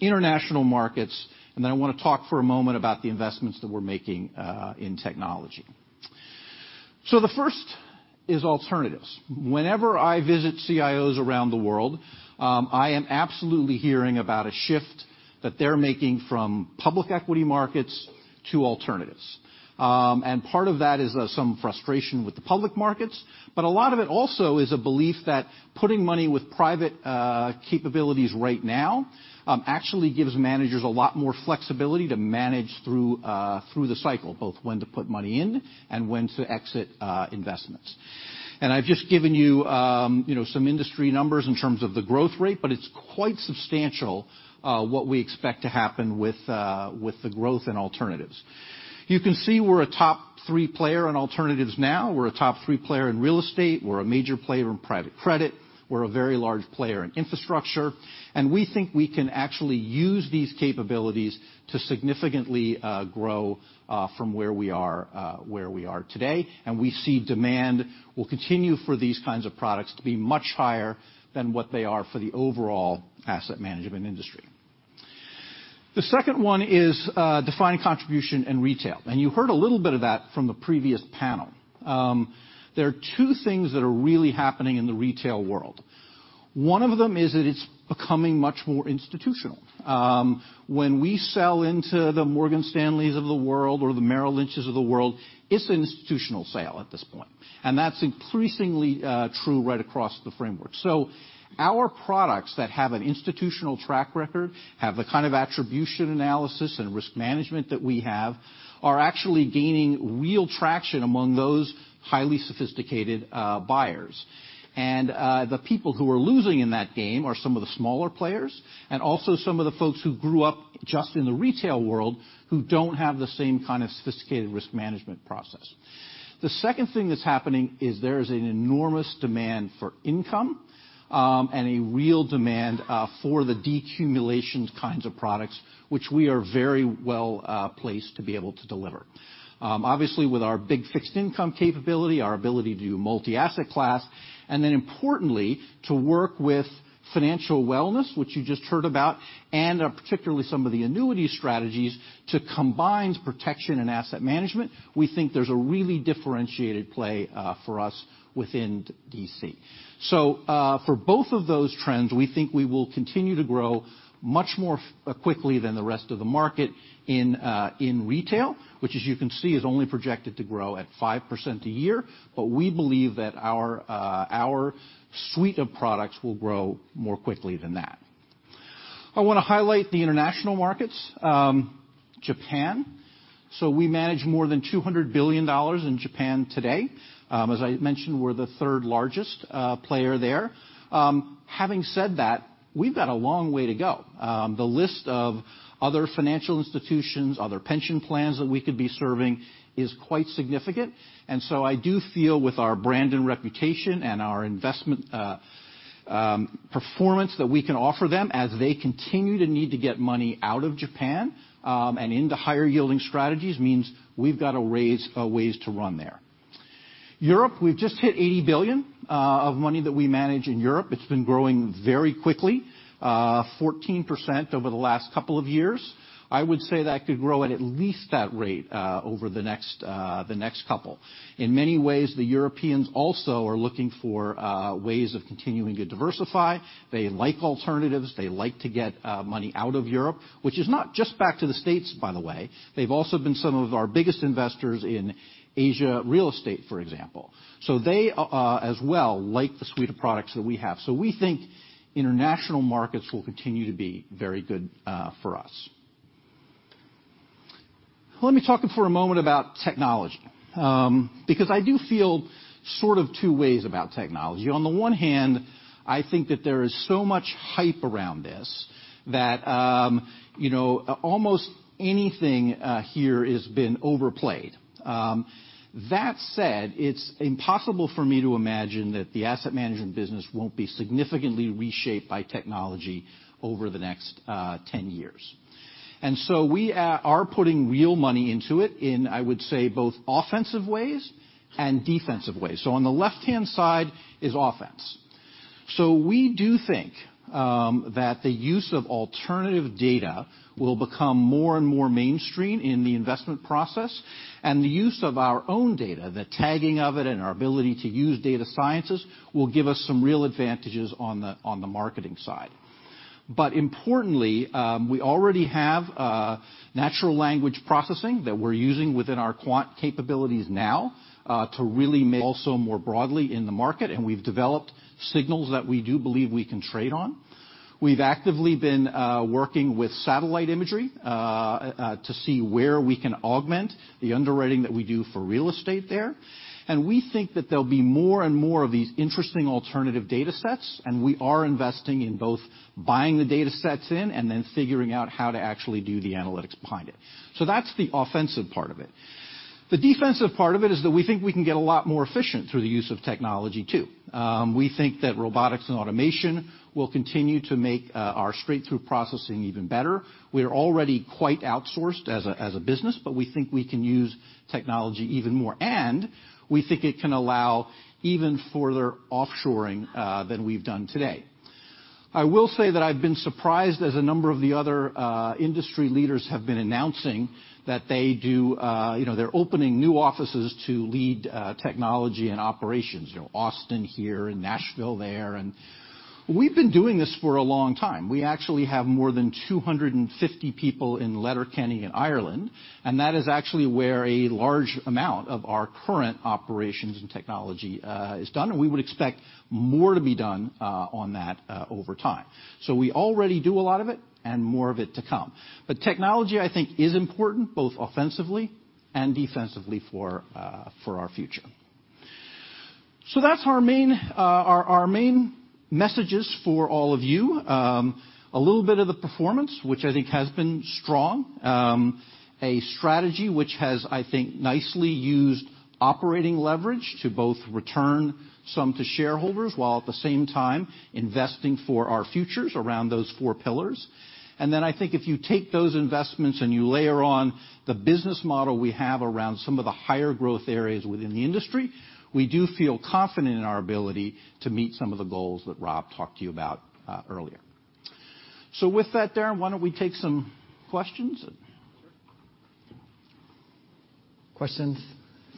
international markets, and then I want to talk for a moment about the investments that we're making in technology. The first is alternatives. Whenever I visit CIOs around the world, I am absolutely hearing about a shift that they're making from public equity markets to alternatives. Part of that is some frustration with the public markets, but a lot of it also is a belief that putting money with private capabilities right now actually gives managers a lot more flexibility to manage through the cycle, both when to put money in and when to exit investments. I've just given you some industry numbers in terms of the growth rate, but it's quite substantial what we expect to happen with the growth in alternatives. You can see we're a top three player in alternatives now. We're a top three player in real estate. We're a major player in private credit. We're a very large player in infrastructure. We think we can actually use these capabilities to significantly grow from where we are today, and we see demand will continue for these kinds of products to be much higher than what they are for the overall asset management industry. The second one is defining contribution and retail. You heard a little bit of that from the previous panel. There are two things that are really happening in the retail world. One of them is that it's becoming much more institutional. When we sell into the Morgan Stanleys of the world or the Merrill Lynches of the world, it's an institutional sale at this point, and that's increasingly true right across the framework. Our products that have an institutional track record, have the kind of attribution analysis and risk management that we have, are actually gaining real traction among those highly sophisticated buyers. The people who are losing in that game are some of the smaller players and also some of the folks who grew up just in the retail world who don't have the same kind of sophisticated risk management process. The second thing that's happening is there is an enormous demand for income, and a real demand for the decumulations kinds of products, which we are very well placed to be able to deliver. Obviously, with our big fixed income capability, our ability to do multi-asset class, and then importantly, to work with financial wellness, which you just heard about, and particularly some of the annuity strategies to combine protection and asset management. We think there's a really differentiated play for us within DC. For both of those trends, we think we will continue to grow much more quickly than the rest of the market in retail, which as you can see, is only projected to grow at 5% a year. We believe that our suite of products will grow more quickly than that. I want to highlight the international markets. Japan. We manage more than $200 billion in Japan today. As I mentioned, we're the third largest player there. Having said that, we've got a long way to go. The list of other financial institutions, other pension plans that we could be serving is quite significant, and so I do feel with our brand and reputation and our investment performance that we can offer them as they continue to need to get money out of Japan, and into higher yielding strategies means we've got a ways to run there. Europe, we've just hit $80 billion of money that we manage in Europe. It's been growing very quickly, 14% over the last couple of years. I would say that could grow at least that rate over the next couple. In many ways, the Europeans also are looking for ways of continuing to diversify. They like alternatives. They like to get money out of Europe, which is not just back to the U.S., by the way. They've also been some of our biggest investors in Asia Real Estate, for example. They as well, like the suite of products that we have. We think international markets will continue to be very good for us. Let me talk for a moment about technology, because I do feel sort of two ways about technology. On the one hand, I think that there is so much hype around this that almost anything here has been overplayed. That said, it's impossible for me to imagine that the asset management business won't be significantly reshaped by technology over the next 10 years. We are putting real money into it in, I would say, both offensive ways and defensive ways. On the left-hand side is offense. We do think that the use of alternative data will become more and more mainstream in the investment process, and the use of our own data, the tagging of it, and our ability to use data sciences will give us some real advantages on the marketing side. Importantly, we already have natural language processing that we're using within our quant capabilities now, to really make also more broadly in the market, and we've developed signals that we do believe we can trade on. We've actively been working with satellite imagery to see where we can augment the underwriting that we do for real estate there. We think that there'll be more and more of these interesting alternative data sets, and we are investing in both buying the data sets in and then figuring out how to actually do the analytics behind it. That's the offensive part of it. The defensive part of it is that we think we can get a lot more efficient through the use of technology, too. We think that robotics and automation will continue to make our straight-through processing even better. We are already quite outsourced as a business, but we think we can use technology even more, and we think it can allow even further offshoring than we've done today. I will say that I've been surprised as a number of the other industry leaders have been announcing that they're opening new offices to lead technology and operations. Austin here and Nashville there, and we've been doing this for a long time. We actually have more than 250 people in Letterkenny in Ireland, and that is actually where a large amount of our current operations and technology is done, and we would expect more to be done on that over time. We already do a lot of it and more of it to come. Technology, I think, is important both offensively and defensively for our future. That's our main messages for all of you. A little bit of the performance, which I think has been strong. A strategy which has, I think, nicely used operating leverage to both return some to shareholders, while at the same time investing for our futures around those four pillars. I think if you take those investments and you layer on the business model we have around some of the higher growth areas within the industry, we do feel confident in our ability to meet some of the goals that Rob talked to you about earlier. With that, Darin, why don't we take some questions? Questions?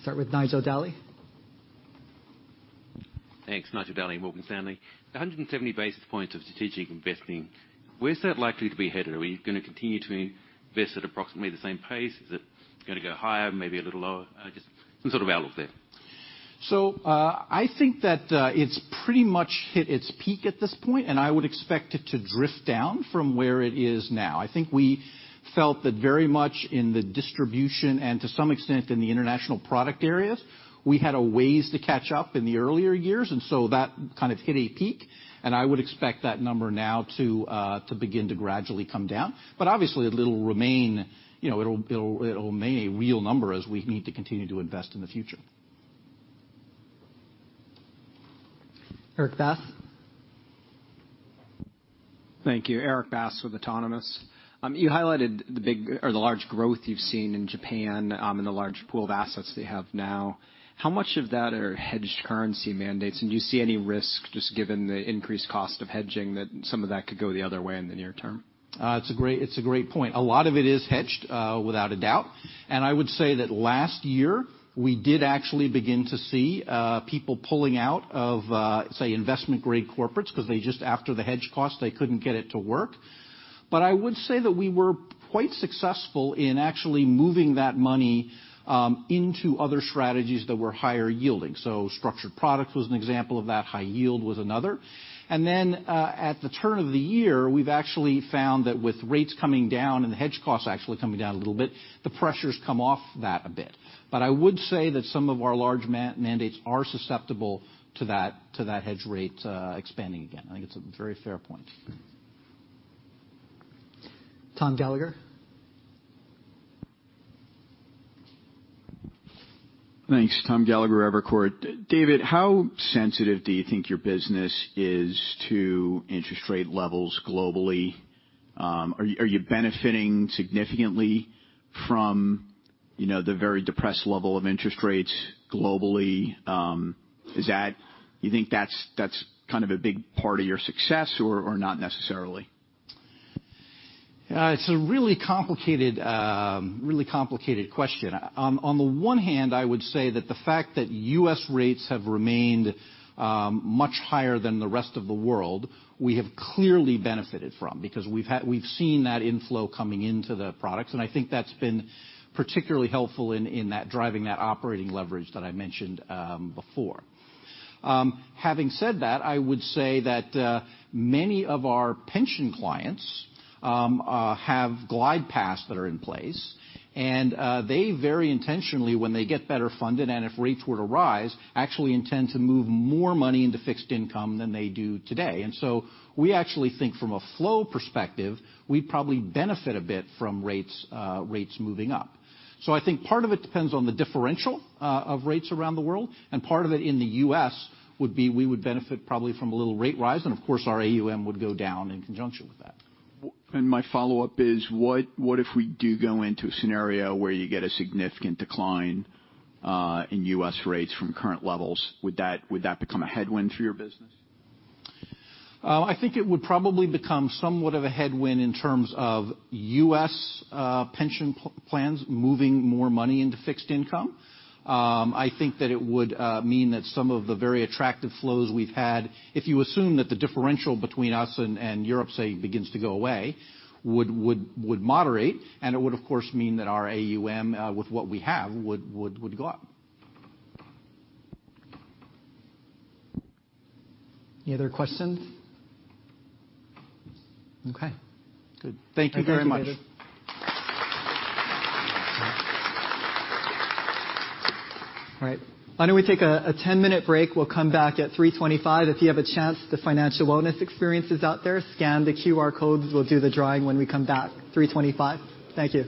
Start with Nigel Dally. Thanks. Nigel Dally, Morgan Stanley. 170 basis points of strategic investing, where is that likely to be headed? Are you going to continue to invest at approximately the same pace? Is it going to go higher, maybe a little lower? Just some sort of outlook there. I think that it's pretty much hit its peak at this point, and I would expect it to drift down from where it is now. I think we felt that very much in the distribution and to some extent in the international product areas, we had a ways to catch up in the earlier years, that kind of hit a peak, and I would expect that number now to begin to gradually come down. Obviously, it'll remain a real number as we need to continue to invest in the future. Erik Bass. Thank you. Erik Bass with Autonomous. You highlighted the big or the large growth you've seen in Japan, and the large pool of assets that you have now. How much of that are hedged currency mandates? Do you see any risk just given the increased cost of hedging that some of that could go the other way in the near term? It's a great point. A lot of it is hedged, without a doubt. I would say that last year, we did actually begin to see people pulling out of, say, investment-grade corporates, because they just, after the hedge cost, they couldn't get it to work. I would say that we were quite successful in actually moving that money into other strategies that were higher yielding. Structured product was an example of that. High yield was another. At the turn of the year, we've actually found that with rates coming down and the hedge costs actually coming down a little bit, the pressure's come off that a bit. I would say that some of our large mandates are susceptible to that hedge rate expanding again. I think it's a very fair point. Tom Gallagher. Thanks. Tom Gallagher, Evercore. David, how sensitive do you think your business is to interest rate levels globally? Are you benefiting significantly from the very depressed level of interest rates globally? Do you think that's kind of a big part of your success or not necessarily? It's a really complicated question. On the one hand, I would say that the fact that U.S. rates have remained much higher than the rest of the world, we have clearly benefited from, because we've seen that inflow coming into the products, and I think that's been particularly helpful in driving that operating leverage that I mentioned before. Having said that, I would say that many of our pension clients have glide paths that are in place, and they very intentionally, when they get better funded and if rates were to rise, actually intend to move more money into fixed income than they do today. We actually think from a flow perspective, we probably benefit a bit from rates moving up. I think part of it depends on the differential of rates around the world, and part of it in the U.S. would be we would benefit probably from a little rate rise. Of course, our AUM would go down in conjunction with that. My follow-up is, what if we do go into a scenario where you get a significant decline in U.S. rates from current levels? Would that become a headwind for your business? I think it would probably become somewhat of a headwind in terms of U.S. pension plans moving more money into fixed income. I think that it would mean that some of the very attractive flows we've had, if you assume that the differential between us and Europe, say, begins to go away, would moderate, and it would, of course, mean that our AUM, with what we have, would go up. Any other questions? Okay. Good. Thank you very much. Thank you, David. All right. Why don't we take a 10-minute break. We'll come back at 3:25. If you have a chance, the financial wellness experience is out there. Scan the QR codes. We'll do the drawing when we come back, 3:25. Thank you.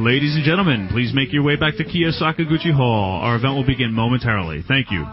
all right, Jack, keep your hands off my stack. Money, it's a hit. Ladies and gentlemen, please make your way back to Kiyofumi Sakaguchi Hall. Our event will begin momentarily. Thank you.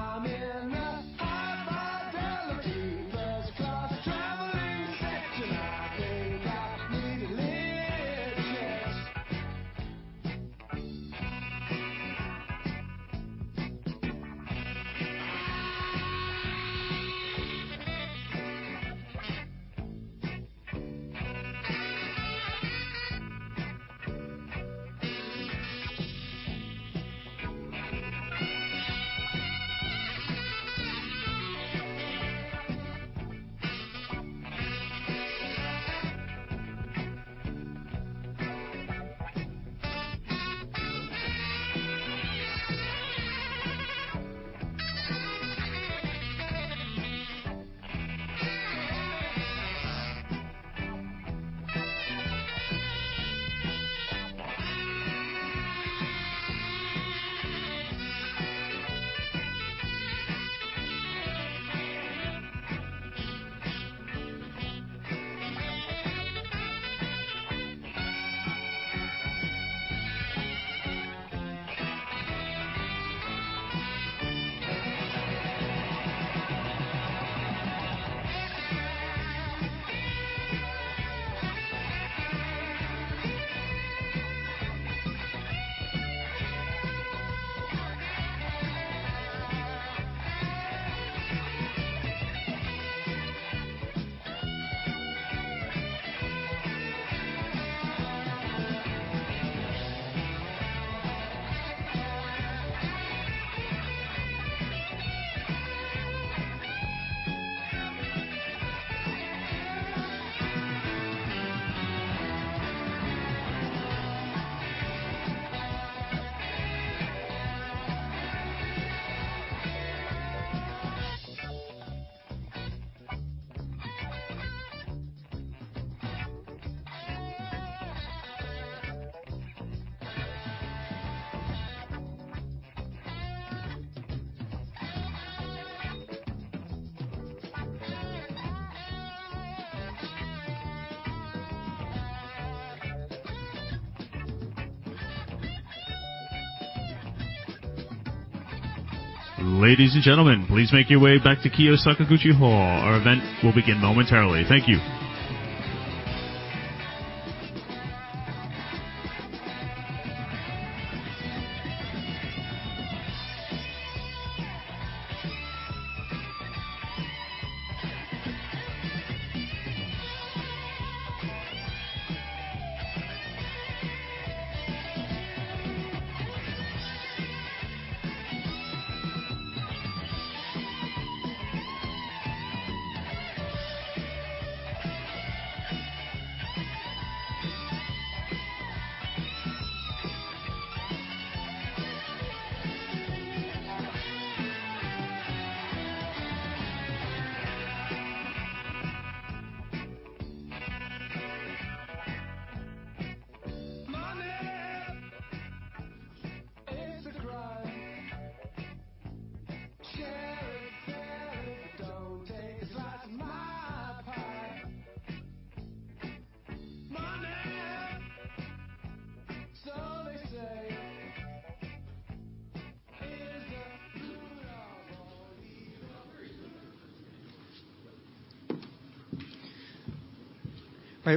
I'm in a high-fidelity first-class traveling set and I think I need a Learjet. Ladies and gentlemen, please make your way back to Kiyofumi Sakaguchi Hall. Our event will begin momentarily. Thank you.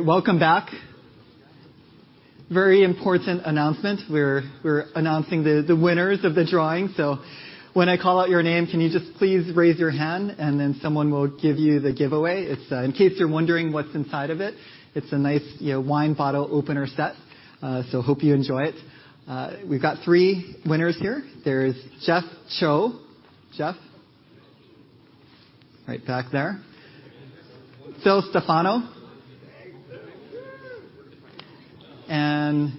All right, welcome back. Very important announcement. We're announcing the winners of the drawing. When I call out your name, can you just please raise your hand, and then someone will give you the giveaway. In case you're wondering what's inside of it's a nice wine bottle opener set. Hope you enjoy it. We've got three winners here. There's Jeff Cho. Jeff? Right back there. Phil Stefano. Thanks. Woo.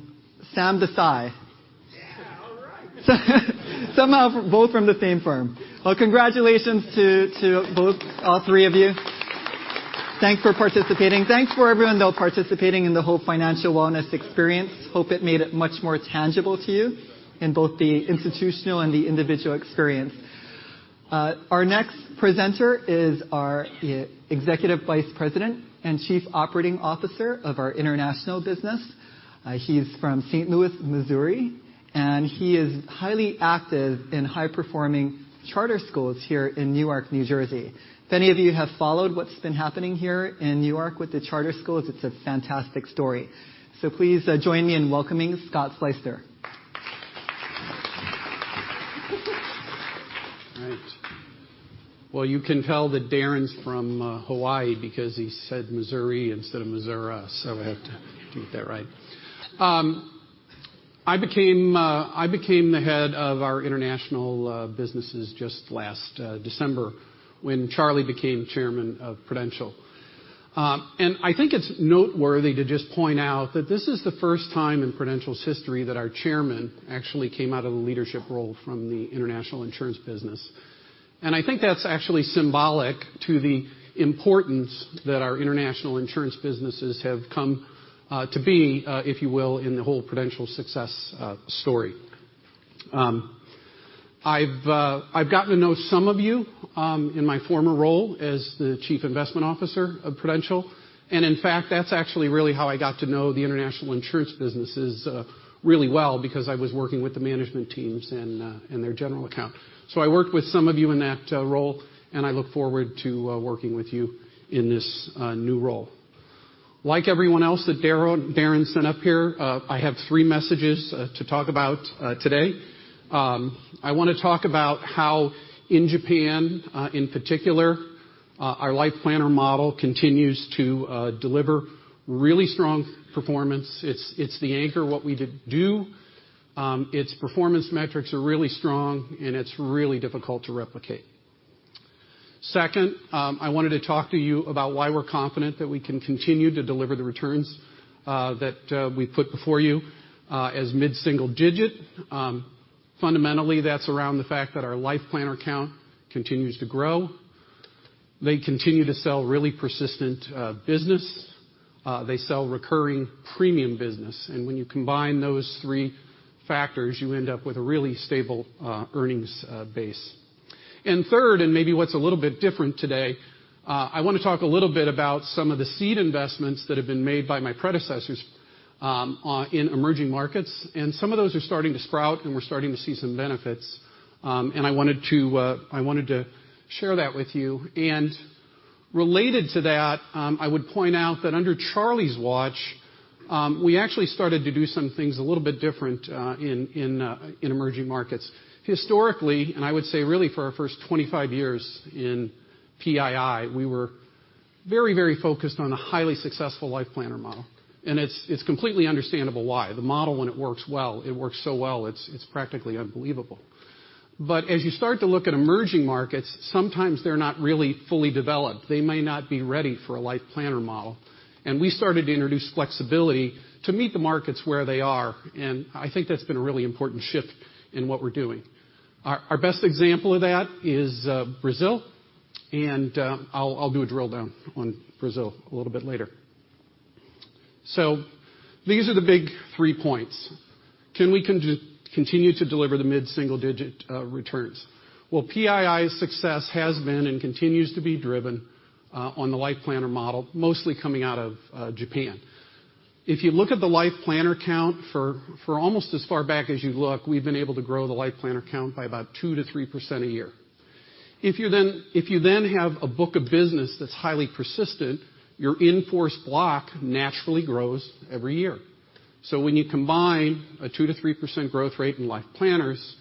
Samir Desai. Yeah. All right. Somehow both from the same firm. Well, congratulations to all three of you. Thanks for participating. Thanks for everyone, though, participating in the whole financial wellness experience. Hope it made it much more tangible to you in both the institutional and the individual experience. Our next presenter is our Executive Vice President and Chief Operating Officer of our international business. He's from St. Louis, Missouri, and he is highly active in high-performing charter schools here in Newark, New Jersey. If any of you have followed what's been happening here in Newark with the charter schools, it's a fantastic story. Please join me in welcoming Scott Sleyster. Right. Well, you can tell that Darin's from Hawaii because he said Missouri instead of Missour-ah, so I have to get that right. I became the head of our international businesses just last December when Charlie became Chairman of Prudential. I think it's noteworthy to just point out that this is the first time in Prudential's history that our Chairman actually came out of a leadership role from the international insurance business. I think that's actually symbolic to the importance that our international insurance businesses have come to be, if you will, in the whole Prudential success story. I've gotten to know some of you in my former role as the Chief Investment Officer of Prudential, and in fact, that's actually really how I got to know the international insurance businesses really well because I was working with the management teams and their general account. I worked with some of you in that role, and I look forward to working with you in this new role. Like everyone else that Darin sent up here, I have three messages to talk about today. I want to talk about how in Japan, in particular, our Life Planner model continues to deliver really strong performance. It's the anchor of what we do. Its performance metrics are really strong, and it's really difficult to replicate. Second, I wanted to talk to you about why we're confident that we can continue to deliver the returns that we put before you as mid-single-digit. Fundamentally, that's around the fact that our Life Planner count continues to grow. They continue to sell really persistent business. They sell recurring premium business. When you combine those three factors, you end up with a really stable earnings base. Third, and maybe what's a little bit different today, I want to talk a little bit about some of the seed investments that have been made by my predecessors in emerging markets. Some of those are starting to sprout, and we're starting to see some benefits. I wanted to share that with you. Related to that, I would point out that under Charlie's watch, we actually started to do some things a little bit different in emerging markets. Historically, for our first 25 years in PII, we were very, very focused on a highly successful Life Planner model. It's completely understandable why. The model when it works well, it works so well, it's practically unbelievable. As you start to look at emerging markets, sometimes they're not really fully developed. They may not be ready for a Life Planner model. We started to introduce flexibility to meet the markets where they are, and I think that's been a really important shift in what we're doing. Our best example of that is Brazil, and I'll do a drill-down on Brazil a little bit later. These are the big three points. Can we continue to deliver the mid-single-digit returns? Well, PII's success has been and continues to be driven on the Life Planner model, mostly coming out of Japan. If you look at the Life Planner count, for almost as far back as you look, we've been able to grow the Life Planner count by about 2%-3% a year. If you then have a book of business that's highly persistent, your in-force block naturally grows every year. When you combine a 2%-3% growth rate in life planners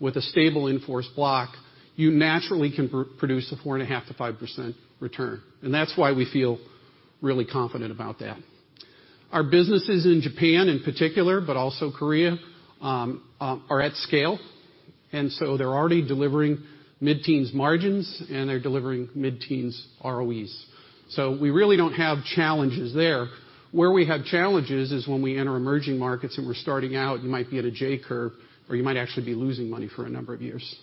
with a stable in-force block, you naturally can produce a 4.5%-5% return, That's why we feel really confident about that. Our businesses in Japan in particular, but also Korea, are at scale, They're already delivering mid-teens margins and they're delivering mid-teens ROEs. We really don't have challenges there. Where we have challenges is when we enter emerging markets and we're starting out, you might be at a J curve, or you might actually be losing money for a number of years.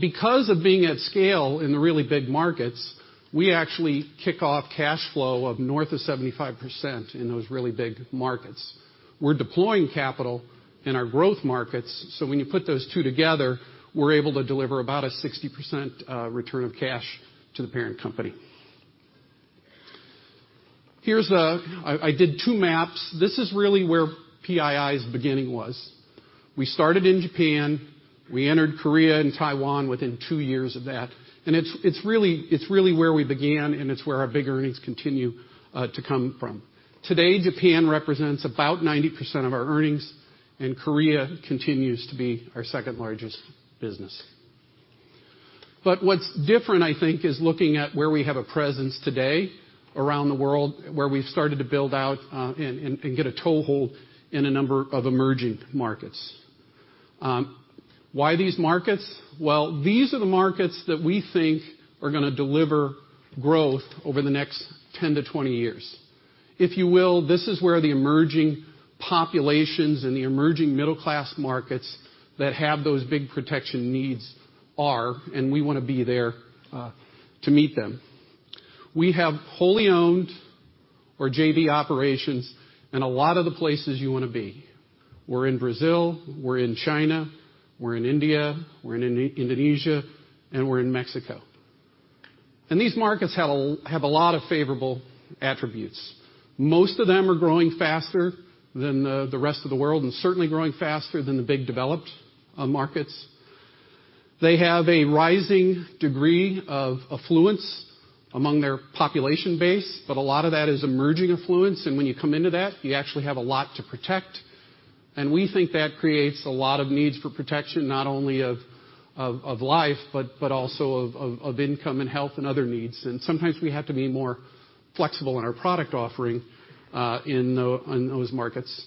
Because of being at scale in the really big markets, we actually kick off cash flow of north of 75% in those really big markets. We're deploying capital in our growth markets, When you put those two together, we're able to deliver about a 60% return of cash to the parent company. I did two maps. This is really where PII's beginning was. We started in Japan. We entered Korea and Taiwan within two years of that, It's really where we began, It's where our big earnings continue to come from. Today, Japan represents about 90% of our earnings, Korea continues to be our second largest business. What's different, I think, is looking at where we have a presence today around the world, where we've started to build out and get a toehold in a number of emerging markets. Why these markets? Well, these are the markets that we think are going to deliver growth over the next 10-20 years. If you will, this is where the emerging populations and the emerging middle-class markets that have those big protection needs are, We want to be there to meet them. We have wholly owned or JV operations in a lot of the places you want to be. We're in Brazil, we're in China, we're in India, we're in Indonesia, We're in Mexico. These markets have a lot of favorable attributes. Most of them are growing faster than the rest of the world and certainly growing faster than the big developed markets. They have a rising degree of affluence among their population base, A lot of that is emerging affluence. When you come into that, you actually have a lot to protect. We think that creates a lot of needs for protection, not only of life, but also of income and health and other needs. Sometimes we have to be more flexible in our product offering in those markets.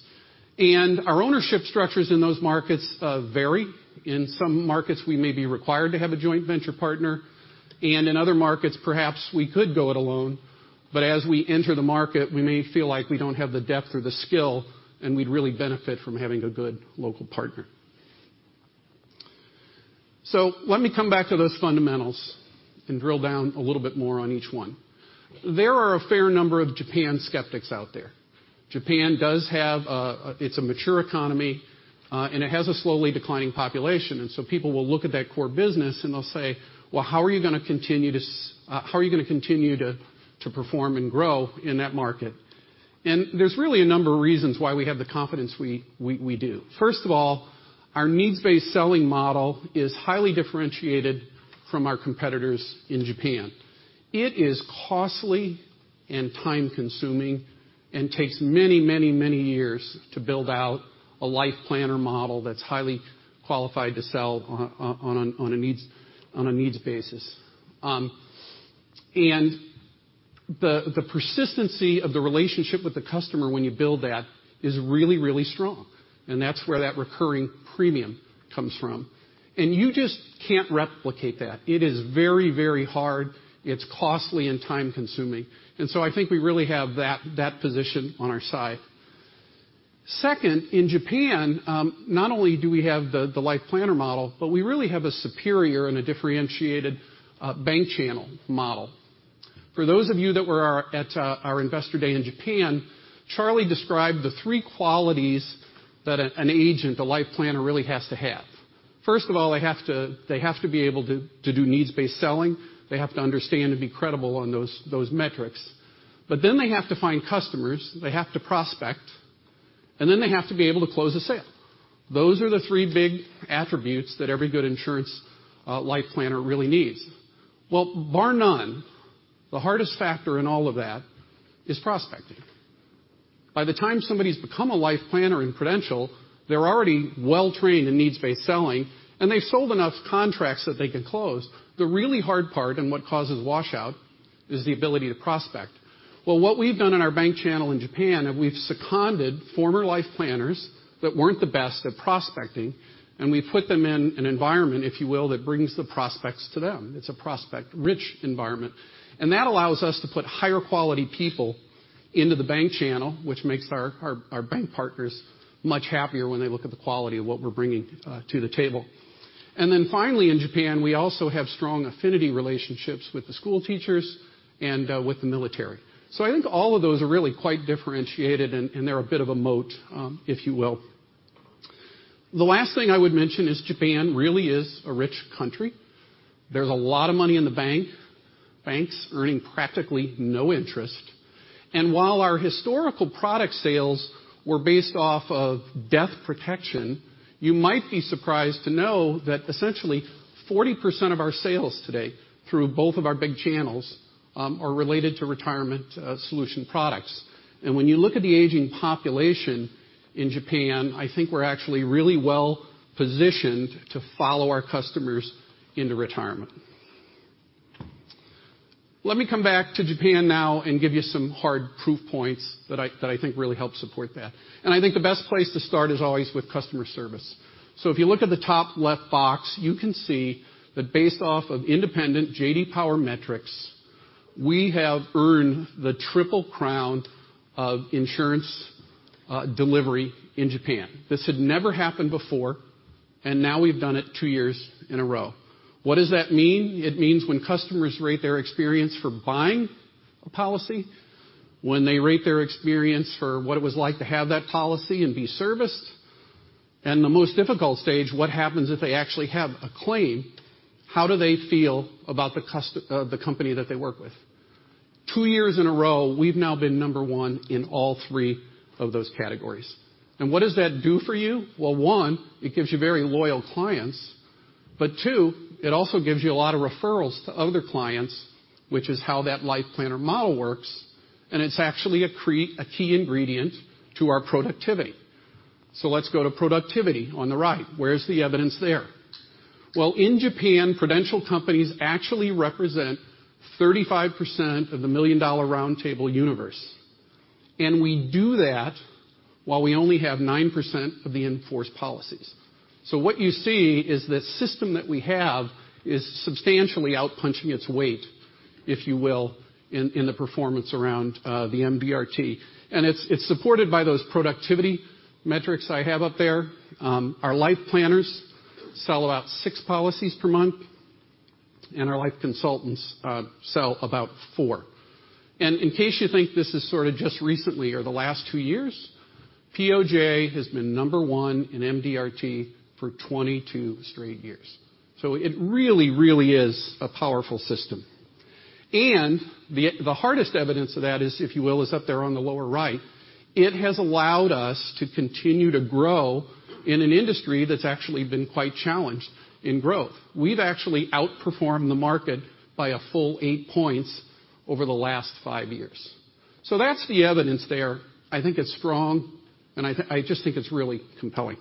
Our ownership structures in those markets vary. In some markets, we may be required to have a joint venture partner. In other markets, perhaps we could go it alone. As we enter the market, we may feel like we don't have the depth or the skill, We'd really benefit from having a good local partner. Let me come back to those fundamentals and drill down a little bit more on each one. There are a fair number of Japan skeptics out there. Japan, it's a mature economy, It has a slowly declining population. People will look at that core business and they'll say, "Well, how are you going to continue to perform and grow in that market?" There's really a number of reasons why we have the confidence we do. First of all, our needs-based selling model is highly differentiated from our competitors in Japan. It is costly and time-consuming and takes many years to build out a life planner model that's highly qualified to sell on a needs basis. The persistency of the relationship with the customer when you build that is really strong, and that's where that recurring premium comes from. You just can't replicate that. It is very hard. It's costly and time-consuming. I think we really have that position on our side. Second, in Japan, not only do we have the life planner model, but we really have a superior and a differentiated bank channel model. For those of you that were at our Investor Day in Japan, Charlie described the three qualities that an agent, a life planner really has to have. First of all, they have to be able to do needs-based selling. They have to understand and be credible on those metrics. They have to find customers, they have to prospect, and then they have to be able to close a sale. Those are the three big attributes that every good insurance life planner really needs. Well, bar none, the hardest factor in all of that is prospecting. By the time somebody's become a life planner in Prudential, they're already well-trained in needs-based selling, and they've sold enough contracts that they can close. The really hard part, what causes washout, is the ability to prospect. Well, what we've done in our bank channel in Japan, we've seconded former life planners that weren't the best at prospecting, and we've put them in an environment, if you will, that brings the prospects to them. It's a prospect-rich environment. That allows us to put higher quality people into the bank channel, which makes our bank partners much happier when they look at the quality of what we're bringing to the table. Finally, in Japan, we also have strong affinity relationships with the school teachers and with the military. I think all of those are really quite differentiated, and they're a bit of a moat, if you will. The last thing I would mention is Japan really is a rich country. There's a lot of money in the bank. Banks earning practically no interest. While our historical product sales were based off of death protection, you might be surprised to know that essentially 40% of our sales today, through both of our big channels, are related to retirement solution products. When you look at the aging population in Japan, I think we're actually really well-positioned to follow our customers into retirement. Let me come back to Japan now and give you some hard proof points that I think really help support that. I think the best place to start is always with customer service. If you look at the top left box, you can see that based off of independent J.D. Power metrics, we have earned the triple crown of insurance delivery in Japan. This had never happened before, and now we've done it two years in a row. What does that mean? It means when customers rate their experience for buying a policy, when they rate their experience for what it was like to have that policy and be serviced, and the most difficult stage, what happens if they actually have a claim, how do they feel about the company that they work with? 2 years in a row, we've now been number 1 in all 3 of those categories. What does that do for you? One, it gives you very loyal clients. Two, it also gives you a lot of referrals to other clients, which is how that life planner model works, and it's actually a key ingredient to our productivity. Let's go to productivity on the right. Where's the evidence there? Well, in Japan, Prudential companies actually represent 35% of the Million Dollar Round Table universe. We do that while we only have 9% of the in-force policies. What you see is the system that we have is substantially out-punching its weight, if you will, in the performance around the MDRT. It's supported by those productivity metrics I have up there. Our life planners sell about 6 policies per month, and our life consultants sell about 4. In case you think this is sort of just recently or the last two years, POJ has been number 1 in MDRT for 22 straight years. It really, really is a powerful system. The hardest evidence of that is, if you will, is up there on the lower right. It has allowed us to continue to grow in an industry that's actually been quite challenged in growth. We've actually outperformed the market by a full eight points over the last five years. That's the evidence there. I think it's strong, and I just think it's really compelling.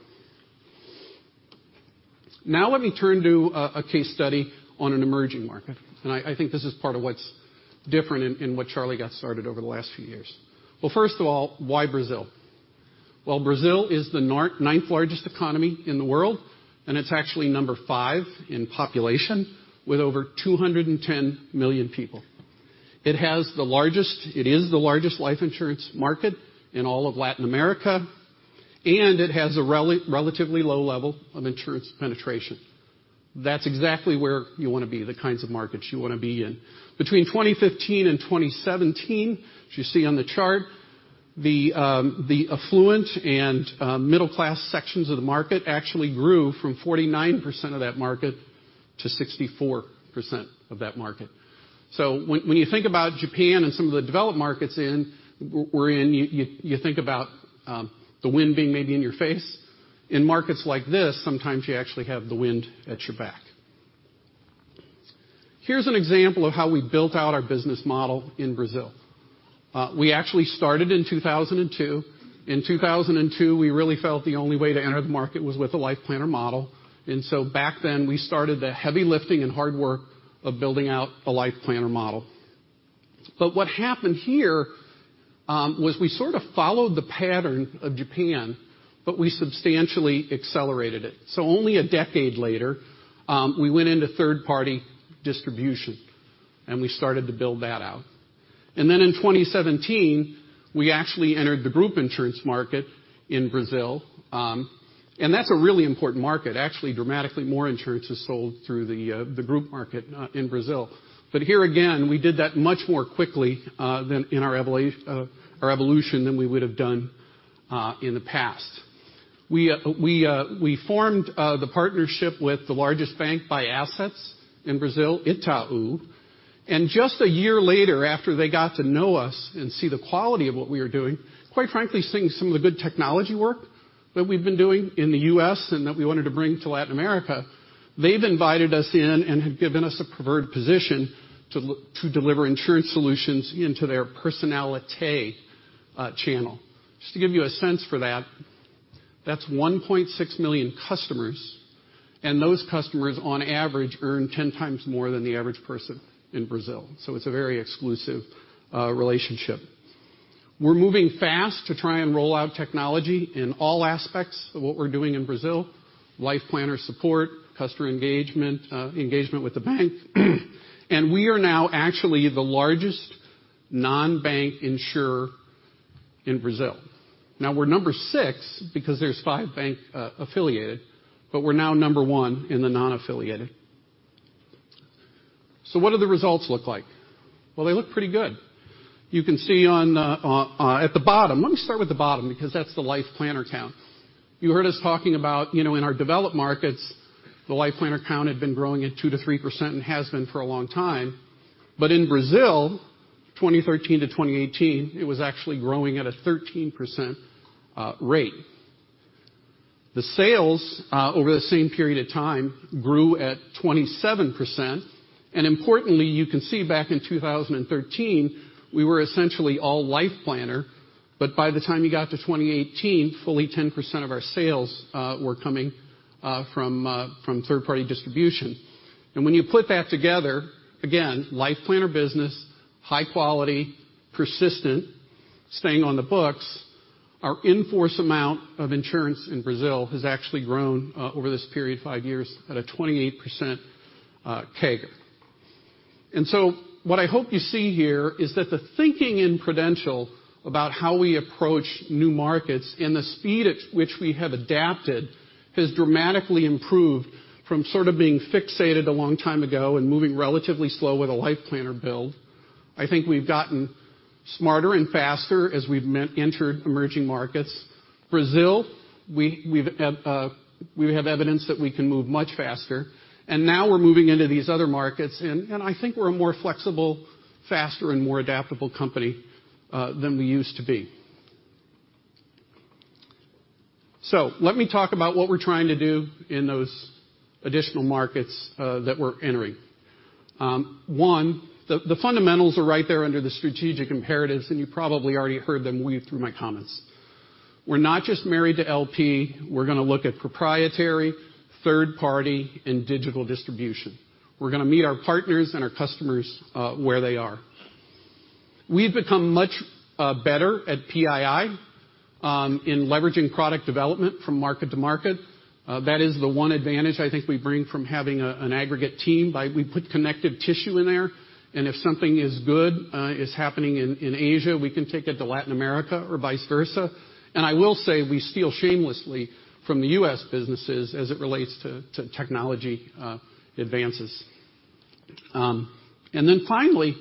Now let me turn to a case study on an emerging market. I think this is part of what's different in what Charlie got started over the last few years. First of all, why Brazil? Brazil is the ninth-largest economy in the world, and it's actually number 5 in population with over 210 million people. It is the largest life insurance market in all of Latin America, and it has a relatively low level of insurance penetration. That's exactly where you want to be, the kinds of markets you want to be in. Between 2015 and 2017, as you see on the chart, the affluent and middle-class sections of the market actually grew from 49% of that market to 64% of that market. When you think about Japan and some of the developed markets we're in, you think about the wind being maybe in your face. In markets like this, sometimes you actually have the wind at your back. Here's an example of how we built out our business model in Brazil. We actually started in 2002. In 2002, we really felt the only way to enter the market was with a life planner model. Back then, we started the heavy lifting and hard work of building out a life planner model. What happened here was we sort of followed the pattern of Japan, but we substantially accelerated it. Only a decade later, we went into third-party distribution, and we started to build that out. In 2017, we actually entered the group insurance market in Brazil, and that's a really important market. Actually, dramatically more insurance is sold through the group market in Brazil. Here again, we did that much more quickly in our evolution than we would have done in the past. We formed the partnership with the largest bank by assets in Brazil, Itaú, and just a year later, after they got to know us and see the quality of what we were doing, quite frankly, seeing some of the good technology work that we've been doing in the U.S. and that we wanted to bring to Latin America. They've invited us in and have given us a preferred position to deliver insurance solutions into their Personnalité channel. Just to give you a sense for that's 1.6 million customers, and those customers on average earn 10 times more than the average person in Brazil. It's a very exclusive relationship. We're moving fast to try and roll out technology in all aspects of what we're doing in Brazil, LifePlanner support, customer engagement with the bank. We are now actually the largest non-bank insurer in Brazil. Now we're number 6 because there's 5 bank affiliated, but we're now number 1 in the non-affiliated. What do the results look like? Well, they look pretty good. You can see at the bottom. Let me start with the bottom because that's the LifePlanner count. You heard us talking about in our developed markets, the LifePlanner count had been growing at 2% to 3% and has been for a long time. In Brazil, 2013 to 2018, it was actually growing at a 13% rate. The sales, over the same period of time, grew at 27%. Importantly, you can see back in 2013, we were essentially all LifePlanner, but by the time you got to 2018, fully 10% of our sales were coming from third-party distribution. When you put that together, again, LifePlanner business, high quality, persistent, staying on the books, our in-force amount of insurance in Brazil has actually grown over this period of five years at a 28% CAGR. What I hope you see here is that the thinking in Prudential about how we approach new markets and the speed at which we have adapted has dramatically improved from sort of being fixated a long time ago and moving relatively slow with a LifePlanner build. I think we've gotten smarter and faster as we've entered emerging markets. Brazil, we have evidence that we can move much faster, and now we're moving into these other markets, and I think we're a more flexible, faster, and more adaptable company than we used to be. Let me talk about what we're trying to do in those additional markets that we're entering. One, the fundamentals are right there under the strategic imperatives, and you probably already heard them weave through my comments. We're not just married to LP. We're going to look at proprietary, third party, and digital distribution. We're going to meet our partners and our customers where they are. We've become much better at PII in leveraging product development from market to market. That is the one advantage I think we bring from having an aggregate team. We put connective tissue in there, if something good is happening in Asia, we can take it to Latin America or vice versa. I will say, we steal shamelessly from the U.S. businesses as it relates to technology advances. Finally,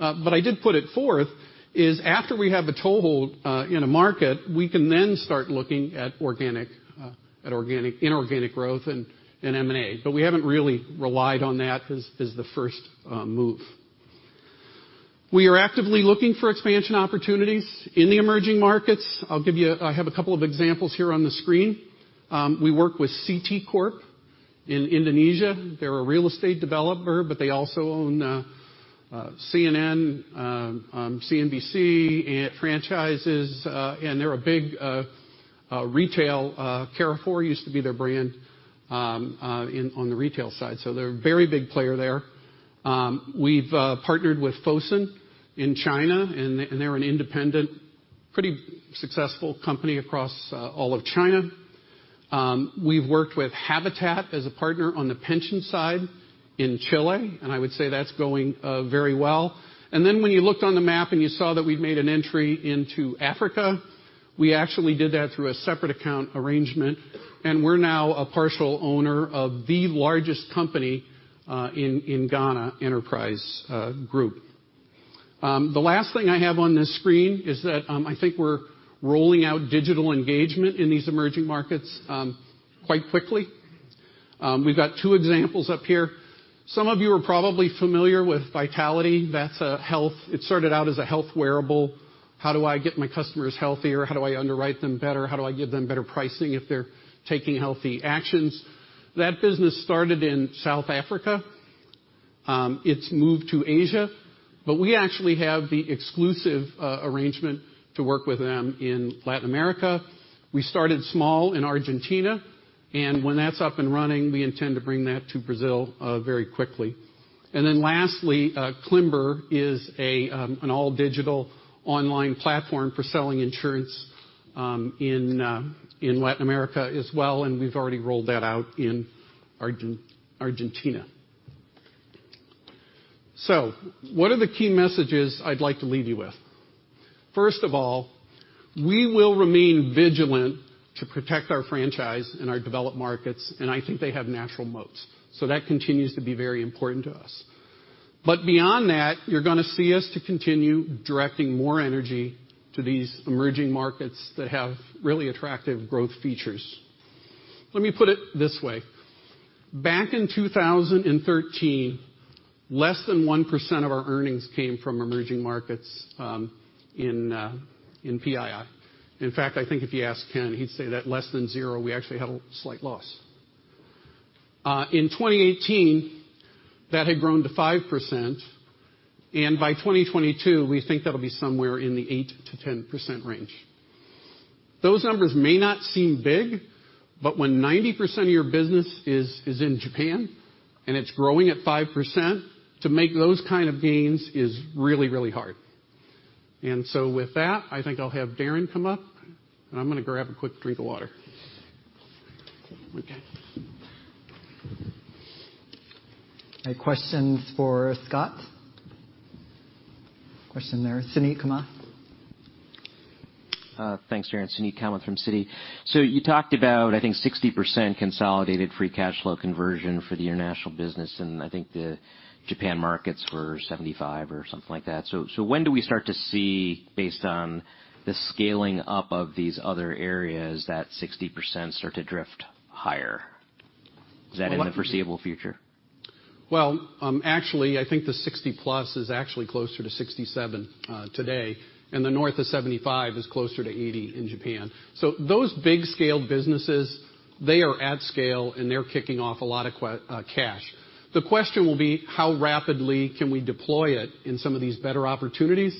I did put it forth, is after we have a toehold in a market, we can then start looking at inorganic growth and M&A. We haven't really relied on that as the first move. We are actively looking for expansion opportunities in the emerging markets. I have a couple of examples here on the screen. We work with CT Corp in Indonesia. They're a real estate developer, but they also own CNN, CNBC franchises. They're a big retail. Carrefour used to be their brand on the retail side, so they're a very big player there. We've partnered with Fosun in China, they're an independent, pretty successful company across all of China. We've worked with Habitat as a partner on the pension side in Chile, I would say that's going very well. When you looked on the map and you saw that we'd made an entry into Africa, we actually did that through a separate account arrangement, and we're now a partial owner of the largest company in Ghana, Enterprise Group. The last thing I have on this screen is that I think we're rolling out digital engagement in these emerging markets quite quickly. We've got two examples up here. Some of you are probably familiar with Vitality. It started out as a health wearable. How do I get my customers healthier? How do I underwrite them better? How do I give them better pricing if they're taking healthy actions? That business started in South Africa. It's moved to Asia. We actually have the exclusive arrangement to work with them in Latin America. We started small in Argentina, when that's up and running, we intend to bring that to Brazil very quickly. Lastly, Klimber is an all digital online platform for selling insurance in Latin America as well, and we've already rolled that out in Argentina. What are the key messages I'd like to leave you with? First of all, we will remain vigilant to protect our franchise in our developed markets, I think they have natural moats. That continues to be very important to us. Beyond that, you're going to see us to continue directing more energy to these emerging markets that have really attractive growth features. Let me put it this way. Back in 2013, less than 1% of our earnings came from emerging markets in PII. In fact, I think if you ask Ken, he'd say that less than zero, we actually had a slight loss. In 2018, that had grown to 5%, by 2022, we think that'll be somewhere in the 8%-10% range. Those numbers may not seem big, but when 90% of your business is in Japan and it's growing at 5%, to make those kind of gains is really, really hard. With that, I think I'll have Darin come up, I'm going to grab a quick drink of water. Okay. Any questions for Scott? Question there. Suneet, come up. Thanks, Darin. Suneet Kamath from Citi. You talked about, I think, 60% consolidated free cash flow conversion for the international business, and I think the Japan markets were 75% or something like that. When do we start to see, based on the scaling up of these other areas, that 60% start to drift higher? Is that in the foreseeable future? Well, actually, I think the 60+ is actually closer to 67% today, and the north of 75% is closer to 80% in Japan. Those big scale businesses, they are at scale, and they're kicking off a lot of cash. The question will be, how rapidly can we deploy it in some of these better opportunities?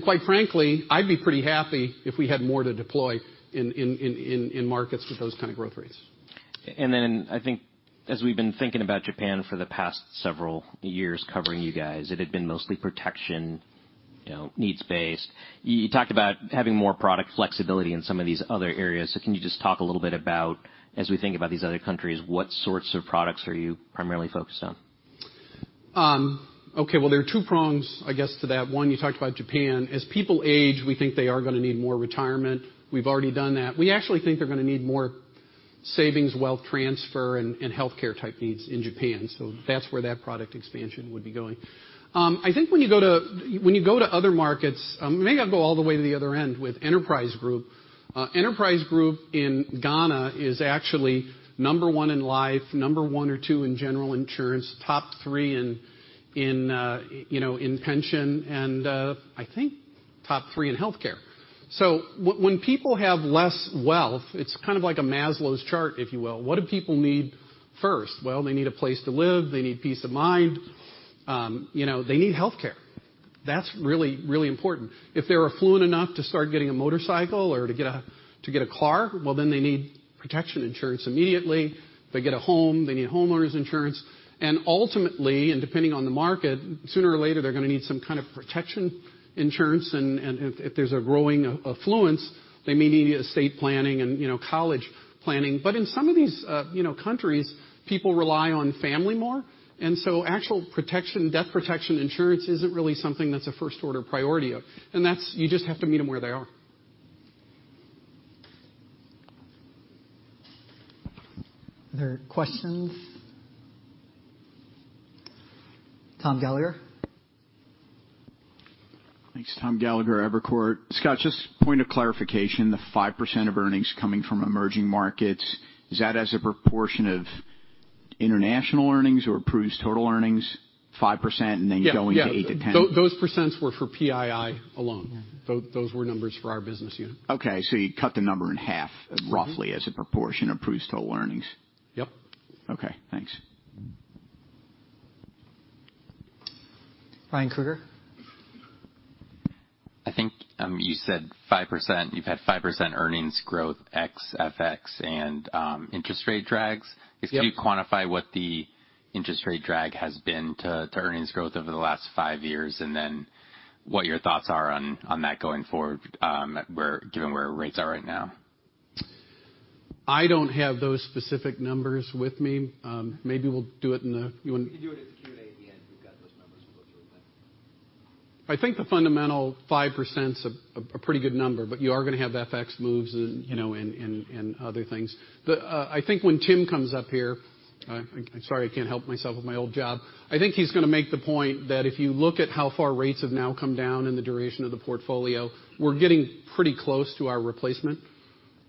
Quite frankly, I'd be pretty happy if we had more to deploy in markets with those kind of growth rates. I think as we've been thinking about Japan for the past several years, covering you guys, it had been mostly protection, needs-based. You talked about having more product flexibility in some of these other areas. Can you just talk a little bit about, as we think about these other countries, what sorts of products are you primarily focused on? Okay. Well, there are two prongs, I guess, to that. One, you talked about Japan. As people age, we think they are going to need more retirement. We've already done that. We actually think they're going to need more savings, wealth transfer, and healthcare type needs in Japan. That's where that product expansion would be going. I think when you go to other markets, maybe I'll go all the way to the other end with Enterprise Group. Enterprise Group in Ghana is actually number 1 in life, number 1 or 2 in general insurance, top 3 in pension, and I think top 3 in healthcare. When people have less wealth, it's kind of like a Maslow's chart, if you will. What do people need first? Well, they need a place to live. They need peace of mind. They need healthcare. That's really important. If they are affluent enough to start getting a motorcycle or to get a car, well, then they need protection insurance immediately. If they get a home, they need homeowners insurance. Ultimately, depending on the market, sooner or later, they're going to need some kind of protection insurance. If there's a growing affluence, they may need estate planning and college planning. In some of these countries, people rely on family more, actual death protection insurance isn't really something that's a first order priority of. You just have to meet them where they are. Are there questions? Tom Gallagher. Thanks. Tom Gallagher, Evercore. Scott, just point of clarification, the 5% of earnings coming from emerging markets, is that as a proportion of international earnings or Pru's total earnings, 5% and then going to 8%-10%? Yeah. Those % were for PII alone. Those were numbers for our business unit. Okay, you cut the number in half roughly as a proportion of Pru's total earnings. Yep. Okay, thanks. Ryan Krueger. I think you said 5%, you've had 5% earnings growth ex-FX and interest rate drags. Yep. If you quantify what the interest rate drag has been to earnings growth over the last five years, and then what your thoughts are on that going forward, given where rates are right now. I don't have those specific numbers with me. We can do it at the Q&A at the end. We've got those numbers. We'll go through them then. I think the fundamental 5%'s a pretty good number, you are going to have FX moves and other things. I think when Tim comes up here, I'm sorry, I can't help myself with my old job. I think he's going to make the point that if you look at how far rates have now come down in the duration of the portfolio, we're getting pretty close to our replacement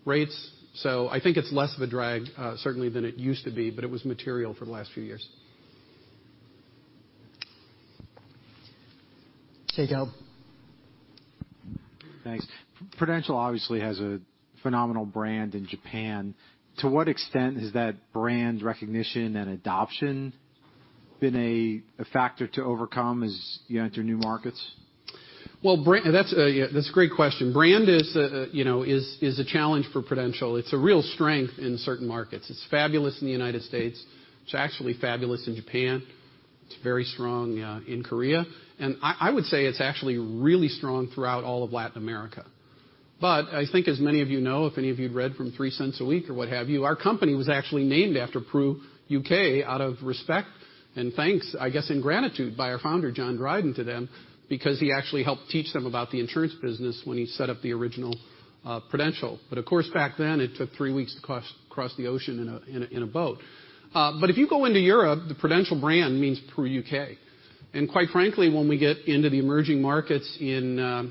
rates. I think it's less of a drag, certainly, than it used to be, but it was material for the last few years. Jay Gelb. Thanks. Prudential obviously has a phenomenal brand in Japan. To what extent has that brand recognition and adoption been a factor to overcome as you enter new markets? Well, that's a great question. Brand is a challenge for Prudential. It's a real strength in certain markets. It's fabulous in the U.S. It's actually fabulous in Japan. It's very strong, in Korea. I would say it's actually really strong throughout all of Latin America. I think as many of you know, if any of you had read From "Three Cents a Week" or what have you, our company was actually named after Pru U.K. out of respect and thanks, I guess, and gratitude by our founder, John Dryden, to them, because he actually helped teach them about the insurance business when he set up the original Prudential. Of course, back then, it took three weeks to cross the ocean in a boat. If you go into Europe, the Prudential brand means Pru U.K. Quite frankly, when we get into the emerging markets in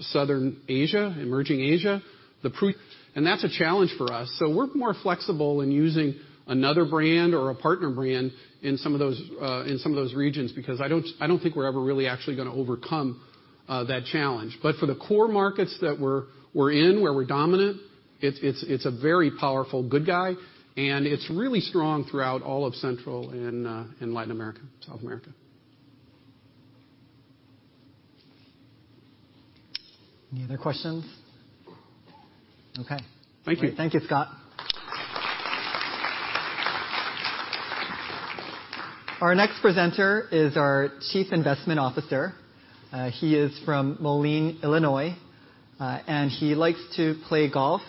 Southern Asia, emerging Asia. That's a challenge for us. We're more flexible in using another brand or a partner brand in some of those regions because I don't think we're ever really actually going to overcome that challenge. For the core markets that we're in, where we're dominant, it's a very powerful good guy, and it's really strong throughout all of Central and Latin America, South America. Any other questions? Okay. Thank you. Great. Thank you, Scott. Our next presenter is our Chief Investment Officer. He is from Moline, Illinois, and he likes to play golf,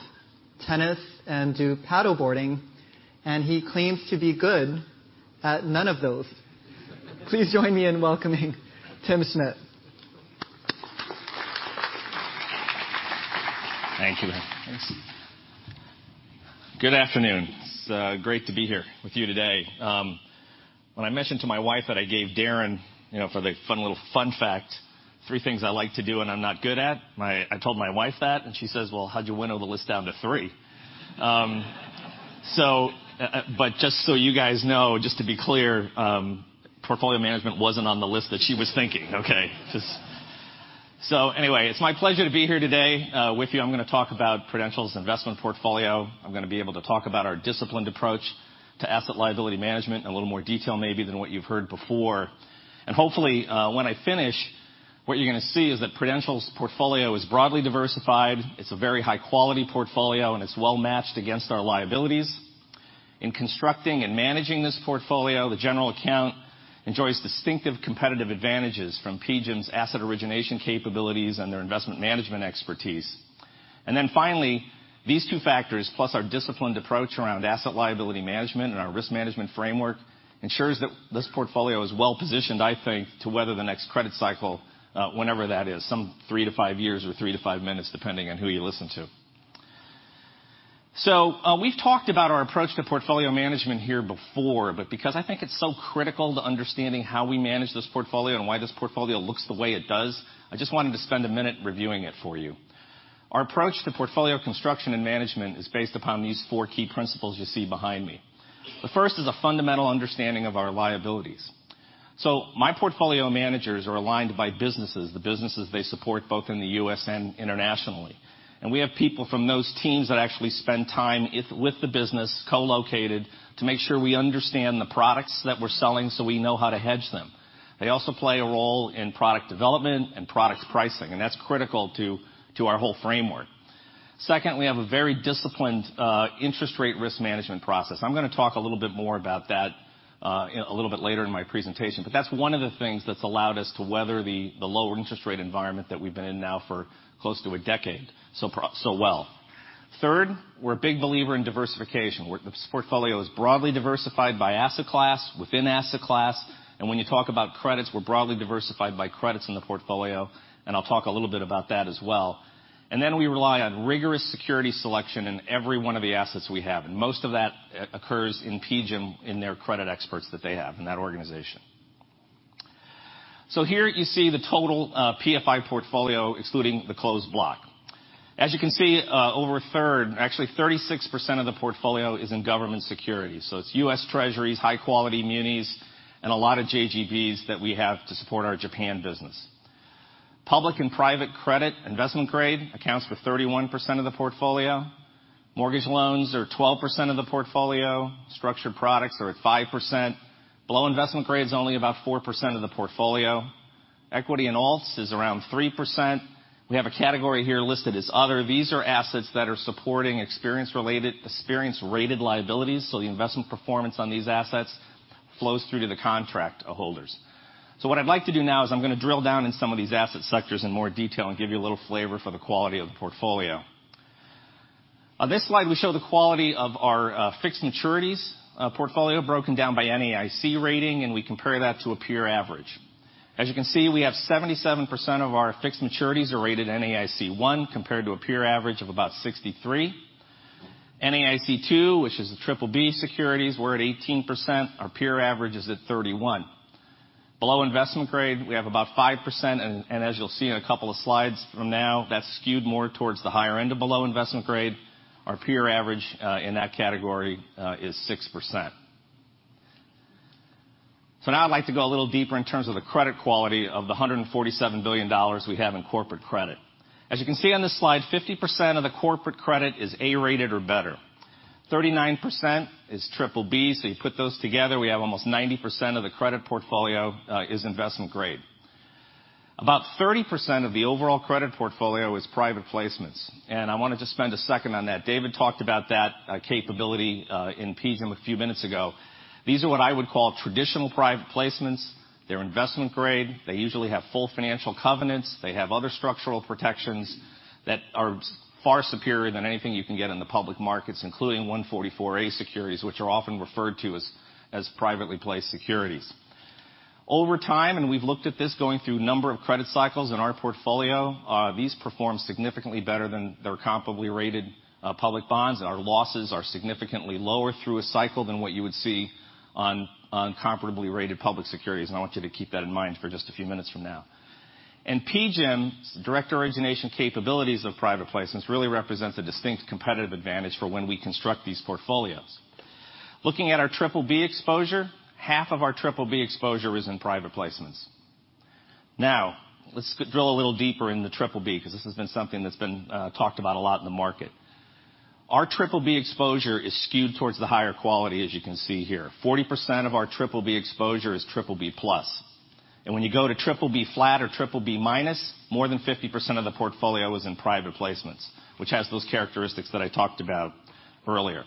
tennis, and do paddle boarding, and he claims to be good at none of those. Please join me in welcoming Timothy Schmidt. Thank you. Thanks. Good afternoon. It's great to be here with you today. When I mentioned to my wife that I gave Darin, for the fun little fun fact, three things I like to do and I'm not good at, I told my wife that, and she says, "Well, how'd you winnow the list down to three?" Just so you guys know, just to be clear, portfolio management wasn't on the list that she was thinking, okay? Anyway, it's my pleasure to be here today with you. I'm going to talk about Prudential's investment portfolio. I'm going to be able to talk about our disciplined approach to asset liability management in a little more detail maybe than what you've heard before. Hopefully, when I finish, what you're going to see is that Prudential's portfolio is broadly diversified, it's a very high-quality portfolio, and it's well-matched against our liabilities. In constructing and managing this portfolio, the general account enjoys distinctive competitive advantages from PGIM's asset origination capabilities and their investment management expertise. Finally, these two factors, plus our disciplined approach around asset liability management and our risk management framework ensures that this portfolio is well-positioned, I think, to weather the next credit cycle, whenever that is. Some three to five years or three to five minutes, depending on who you listen to. We've talked about our approach to portfolio management here before, because I think it's so critical to understanding how we manage this portfolio and why this portfolio looks the way it does, I just wanted to spend a minute reviewing it for you. Our approach to portfolio construction and management is based upon these four key principles you see behind me. The first is a fundamental understanding of our liabilities. My portfolio managers are aligned by businesses, the businesses they support both in the U.S. and internationally. We have people from those teams that actually spend time with the business, co-located, to make sure we understand the products that we're selling so we know how to hedge them. They also play a role in product development and product pricing, that's critical to our whole framework. Second, we have a very disciplined, interest rate risk management process. I'm going to talk a little bit more about that a little bit later in my presentation, that's one of the things that's allowed us to weather the lower interest rate environment that we've been in now for close to a decade so well. Third, we're a big believer in diversification. This portfolio is broadly diversified by asset class, within asset class. When you talk about credits, we're broadly diversified by credits in the portfolio, I'll talk a little bit about that as well. We rely on rigorous security selection in every one of the assets we have. Most of that occurs in PGIM in their credit experts that they have in that organization. Here you see the total PFI portfolio excluding the closed block. As you can see, over a third, actually 36% of the portfolio is in government security. It's U.S. Treasuries, high-quality munis, and a lot of JGBs that we have to support our Japan business. Public and private credit, investment grade accounts for 31% of the portfolio. Mortgage loans are 12% of the portfolio. Structured products are at 5%. Below investment grade is only about 4% of the portfolio. Equity and alts is around 3%. We have a category here listed as other. These are assets that are supporting experience-rated liabilities, so the investment performance on these assets flows through to the contract holders. What I'd like to do now is I'm going to drill down in some of these asset sectors in more detail and give you a little flavor for the quality of the portfolio. On this slide, we show the quality of our fixed maturities portfolio broken down by NAIC rating, and we compare that to a peer average. As you can see, we have 77% of our fixed maturities are rated NAIC 1 compared to a peer average of about 63%. NAIC 2, which is the triple B securities, we're at 18%. Our peer average is at 31%. Below investment grade, we have about 5%, and as you'll see in a couple of slides from now, that's skewed more towards the higher end of below investment grade. Our peer average in that category is 6%. Now I'd like to go a little deeper in terms of the credit quality of the $147 billion we have in corporate credit. As you can see on this slide, 50% of the corporate credit is A-rated or better. 39% is triple B. You put those together, we have almost 90% of the credit portfolio is investment grade. About 30% of the overall credit portfolio is private placements, I want to just spend a second on that. David talked about that capability in PGIM a few minutes ago. These are what I would call traditional private placements. They're investment grade. They usually have full financial covenants. They have other structural protections that are far superior than anything you can get in the public markets, including 144A securities, which are often referred to as privately placed securities. Over time, we've looked at this going through a number of credit cycles in our portfolio, these perform significantly better than their comparably rated public bonds. Our losses are significantly lower through a cycle than what you would see on comparably rated public securities, I want you to keep that in mind for just a few minutes from now. PGIM's direct origination capabilities of private placements really represents a distinct competitive advantage for when we construct these portfolios. Looking at our BBB exposure, half of our BBB exposure is in private placements. Let's drill a little deeper into BBB, because this has been something that's been talked about a lot in the market. Our BBB exposure is skewed towards the higher quality as you can see here. 40% of our BBB exposure is BBB+. When you go to BBB flat or BBB minus, more than 50% of the portfolio is in private placements, which has those characteristics that I talked about earlier.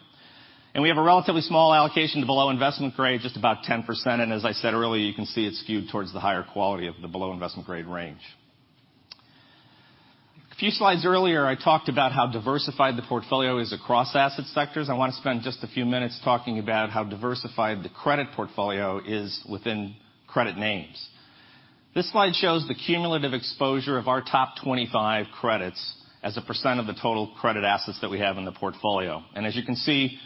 We have a relatively small allocation to below investment grade, just about 10%. As I said earlier, you can see it's skewed towards the higher quality of the below investment grade range. A few slides earlier, I talked about how diversified the portfolio is across asset sectors. I want to spend just a few minutes talking about how diversified the credit portfolio is within credit names. This slide shows the cumulative exposure of our top 25 credits as a % of the total credit assets that we have in the portfolio. As you can see,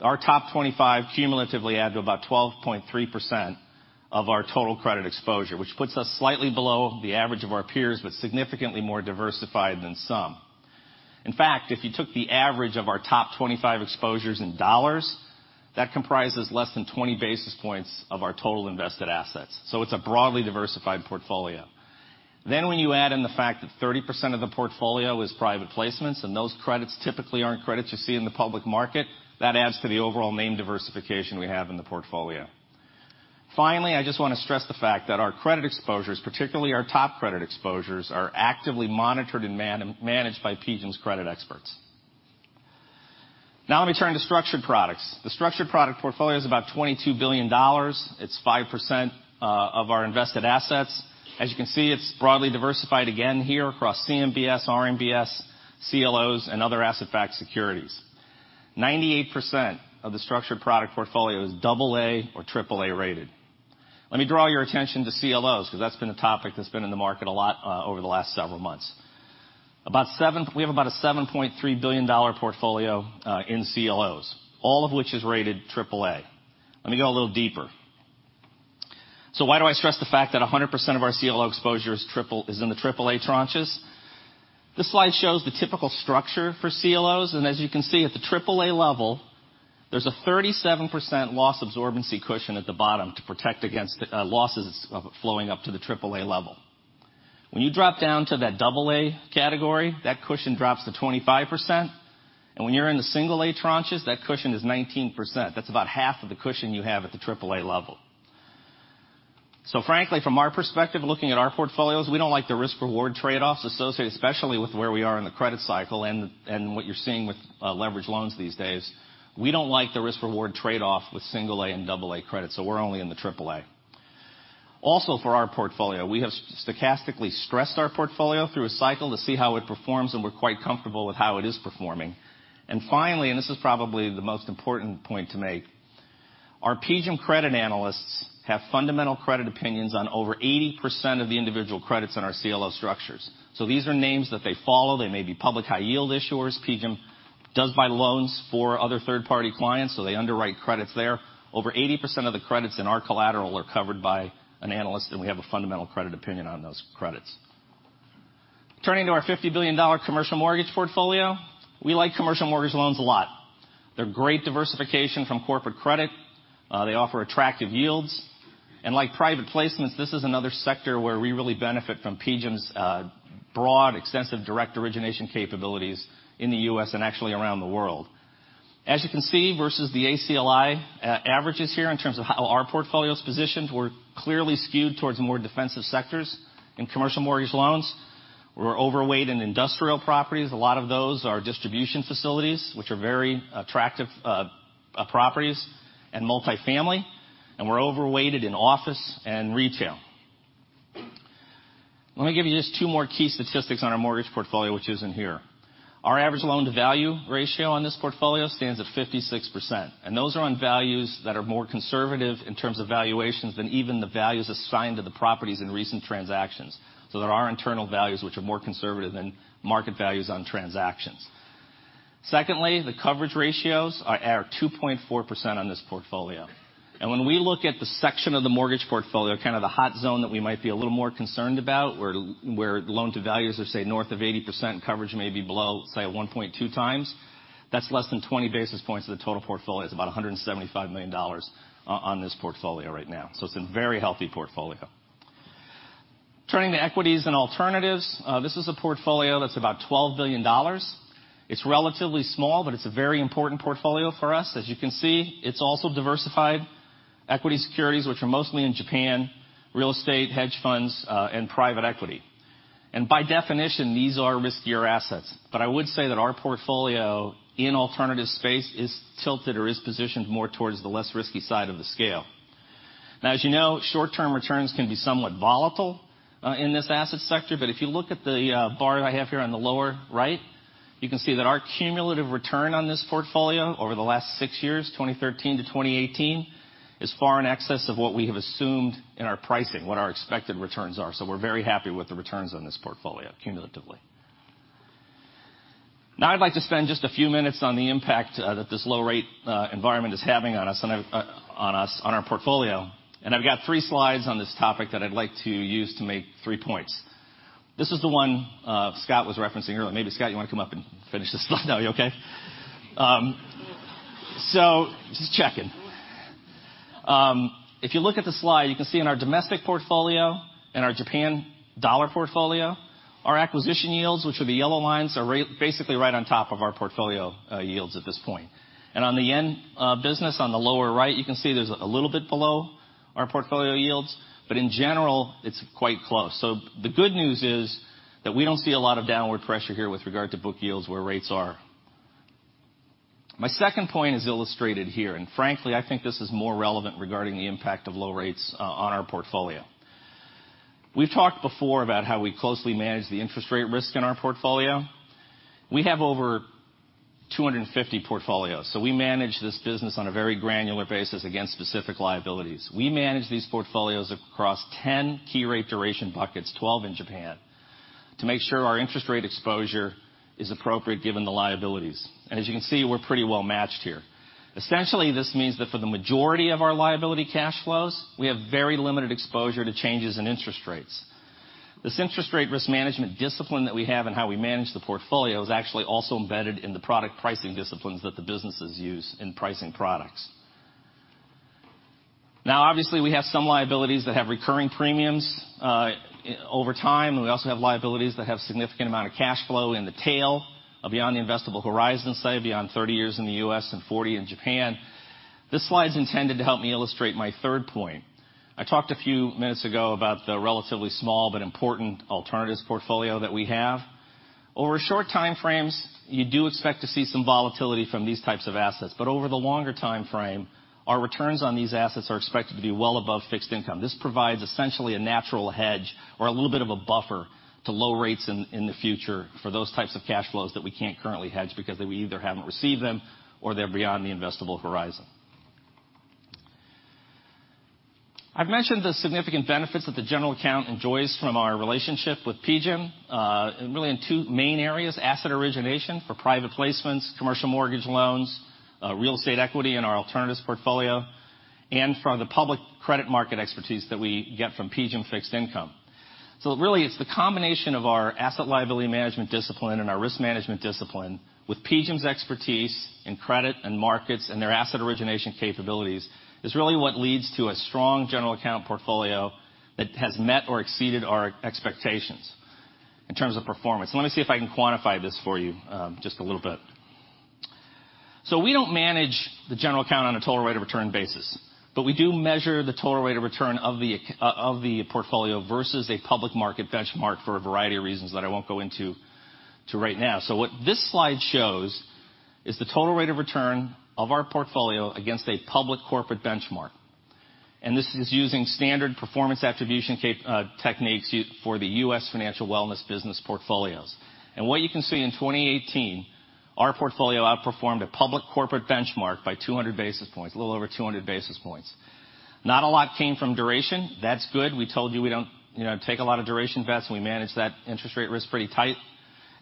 our top 25 cumulatively add to about 12.3% of our total credit exposure, which puts us slightly below the average of our peers, but significantly more diversified than some. In fact, if you took the average of our top 25 exposures in dollars, that comprises less than 20 basis points of our total invested assets. It's a broadly diversified portfolio. When you add in the fact that 30% of the portfolio is private placements, and those credits typically aren't credits you see in the public market, that adds to the overall name diversification we have in the portfolio. Finally, I just want to stress the fact that our credit exposures, particularly our top credit exposures, are actively monitored and managed by PGIM's credit experts. Now let me turn to structured products. The structured product portfolio is about $22 billion. It's 5% of our invested assets. As you can see, it's broadly diversified again here across CMBS, RMBS, CLOs, and other asset-backed securities. 98% of the structured product portfolio is AA or AAA rated. Let me draw your attention to CLOs because that's been a topic that's been in the market a lot over the last several months. We have about a $7.3 billion portfolio in CLOs, all of which is rated AAA. Let me go a little deeper. Why do I stress the fact that 100% of our CLO exposure is in the AAA tranches? This slide shows the typical structure for CLOs, as you can see at the AAA level, there's a 37% loss absorbency cushion at the bottom to protect against losses flowing up to the AAA level. When you drop down to that AA category, that cushion drops to 25%. When you're in the single A tranches, that cushion is 19%. That's about half of the cushion you have at the AAA level. Frankly, from our perspective, looking at our portfolios, we don't like the risk-reward trade-offs associated, especially with where we are in the credit cycle and what you're seeing with leverage loans these days. We don't like the risk-reward trade-off with single A and AA credit, so we're only in the AAA. For our portfolio, we have stochastically stressed our portfolio through a cycle to see how it performs, and we're quite comfortable with how it is performing. Finally, and this is probably the most important point to make, our PGIM credit analysts have fundamental credit opinions on over 80% of the individual credits in our CLO structures. These are names that they follow. They may be public high yield issuers. PGIM does buy loans for other third-party clients, so they underwrite credits there. Over 80% of the credits in our collateral are covered by an analyst, and we have a fundamental credit opinion on those credits. Turning to our $50 billion commercial mortgage portfolio, we like commercial mortgage loans a lot. They're great diversification from corporate credit. They offer attractive yields. Like private placements, this is another sector where we really benefit from PGIM's broad, extensive direct origination capabilities in the U.S. and actually around the world. As you can see, versus the ACLI averages here in terms of how our portfolio is positioned, we're clearly skewed towards more defensive sectors in commercial mortgage loans. We're overweight in industrial properties. A lot of those are distribution facilities, which are very attractive properties and multifamily. We're overweighted in office and retail. Let me give you just two more key statistics on our mortgage portfolio, which is in here. Our average loan-to-value ratio on this portfolio stands at 56%, and those are on values that are more conservative in terms of valuations than even the values assigned to the properties in recent transactions. There are internal values which are more conservative than market values on transactions. Secondly, the coverage ratios are at 2.4% on this portfolio. When we look at the section of the mortgage portfolio, kind of the hot zone that we might be a little more concerned about, where loan-to-values are, say, north of 80%, coverage may be below, say, 1.2 times. That's less than 20 basis points of the total portfolio. It's about $175 million on this portfolio right now. It's a very healthy portfolio. Turning to equities and alternatives, this is a portfolio that's about $12 billion. It's relatively small, but it's a very important portfolio for us. As you can see, it's also diversified equity securities, which are mostly in Japan, real estate, hedge funds, and private equity. By definition, these are riskier assets. I would say that our portfolio in alternative space is tilted or is positioned more towards the less risky side of the scale. As you know, short-term returns can be somewhat volatile in this asset sector, but if you look at the bar I have here on the lower right, you can see that our cumulative return on this portfolio over the last six years, 2013 to 2018, is far in excess of what we have assumed in our pricing, what our expected returns are. We're very happy with the returns on this portfolio cumulatively. I'd like to spend just a few minutes on the impact that this low rate environment is having on us, on our portfolio. I've got three slides on this topic that I'd like to use to make three points. This is the one Scott was referencing earlier. Maybe, Scott, you want to come up and finish this slide? No, you okay? Just checking. If you look at the slide, you can see in our domestic portfolio and our Japan dollar portfolio, our acquisition yields, which are the yellow lines, are basically right on top of our portfolio yields at this point. On the yen business on the lower right, you can see there's a little bit below our portfolio yields. In general, it's quite close. The good news is that we don't see a lot of downward pressure here with regard to book yields where rates are. My second point is illustrated here, and frankly, I think this is more relevant regarding the impact of low rates on our portfolio. We've talked before about how we closely manage the interest rate risk in our portfolio. We have over 250 portfolios, we manage this business on a very granular basis against specific liabilities. We manage these portfolios across 10 key rate duration buckets, 12 in Japan, to make sure our interest rate exposure is appropriate given the liabilities. As you can see, we're pretty well matched here. Essentially, this means that for the majority of our liability cash flows, we have very limited exposure to changes in interest rates. This interest rate risk management discipline that we have in how we manage the portfolio is actually also embedded in the product pricing disciplines that the businesses use in pricing products. Obviously, we have some liabilities that have recurring premiums over time, and we also have liabilities that have significant amount of cash flow in the tail beyond the investable horizon, say, beyond 30 years in the U.S. and 40 in Japan. This slide's intended to help me illustrate my third point. I talked a few minutes ago about the relatively small but important alternatives portfolio that we have. Over short time frames, you do expect to see some volatility from these types of assets, over the longer time frame, our returns on these assets are expected to be well above fixed income. This provides essentially a natural hedge or a little bit of a buffer to low rates in the future for those types of cash flows that we can't currently hedge because we either haven't received them or they're beyond the investable horizon. I've mentioned the significant benefits that the general account enjoys from our relationship with PGIM really in two main areas, asset origination for private placements, commercial mortgage loans, real estate equity in our alternatives portfolio, and from the public credit market expertise that we get from PGIM Fixed Income. Really, it's the combination of our asset liability management discipline and our risk management discipline with PGIM's expertise in credit and markets and their asset origination capabilities is really what leads to a strong general account portfolio that has met or exceeded our expectations in terms of performance. Let me see if I can quantify this for you just a little bit. We don't manage the general account on a total rate of return basis, but we do measure the total rate of return of the portfolio versus a public market benchmark for a variety of reasons that I won't go into right now. What this slide shows is the total rate of return of our portfolio against a public corporate benchmark. This is using standard performance attribution techniques for the U.S. Financial Wellness business portfolios. What you can see in 2018, our portfolio outperformed a public corporate benchmark by 200 basis points, a little over 200 basis points. Not a lot came from duration. That's good. We told you we don't take a lot of duration bets, and we manage that interest rate risk pretty tight.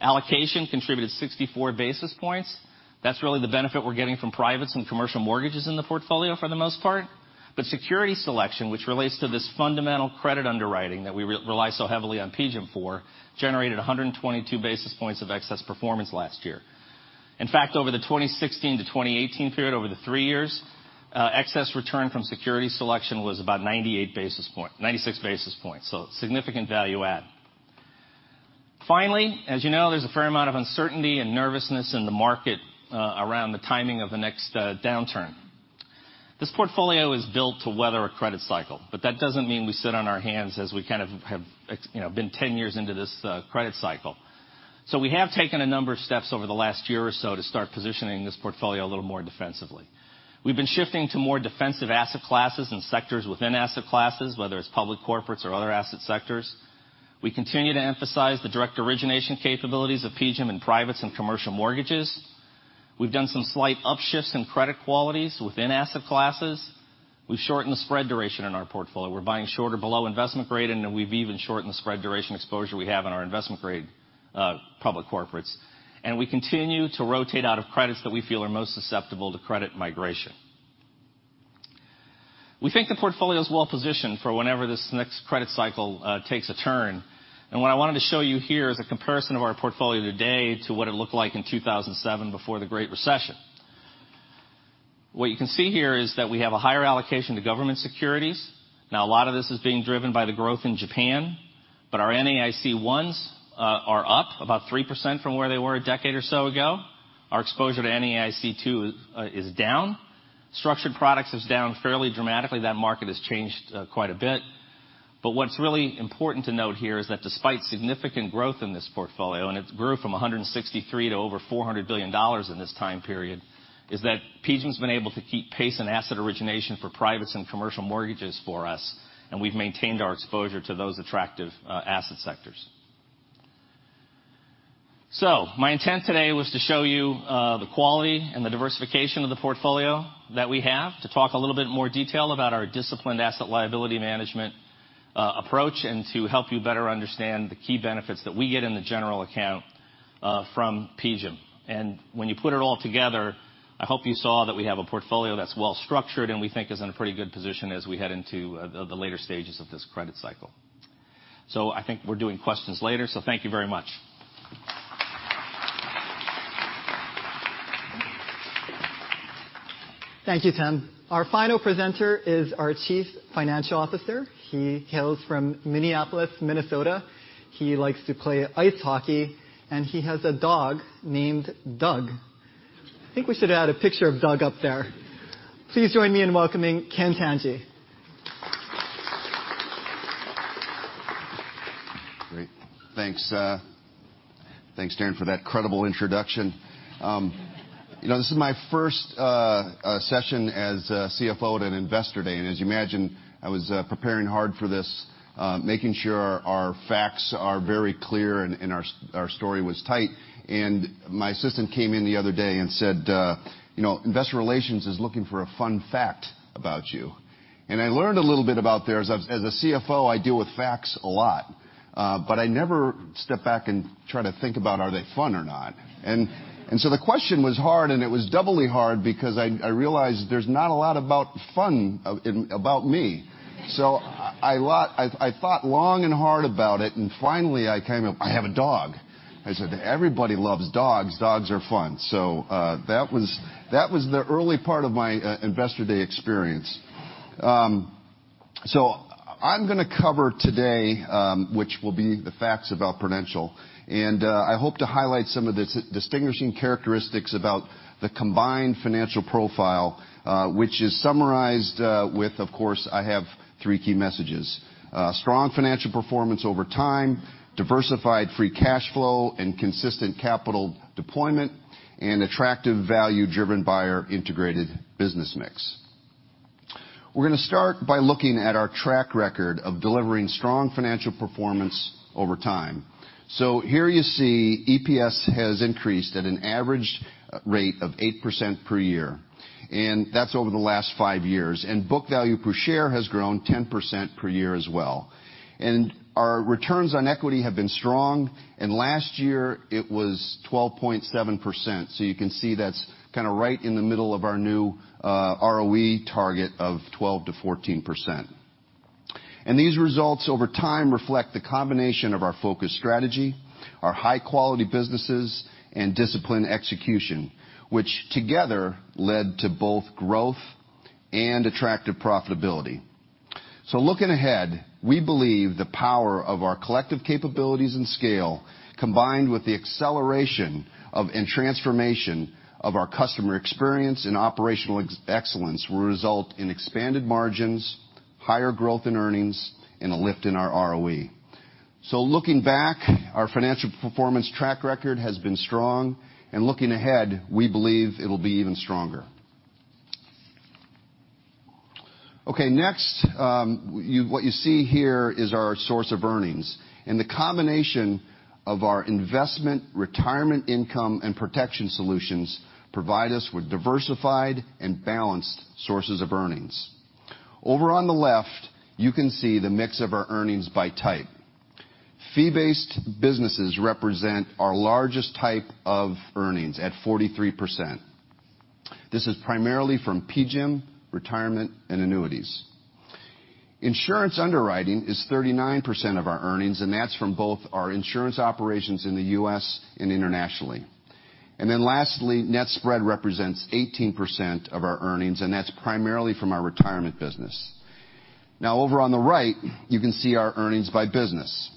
Allocation contributed 64 basis points. That's really the benefit we're getting from privates and commercial mortgages in the portfolio for the most part. Security selection, which relates to this fundamental credit underwriting that we rely so heavily on PGIM for, generated 122 basis points of excess performance last year. In fact, over the 2016 to 2018 period, over the three years, excess return from security selection was about 96 basis points, so significant value add. As you know, there's a fair amount of uncertainty and nervousness in the market around the timing of the next downturn. This portfolio is built to weather a credit cycle, but that doesn't mean we sit on our hands as we kind of have been 10 years into this credit cycle. We have taken a number of steps over the last year or so to start positioning this portfolio a little more defensively. We've been shifting to more defensive asset classes and sectors within asset classes, whether it's public corporates or other asset sectors. We continue to emphasize the direct origination capabilities of PGIM in privates and commercial mortgages. We've done some slight upshifts in credit qualities within asset classes. We've shortened the spread duration in our portfolio. We're buying shorter below investment grade, and we've even shortened the spread duration exposure we have in our investment grade public corporates. We continue to rotate out of credits that we feel are most susceptible to credit migration. We think the portfolio is well positioned for whenever this next credit cycle takes a turn. What I wanted to show you here is a comparison of our portfolio today to what it looked like in 2007 before the Great Recession. What you can see here is that we have a higher allocation to government securities. A lot of this is being driven by the growth in Japan, but our NAIC 1s are up about 3% from where they were a decade or so ago. Our exposure to NAIC 2 is down. Structured products is down fairly dramatically. That market has changed quite a bit. What's really important to note here is that despite significant growth in this portfolio, and it grew from $163 to over $400 billion in this time period, is that PGIM's been able to keep pace in asset origination for privates and commercial mortgages for us, and we've maintained our exposure to those attractive asset sectors. My intent today was to show you the quality and the diversification of the portfolio that we have, to talk a little bit more detail about our disciplined asset liability management approach and to help you better understand the key benefits that we get in the general account from PGIM. When you put it all together, I hope you saw that we have a portfolio that's well structured and we think is in a pretty good position as we head into the later stages of this credit cycle. I think we're doing questions later, thank you very much. Thank you, Tim. Our final presenter is our Chief Financial Officer. He hails from Minneapolis, Minnesota. He likes to play ice hockey, and he has a dog named Doug. I think we should add a picture of Doug up there. Please join me in welcoming Ken Tanji. Great. Thanks, Darin, for that credible introduction. This is my first session as CFO at an Investor Day. As you imagine, I was preparing hard for this, making sure our facts are very clear and our story was tight. My assistant came in the other day and said, "Investor relations is looking for a fun fact about you." I learned a little bit about there, as a CFO, I deal with facts a lot. I never step back and try to think about, are they fun or not? The question was hard, and it was doubly hard because I realized there's not a lot about fun about me. I thought long and hard about it, and finally, I came up, "I have a dog." I said, "Everybody loves dogs. Dogs are fun." That was the early part of my Investor Day experience. I'm going to cover today, which will be the facts about Prudential, and I hope to highlight some of the distinguishing characteristics about the combined financial profile, which is summarized with, of course, I have three key messages: strong financial performance over time, diversified free cash flow and consistent capital deployment, and attractive value driven by our integrated business mix. We're going to start by looking at our track record of delivering strong financial performance over time. Here you see EPS has increased at an average rate of 8% per year, and that's over the last five years. Book value per share has grown 10% per year as well. Our returns on equity have been strong, and last year it was 12.7%, so you can see that's right in the middle of our new ROE target of 12%-14%. These results over time reflect the combination of our focused strategy, our high-quality businesses, and disciplined execution, which together led to both growth and attractive profitability. Looking ahead, we believe the power of our collective capabilities and scale, combined with the acceleration and transformation of our customer experience and operational excellence will result in expanded margins, higher growth in earnings, and a lift in our ROE. Looking back, our financial performance track record has been strong, and looking ahead, we believe it'll be even stronger. Okay, next, what you see here is our source of earnings. The combination of our investment, retirement income, and protection solutions provide us with diversified and balanced sources of earnings. Over on the left, you can see the mix of our earnings by type. Fee-based businesses represent our largest type of earnings at 43%. This is primarily from PGIM, retirement, and annuities. Insurance underwriting is 39% of our earnings, and that's from both our insurance operations in the U.S. and internationally. Lastly, net spread represents 18% of our earnings, and that's primarily from our retirement business. Over on the right, you can see our earnings by business.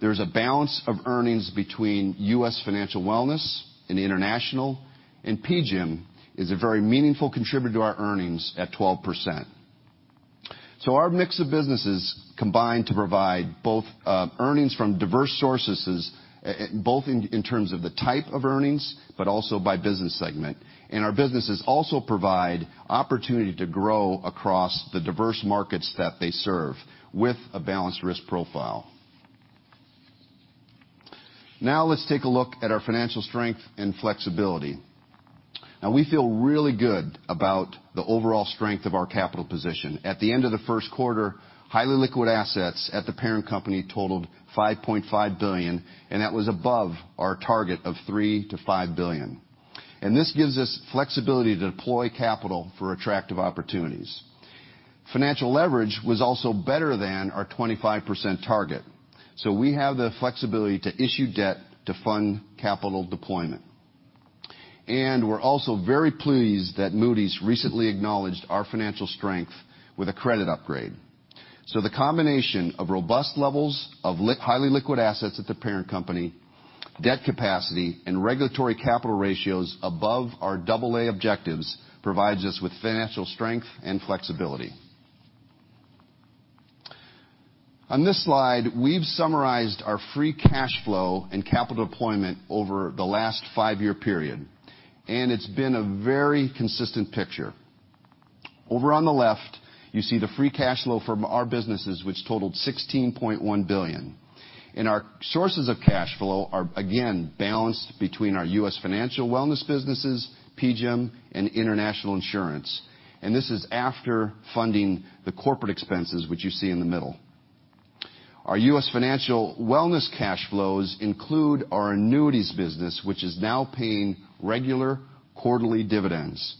There's a balance of earnings between U.S. financial wellness and international, and PGIM is a very meaningful contributor to our earnings at 12%. Our mix of businesses combine to provide both earnings from diverse sources, both in terms of the type of earnings, but also by business segment. Our businesses also provide opportunity to grow across the diverse markets that they serve with a balanced risk profile. Let's take a look at our financial strength and flexibility. We feel really good about the overall strength of our capital position. At the end of the first quarter, highly liquid assets at the parent company totaled $5.5 billion, and that was above our target of $3 billion-$5 billion. This gives us flexibility to deploy capital for attractive opportunities. Financial leverage was also better than our 25% target. We have the flexibility to issue debt to fund capital deployment. We're also very pleased that Moody's recently acknowledged our financial strength with a credit upgrade. The combination of robust levels of highly liquid assets at the parent company, debt capacity, and regulatory capital ratios above our AA objectives provides us with financial strength and flexibility. On this slide, we've summarized our free cash flow and capital deployment over the last five-year period, and it's been a very consistent picture. Over on the left, you see the free cash flow from our businesses, which totaled $16.1 billion. Our sources of cash flow are, again, balanced between our U.S. financial wellness businesses, PGIM, and international insurance. This is after funding the corporate expenses, which you see in the middle. Our U.S. financial wellness cash flows include our annuities business, which is now paying regular quarterly dividends.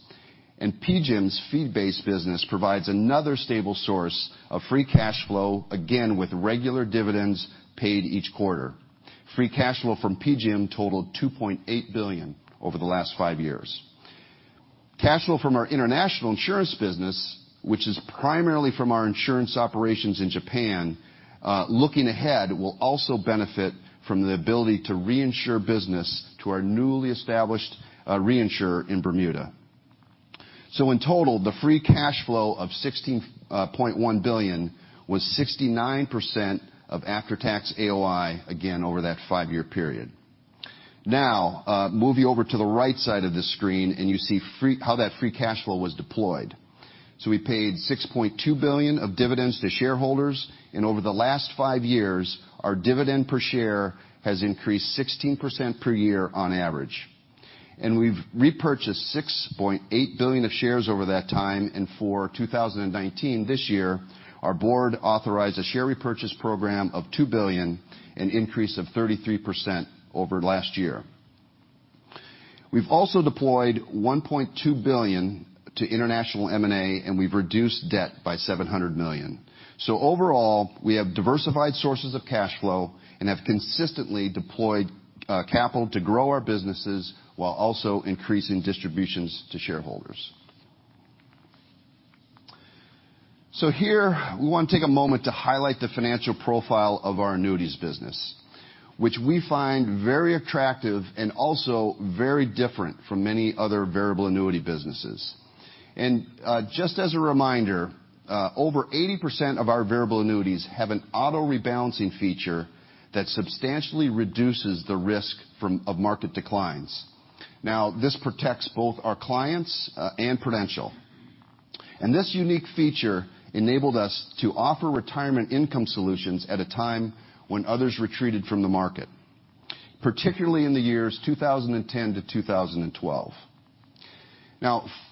PGIM's fee-based business provides another stable source of free cash flow, again, with regular dividends paid each quarter. Free cash flow from PGIM totaled $2.8 billion over the last five years. Cash flow from our international insurance business, which is primarily from our insurance operations in Japan, looking ahead, will also benefit from the ability to reinsure business to our newly established reinsurer in Bermuda. In total, the free cash flow of $16.1 billion was 69% of after-tax AOI, again, over that five-year period. Moving over to the right side of the screen, you see how that free cash flow was deployed. We paid $6.2 billion of dividends to shareholders. Over the last five years, our dividend per share has increased 16% per year on average. We've repurchased $6.8 billion of shares over that time. For 2019, this year, our board authorized a share repurchase program of $2 billion, an increase of 33% over last year. We've also deployed $1.2 billion to international M&A, and we've reduced debt by $700 million. Overall, we have diversified sources of cash flow and have consistently deployed capital to grow our businesses while also increasing distributions to shareholders. Here, we want to take a moment to highlight the financial profile of our annuities business, which we find very attractive and also very different from many other variable annuity businesses. Just as a reminder, over 80% of our variable annuities have an auto-rebalancing feature that substantially reduces the risk of market declines. This protects both our clients and Prudential. This unique feature enabled us to offer retirement income solutions at a time when others retreated from the market, particularly in the years 2010-2012.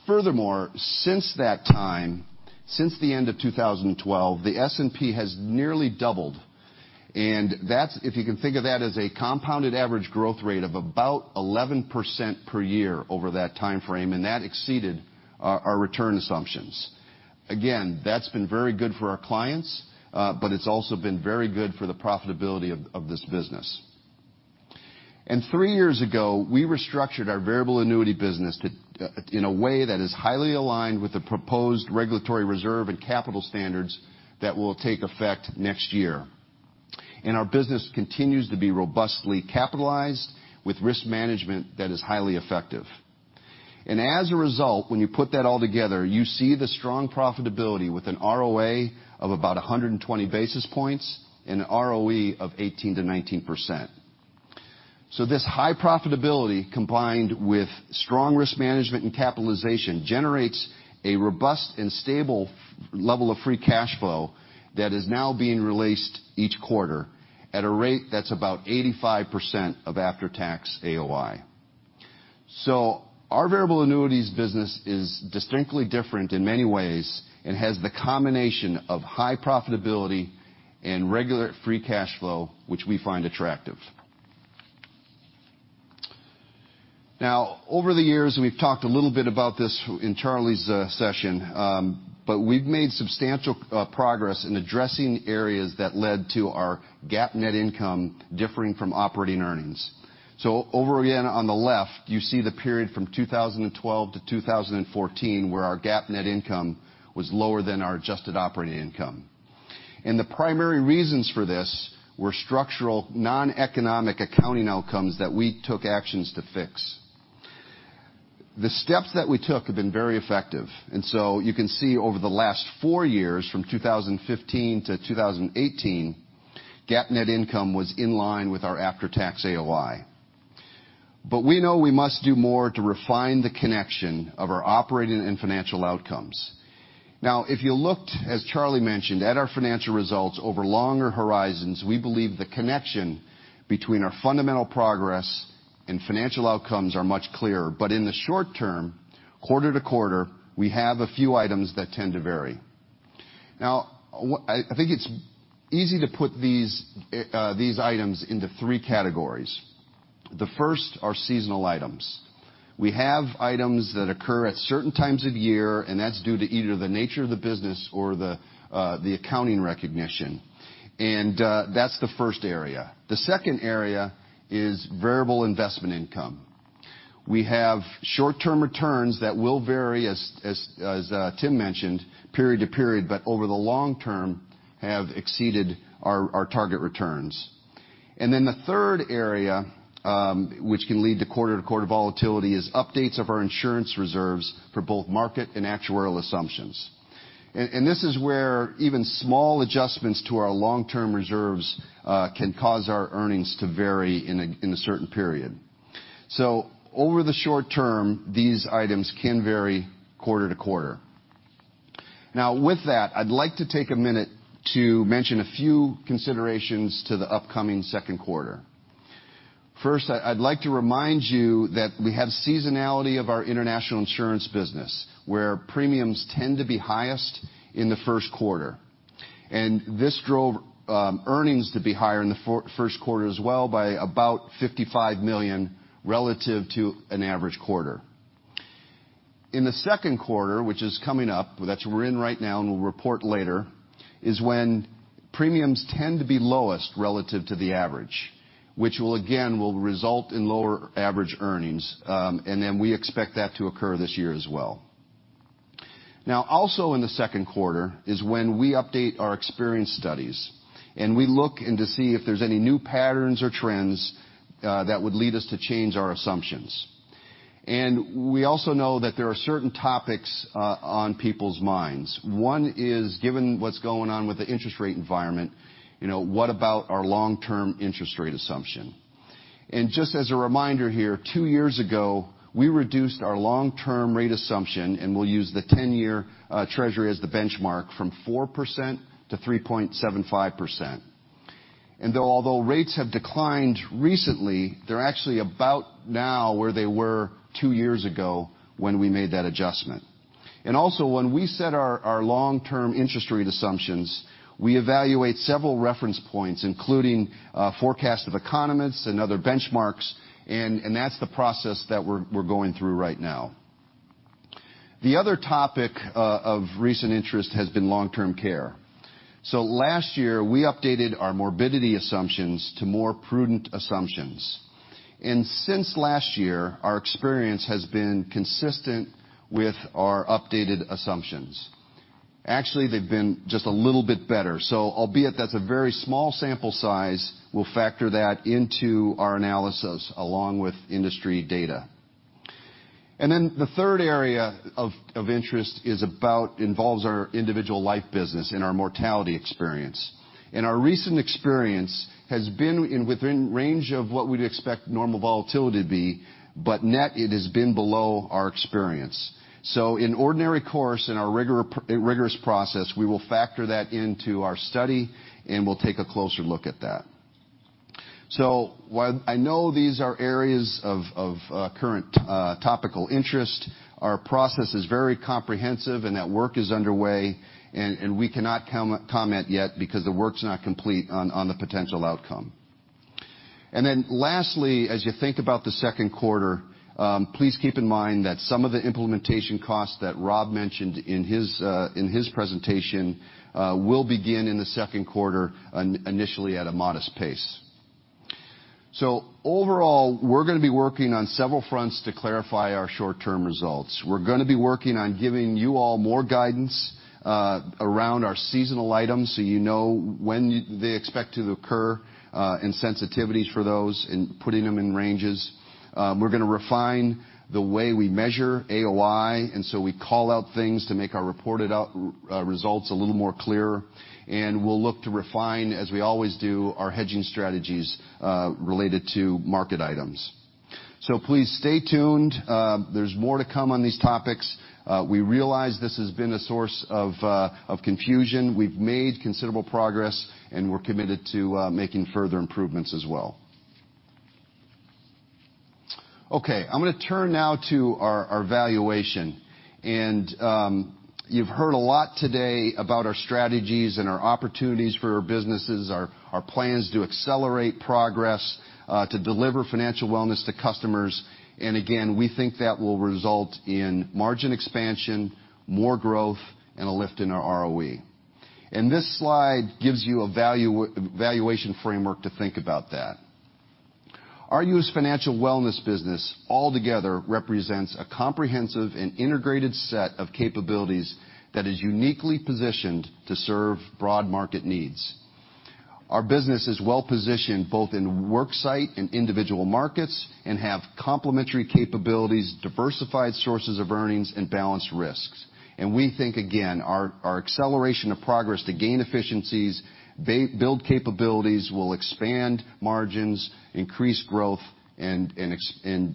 Furthermore, since that time, since the end of 2012, the S&P has nearly doubled, and if you can think of that as a compounded average growth rate of about 11% per year over that timeframe. That exceeded our return assumptions. Again, that's been very good for our clients, but it's also been very good for the profitability of this business. Three years ago, we restructured our variable annuity business in a way that is highly aligned with the proposed regulatory reserve and capital standards that will take effect next year. Our business continues to be robustly capitalized with risk management that is highly effective. As a result, when you put that all together, you see the strong profitability with an ROA of about 120 basis points and an ROE of 18%-19%. This high profitability combined with strong risk management and capitalization generates a robust and stable level of free cash flow that is now being released each quarter at a rate that's about 85% of after-tax AOI. Our variable annuities business is distinctly different in many ways and has the combination of high profitability and regular free cash flow, which we find attractive. Over the years, we've talked a little bit about this in Charlie's session, we've made substantial progress in addressing areas that led to our GAAP net income differing from operating earnings. Over again, on the left, you see the period from 2012-2014, where our GAAP net income was lower than our adjusted operating income. The primary reasons for this were structural, noneconomic accounting outcomes that we took actions to fix. The steps that we took have been very effective. You can see over the last four years, from 2015-2018, GAAP net income was in line with our after-tax AOI. We know we must do more to refine the connection of our operating and financial outcomes. If you looked, as Charlie mentioned, at our financial results over longer horizons, we believe the connection between our fundamental progress and financial outcomes are much clearer. In the short term, quarter to quarter, we have a few items that tend to vary. I think it's easy to put these items into 3 categories. The first are seasonal items. We have items that occur at certain times of year, and that's due to either the nature of the business or the accounting recognition. That's the first area. The second area is variable investment income. We have short-term returns that will vary, as Tim mentioned, period to period, but over the long term have exceeded our target returns. The third area, which can lead to quarter-to-quarter volatility, is updates of our insurance reserves for both market and actuarial assumptions. This is where even small adjustments to our long-term reserves can cause our earnings to vary in a certain period. Over the short term, these items can vary quarter to quarter. With that, I'd like to take a minute to mention a few considerations to the upcoming second quarter. First, I'd like to remind you that we have seasonality of our international insurance business, where premiums tend to be highest in the first quarter. This drove earnings to be higher in the first quarter as well by about $55 million relative to an average quarter. In the second quarter, which is coming up, that's what we're in right now, and we'll report later, is when premiums tend to be lowest relative to the average, which will again result in lower average earnings, we expect that to occur this year as well. Also in the second quarter is when we update our experience studies, we look in to see if there's any new patterns or trends that would lead us to change our assumptions. We also know that there are certain topics on people's minds. One is, given what's going on with the interest rate environment, what about our long-term interest rate assumption? Just as a reminder here, two years ago, we reduced our long-term rate assumption, we'll use the 10-year treasury as the benchmark, from 4%-3.75%. Though rates have declined recently, they're actually about now where they were two years ago when we made that adjustment. Also when we set our long-term interest rate assumptions, we evaluate several reference points, including forecast of economists and other benchmarks, that's the process that we're going through right now. The other topic of recent interest has been long-term care. Last year, we updated our morbidity assumptions to more prudent assumptions. Since last year, our experience has been consistent with our updated assumptions. Actually, they've been just a little bit better. Albeit that's a very small sample size, we'll factor that into our analysis along with industry data. The third area of interest involves our individual life business and our mortality experience. Our recent experience has been within range of what we'd expect normal volatility to be, but net it has been below our experience. In ordinary course in our rigorous process, we will factor that into our study, we'll take a closer look at that. While I know these are areas of current topical interest, our process is very comprehensive, that work is underway, we cannot comment yet because the work's not complete on the potential outcome. Lastly, as you think about the second quarter, please keep in mind that some of the implementation costs that Rob mentioned in his presentation will begin in the second quarter, initially at a modest pace. Overall, we're going to be working on several fronts to clarify our short-term results. We're going to be working on giving you all more guidance around our seasonal items, so you know when they expect to occur, and sensitivities for those and putting them in ranges. We're going to refine the way we measure AOI, we call out things to make our reported results a little more clearer. We'll look to refine, as we always do, our hedging strategies related to market items. Please stay tuned. There's more to come on these topics. We realize this has been a source of confusion. We've made considerable progress, and we're committed to making further improvements as well. I'm going to turn now to our valuation. You've heard a lot today about our strategies and our opportunities for our businesses, our plans to accelerate progress, to deliver financial wellness to customers. Again, we think that will result in margin expansion, more growth, and a lift in our ROE. This slide gives you a valuation framework to think about that. Our U.S. financial wellness business altogether represents a comprehensive and integrated set of capabilities that is uniquely positioned to serve broad market needs. Our business is well-positioned both in worksite and individual markets and have complementary capabilities, diversified sources of earnings, and balanced risks. We think, again, our acceleration of progress to gain efficiencies, build capabilities will expand margins, increase growth, and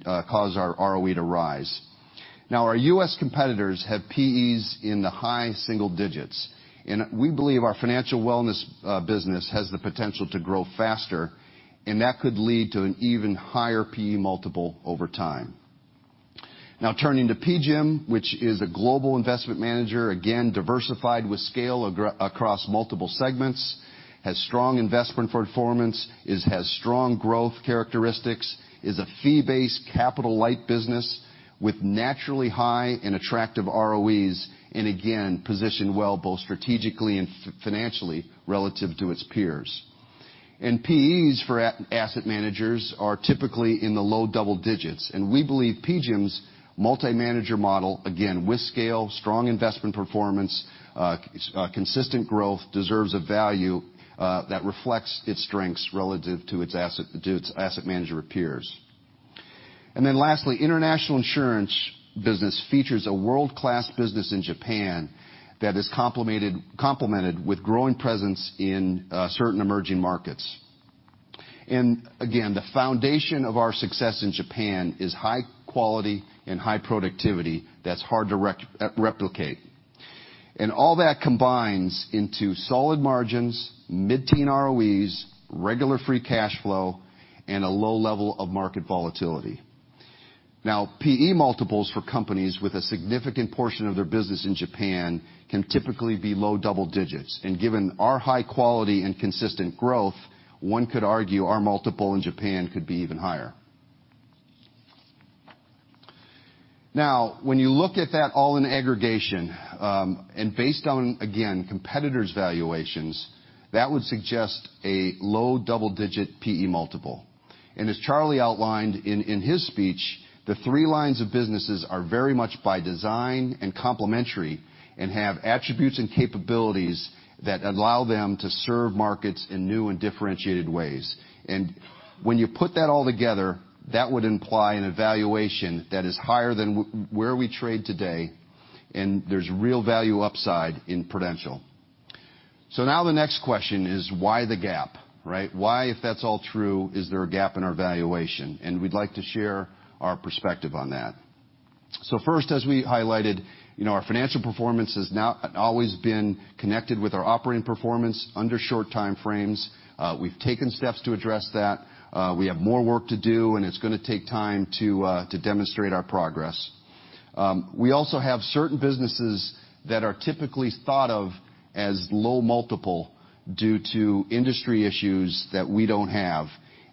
cause our ROE to rise. Our U.S. competitors have P/Es in the high single digits, and we believe our financial wellness business has the potential to grow faster, and that could lead to an even higher P/E multiple over time. Turning to PGIM, which is a global investment manager, again, diversified with scale across multiple segments, has strong investment performance, it has strong growth characteristics, is a fee-based capital light business with naturally high and attractive ROEs, and again, positioned well both strategically and financially relative to its peers. P/Es for asset managers are typically in the low double digits. We believe PGIM's multi-manager model, again, with scale, strong investment performance, consistent growth, deserves a value that reflects its strengths relative to its asset manager peers. Lastly, international insurance business features a world-class business in Japan that is complemented with growing presence in certain emerging markets. Again, the foundation of our success in Japan is high quality and high productivity that's hard to replicate. All that combines into solid margins, mid-teen ROEs, regular free cash flow, and a low level of market volatility. P/E multiples for companies with a significant portion of their business in Japan can typically be low double digits. Given our high quality and consistent growth, one could argue our multiple in Japan could be even higher. When you look at that all in aggregation, and based on, again, competitors' valuations, that would suggest a low double-digit P/E multiple. As Charlie outlined in his speech, the three lines of businesses are very much by design and complementary and have attributes and capabilities that allow them to serve markets in new and differentiated ways. When you put that all together, that would imply an evaluation that is higher than where we trade today, and there's real value upside in Prudential. The next question is, why the gap, right? Why, if that's all true, is there a gap in our valuation? We'd like to share our perspective on that. First, as we highlighted, our financial performance has not always been connected with our operating performance under short time frames. We've taken steps to address that. We have more work to do, and it's going to take time to demonstrate our progress. We also have certain businesses that are typically thought of as low multiple due to industry issues that we don't have.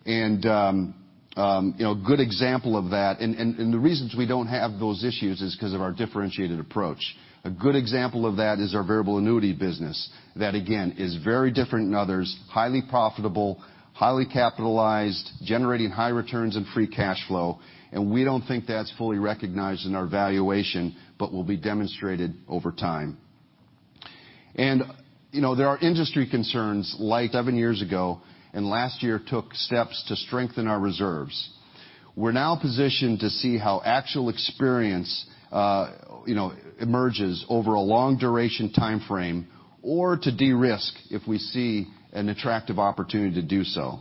A good example of that, and the reasons we don't have those issues is because of our differentiated approach. A good example of that is our variable annuity business. That, again, is very different than others, highly profitable, highly capitalized, generating high returns and free cash flow. We don't think that's fully recognized in our valuation, but will be demonstrated over time. There are industry concerns like seven years ago, and last year took steps to strengthen our reserves. We're now positioned to see how actual experience emerges over a long duration time frame or to de-risk if we see an attractive opportunity to do so.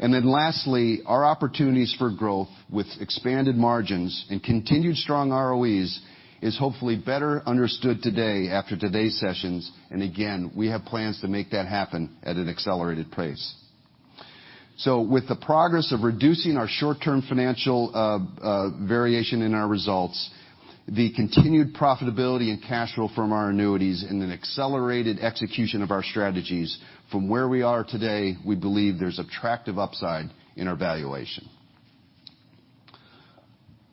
Lastly, our opportunities for growth with expanded margins and continued strong ROEs is hopefully better understood today after today's sessions. Again, we have plans to make that happen at an accelerated pace. With the progress of reducing our short-term financial variation in our results, the continued profitability and cash flow from our annuities, and an accelerated execution of our strategies, from where we are today, we believe there's attractive upside in our valuation.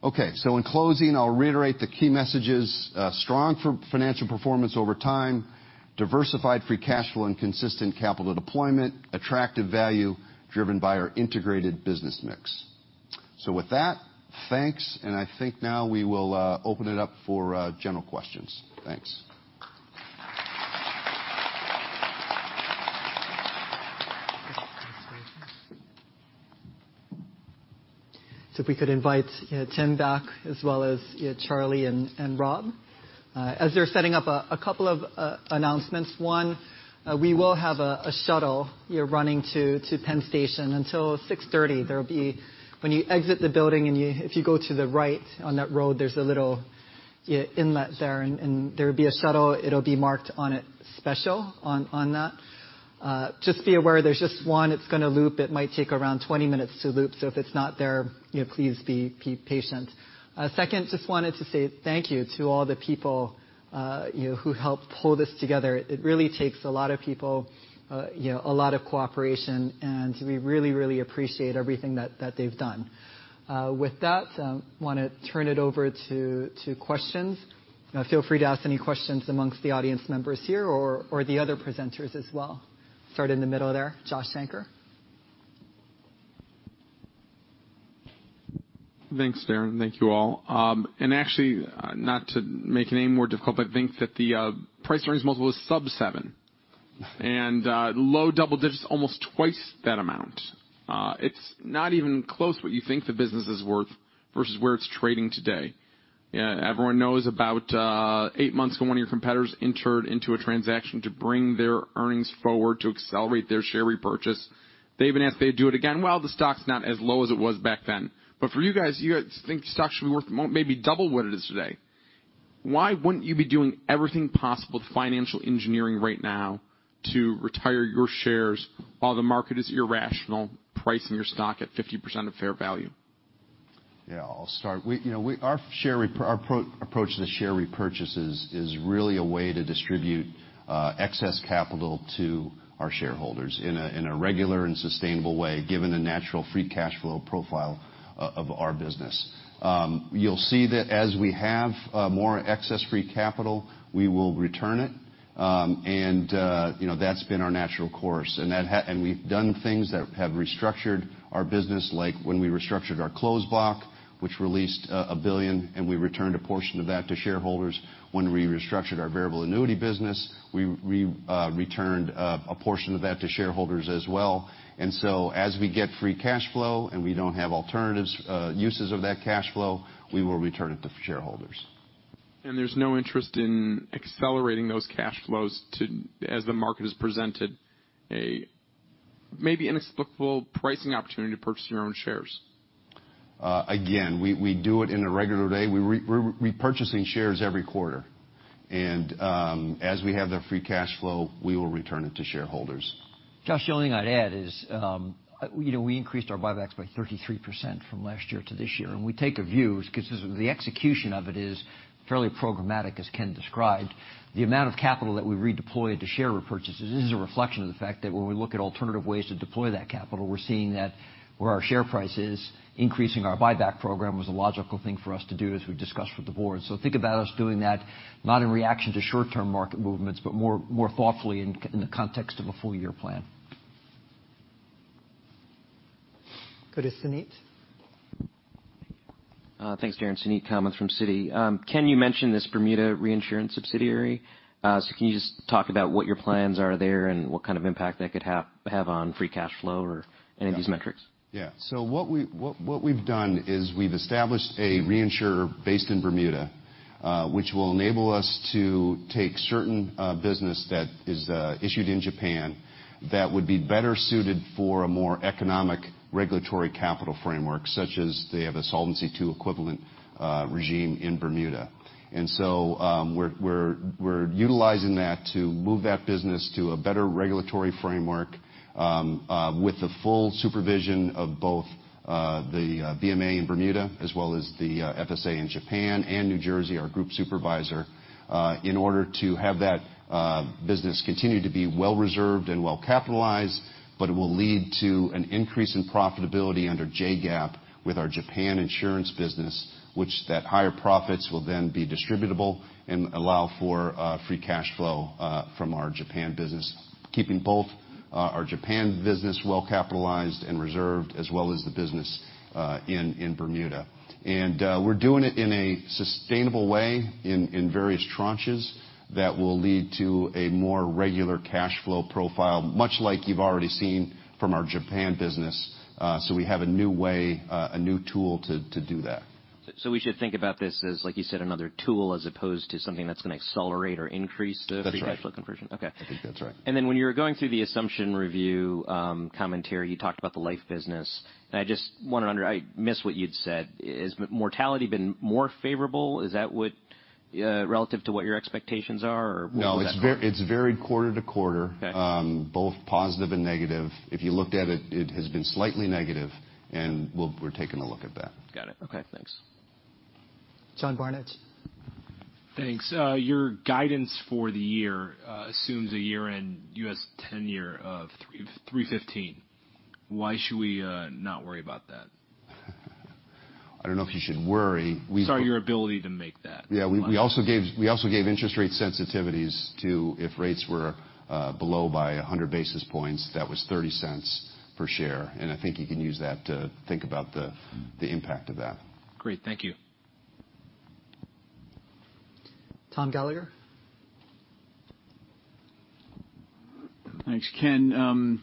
In closing, I'll reiterate the key messages. Strong financial performance over time, diversified free cash flow, and consistent capital deployment, attractive value driven by our integrated business mix. With that, thanks. I think now we will open it up for general questions. Thanks. If we could invite Tim back as well as Charlie and Rob. As they're setting up, a couple of announcements. One, we will have a shuttle running to Penn Station until 6:30 P.M. When you exit the building and if you go to the right on that road, there's a little inlet there, and there will be a shuttle. It'll be marked on it, special on that. Just be aware, there's just one. It's going to loop. It might take around 20 minutes to loop. If it's not there, please be patient. Second, just wanted to say thank you to all the people who helped pull this together. It really takes a lot of people, a lot of cooperation, and we really appreciate everything that they've done. With that, want to turn it over to questions. Feel free to ask any questions amongst the audience members here or the other presenters as well. Start in the middle there, Josh Shanker. Thanks, Darin. Thank you all. Actually, not to make it any more difficult, but I think that the price earnings multiple is sub seven and low double digits almost twice that amount. It's not even close what you think the business is worth versus where it's trading today. Everyone knows about eight months ago, one of your competitors entered into a transaction to bring their earnings forward to accelerate their share repurchase. They even asked if they'd do it again. The stock's not as low as it was back then. For you guys, you think stock should be worth maybe double what it is today. Why wouldn't you be doing everything possible with financial engineering right now to retire your shares while the market is irrational, pricing your stock at 50% of fair value? Yeah, I'll start. Our approach to share repurchases is really a way to distribute excess capital to our shareholders in a regular and sustainable way, given the natural free cash flow profile of our business. You'll see that as we have more excess free capital, we will return it, and that's been our natural course. We've done things that have restructured our business, like when we restructured our closed block, which released $1 billion, and we returned a portion of that to shareholders. When we restructured our variable annuity business, we returned a portion of that to shareholders as well. As we get free cash flow and we don't have alternative uses of that cash flow, we will return it to shareholders. There's no interest in accelerating those cash flows as the market has presented a maybe inexplicable pricing opportunity to purchase your own shares? Again, we do it in a regular day. We're repurchasing shares every quarter. As we have the free cash flow, we will return it to shareholders. Josh, the only thing I'd add is we increased our buybacks by 33% from last year to this year. We take a view because the execution of it is fairly programmatic, as Ken described. The amount of capital that we redeployed to share repurchases is a reflection of the fact that when we look at alternative ways to deploy that capital, we're seeing that where our share price is increasing our buyback program was a logical thing for us to do as we discussed with the Board. Think about us doing that, not in reaction to short-term market movements, but more thoughtfully in the context of a full-year plan. Go to Suneet. Thank you. Thanks, Darin. Suneet Kamath from Citi. Ken, you mentioned this Bermuda reinsurance subsidiary. Can you just talk about what your plans are there and what kind of impact that could have on free cash flow or any of these metrics? What we've done is we've established a reinsurer based in Bermuda, which will enable us to take certain business that is issued in Japan that would be better suited for a more economic regulatory capital framework, such as they have a Solvency II equivalent regime in Bermuda. We're utilizing that to move that business to a better regulatory framework with the full supervision of both the BMA in Bermuda as well as the FSA in Japan and New Jersey, our group supervisor, in order to have that business continue to be well reserved and well capitalized, but it will lead to an increase in profitability under JGAAP with our Japan insurance business, which that higher profits will then be distributable and allow for free cash flow from our Japan business, keeping both our Japan business well capitalized and reserved, as well as the business in Bermuda. We're doing it in a sustainable way in various tranches that will lead to a more regular cash flow profile, much like you've already seen from our Japan business. We have a new way, a new tool to do that. We should think about this as, like you said, another tool as opposed to something that's going to accelerate or increase. That's right Free cash flow conversion. Okay. I think that's right. When you were going through the assumption review commentary, you talked about the life business, and I missed what you'd said. Has mortality been more favorable? Is that what relative to what your expectations are or where would that fall? No, it's varied quarter to quarter. Okay. Both positive and negative. If you looked at it has been slightly negative, and we're taking a look at that. Got it. Okay, thanks. John Barnidge. Thanks. Your guidance for the year assumes a year-end U.S. 10-year of 3.15. Why should we not worry about that? I don't know if you should worry. Sorry, your ability to make that. Yeah. We also gave interest rate sensitivities to if rates were below by 100 basis points, that was $0.30 per share, and I think you can use that to think about the impact of that. Great. Thank you. Tom Gallagher. Thanks. Ken,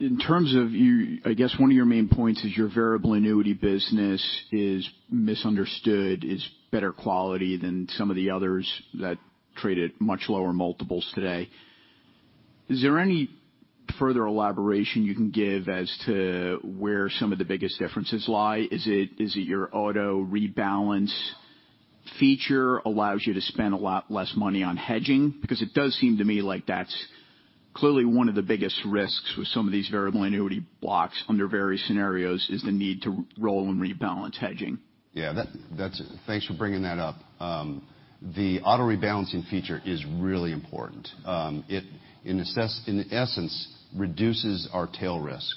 in terms of you, I guess one of your main points is your variable annuity business is misunderstood, is better quality than some of the others that trade at much lower multiples today. Is there any further elaboration you can give as to where some of the biggest differences lie? Is it your auto rebalance feature allows you to spend a lot less money on hedging? Because it does seem to me like that's clearly one of the biggest risks with some of these variable annuity blocks under various scenarios is the need to roll and rebalance hedging. Yeah. Thanks for bringing that up. The auto rebalancing feature is really important. It, in essence, reduces our tail risk.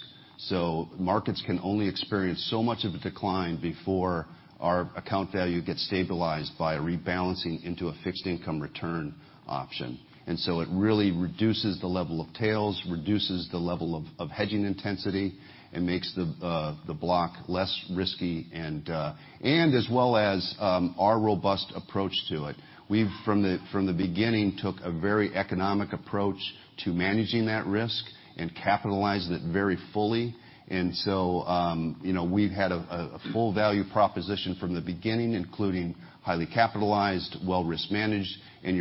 Markets can only experience so much of a decline before our account value gets stabilized by rebalancing into a fixed income return option. It really reduces the level of tails, reduces the level of hedging intensity, and makes the block less risky. As well as our robust approach to it. We've from the beginning, took a very economic approach to managing that risk and capitalizing it very fully. We've had a full value proposition from the beginning, including highly capitalized, well risk managed, and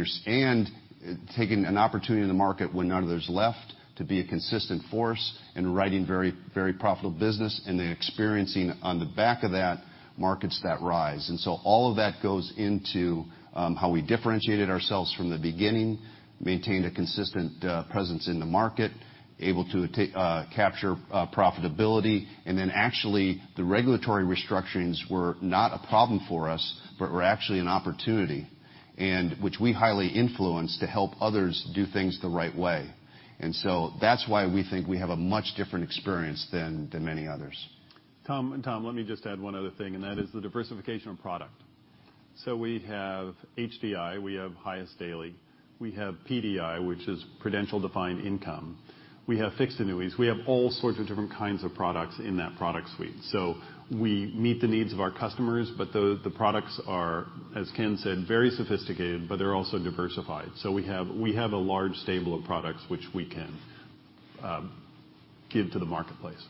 taking an opportunity in the market when none other's left to be a consistent force and writing very profitable business and then experiencing on the back of that markets that rise. All of that goes into how we differentiated ourselves from the beginning, maintained a consistent presence in the market, able to capture profitability, and then actually the regulatory restructurings were not a problem for us, but were actually an opportunity, and which we highly influenced to help others do things the right way. That's why we think we have a much different experience than many others. Tom, let me just add one other thing, and that is the diversification of product. We have HDI, we have highest daily, we have PDI, which is Prudential Defined Income. We have fixed annuities. We have all sorts of different kinds of products in that product suite. We meet the needs of our customers, but the products are, as Ken said, very sophisticated, but they're also diversified. We have a large stable of products which we can give to the marketplace.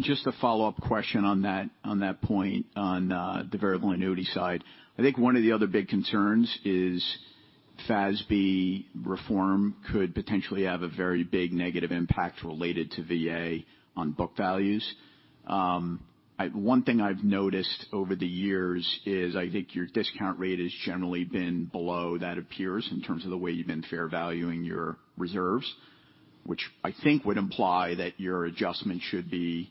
Just a follow-up question on that point on the variable annuity side. I think one of the other big concerns is FASB reform could potentially have a very big negative impact related to VA on book values. One thing I've noticed over the years is I think your discount rate has generally been below that appears in terms of the way you've been fair valuing your reserves, which I think would imply that your adjustment should be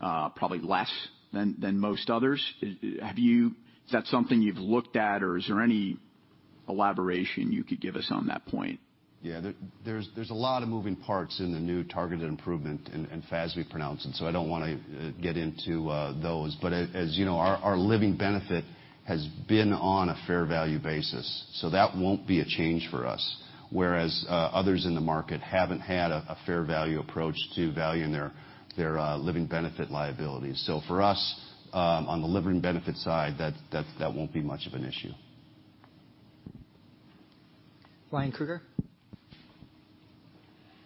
probably less than most others. Is that something you've looked at or is there any elaboration you could give us on that point? Yeah. There's a lot of moving parts in the new targeted improvement and FASB pronouncement, I don't want to get into those. As you know, our living benefit has been on a fair value basis, that won't be a change for us, whereas others in the market haven't had a fair value approach to valuing their living benefit liabilities. For us, on the living benefit side, that won't be much of an issue. Ryan Krueger.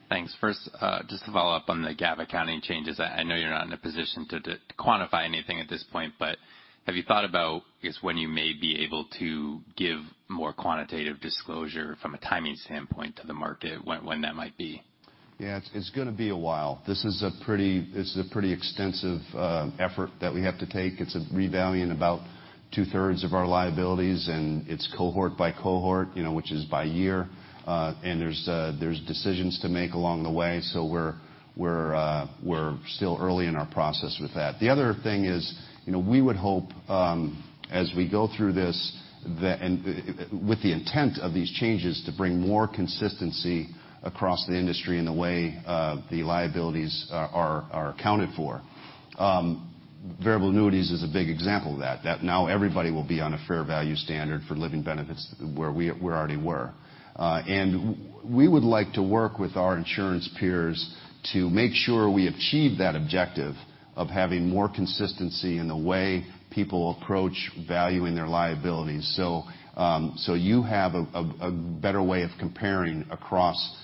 Thanks. First, just to follow up on the GAAP accounting changes. I know you're not in a position to quantify anything at this point, have you thought about, I guess, when you may be able to give more quantitative disclosure from a timing standpoint to the market, when that might be? Yeah, it's going to be a while. This is a pretty extensive effort that we have to take. It's revaluing about two-thirds of our liabilities, and it's cohort by cohort which is by year. There's decisions to make along the way, so we're still early in our process with that. The other thing is, we would hope, as we go through this, with the intent of these changes, to bring more consistency across the industry in the way the liabilities are accounted for. Variable annuities is a big example of that now everybody will be on a fair value standard for living benefits where we already were. We would like to work with our insurance peers to make sure we achieve that objective of having more consistency in the way people approach valuing their liabilities. You have a better way of comparing across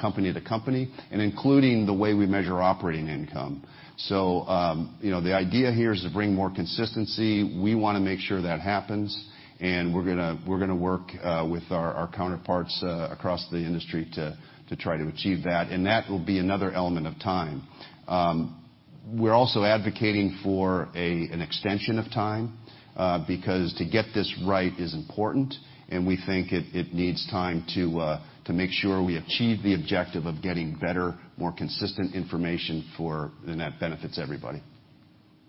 company to company, and including the way we measure operating income. The idea here is to bring more consistency. We want to make sure that happens, and we're going to work with our counterparts across the industry to try to achieve that, and that will be another element of time. We're also advocating for an extension of time, because to get this right is important, and we think it needs time to make sure we achieve the objective of getting better, more consistent information, and that benefits everybody.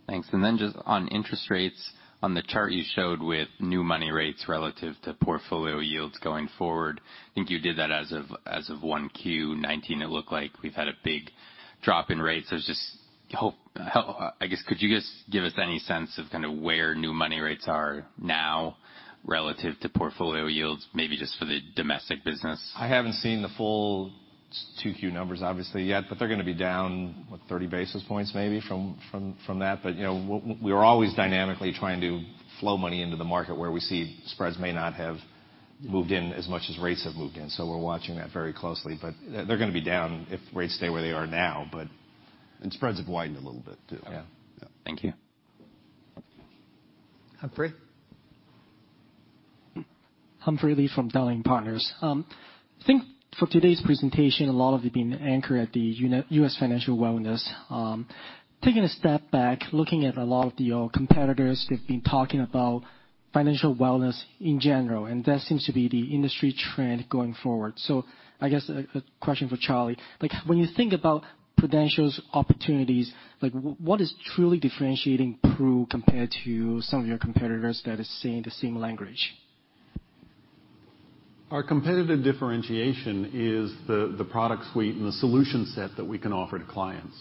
Thanks. Just on interest rates, on the chart you showed with new money rates relative to portfolio yields going forward, I think you did that as of 1Q19. It looked like we've had a big drop in rates. I guess, could you just give us any sense of kind of where new money rates are now relative to portfolio yields, maybe just for the domestic business? I haven't seen the full 2Q numbers obviously yet, but they're going to be down, what, 30 basis points maybe from that. We're always dynamically trying to flow money into the market where we see spreads may not have moved in as much as rates have moved in. We're watching that very closely. They're going to be down if rates stay where they are now. Spreads have widened a little bit too. Yeah. Yeah. Thank you. Humphrey? Humphrey Lee from Dowling & Partners. I think for today's presentation, a lot of it being anchored at the U.S. financial wellness. Taking a step back, looking at a lot of your competitors, they've been talking about financial wellness in general, and that seems to be the industry trend going forward. I guess a question for Charlie. When you think about Prudential's opportunities, what is truly differentiating Pru compared to some of your competitors that are saying the same language? Our competitive differentiation is the product suite and the solution set that we can offer to clients.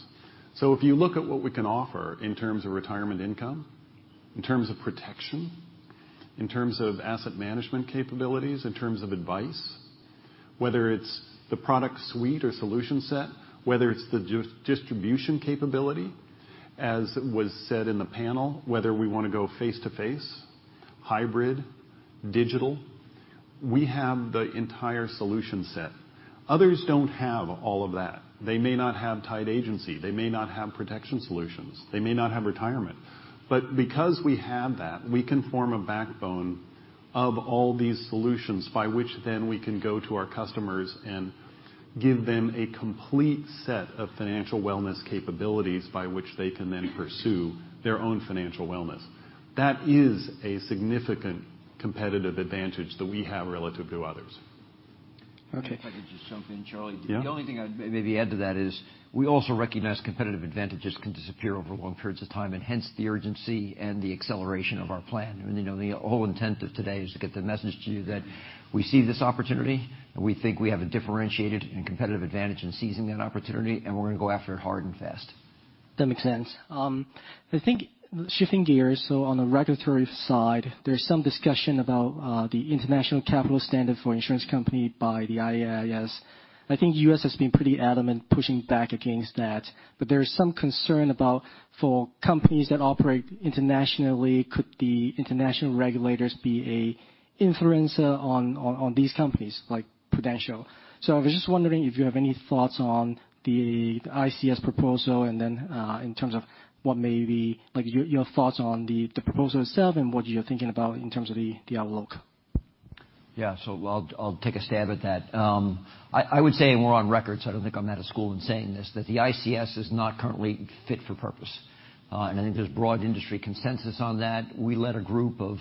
If you look at what we can offer in terms of retirement income, in terms of protection, in terms of asset management capabilities, in terms of advice, whether it's the product suite or solution set, whether it's the distribution capability, as was said in the panel, whether we want to go face-to-face, hybrid, digital, we have the entire solution set. Others don't have all of that. They may not have tied agency. They may not have protection solutions. They may not have retirement. Because we have that, we can form a backbone of all these solutions by which then we can go to our customers and give them a complete set of financial wellness capabilities by which they can then pursue their own financial wellness. That is a significant competitive advantage that we have relative to others. Okay. If I could just jump in, Charlie. Yeah. The only thing I'd maybe add to that is, we also recognize competitive advantages can disappear over long periods of time, hence the urgency and the acceleration of our plan. The whole intent of today is to get the message to you that we see this opportunity, and we think we have a differentiated and competitive advantage in seizing that opportunity, and we're going to go after it hard and fast. That makes sense. I think, shifting gears, on the regulatory side, there's some discussion about the International Capital Standard for insurance company by the IAIS. I think U.S. has been pretty adamant pushing back against that. There is some concern about for companies that operate internationally, could the international regulators be an influencer on these companies, like Prudential? I was just wondering if you have any thoughts on the ICS proposal, and then in terms of what may be your thoughts on the proposal itself and what you're thinking about in terms of the outlook. Yeah. I'll take a stab at that. I would say, We're on record, I don't think I'm out of school in saying this, that the ICS is not currently fit for purpose. I think there's broad industry consensus on that. We led a group of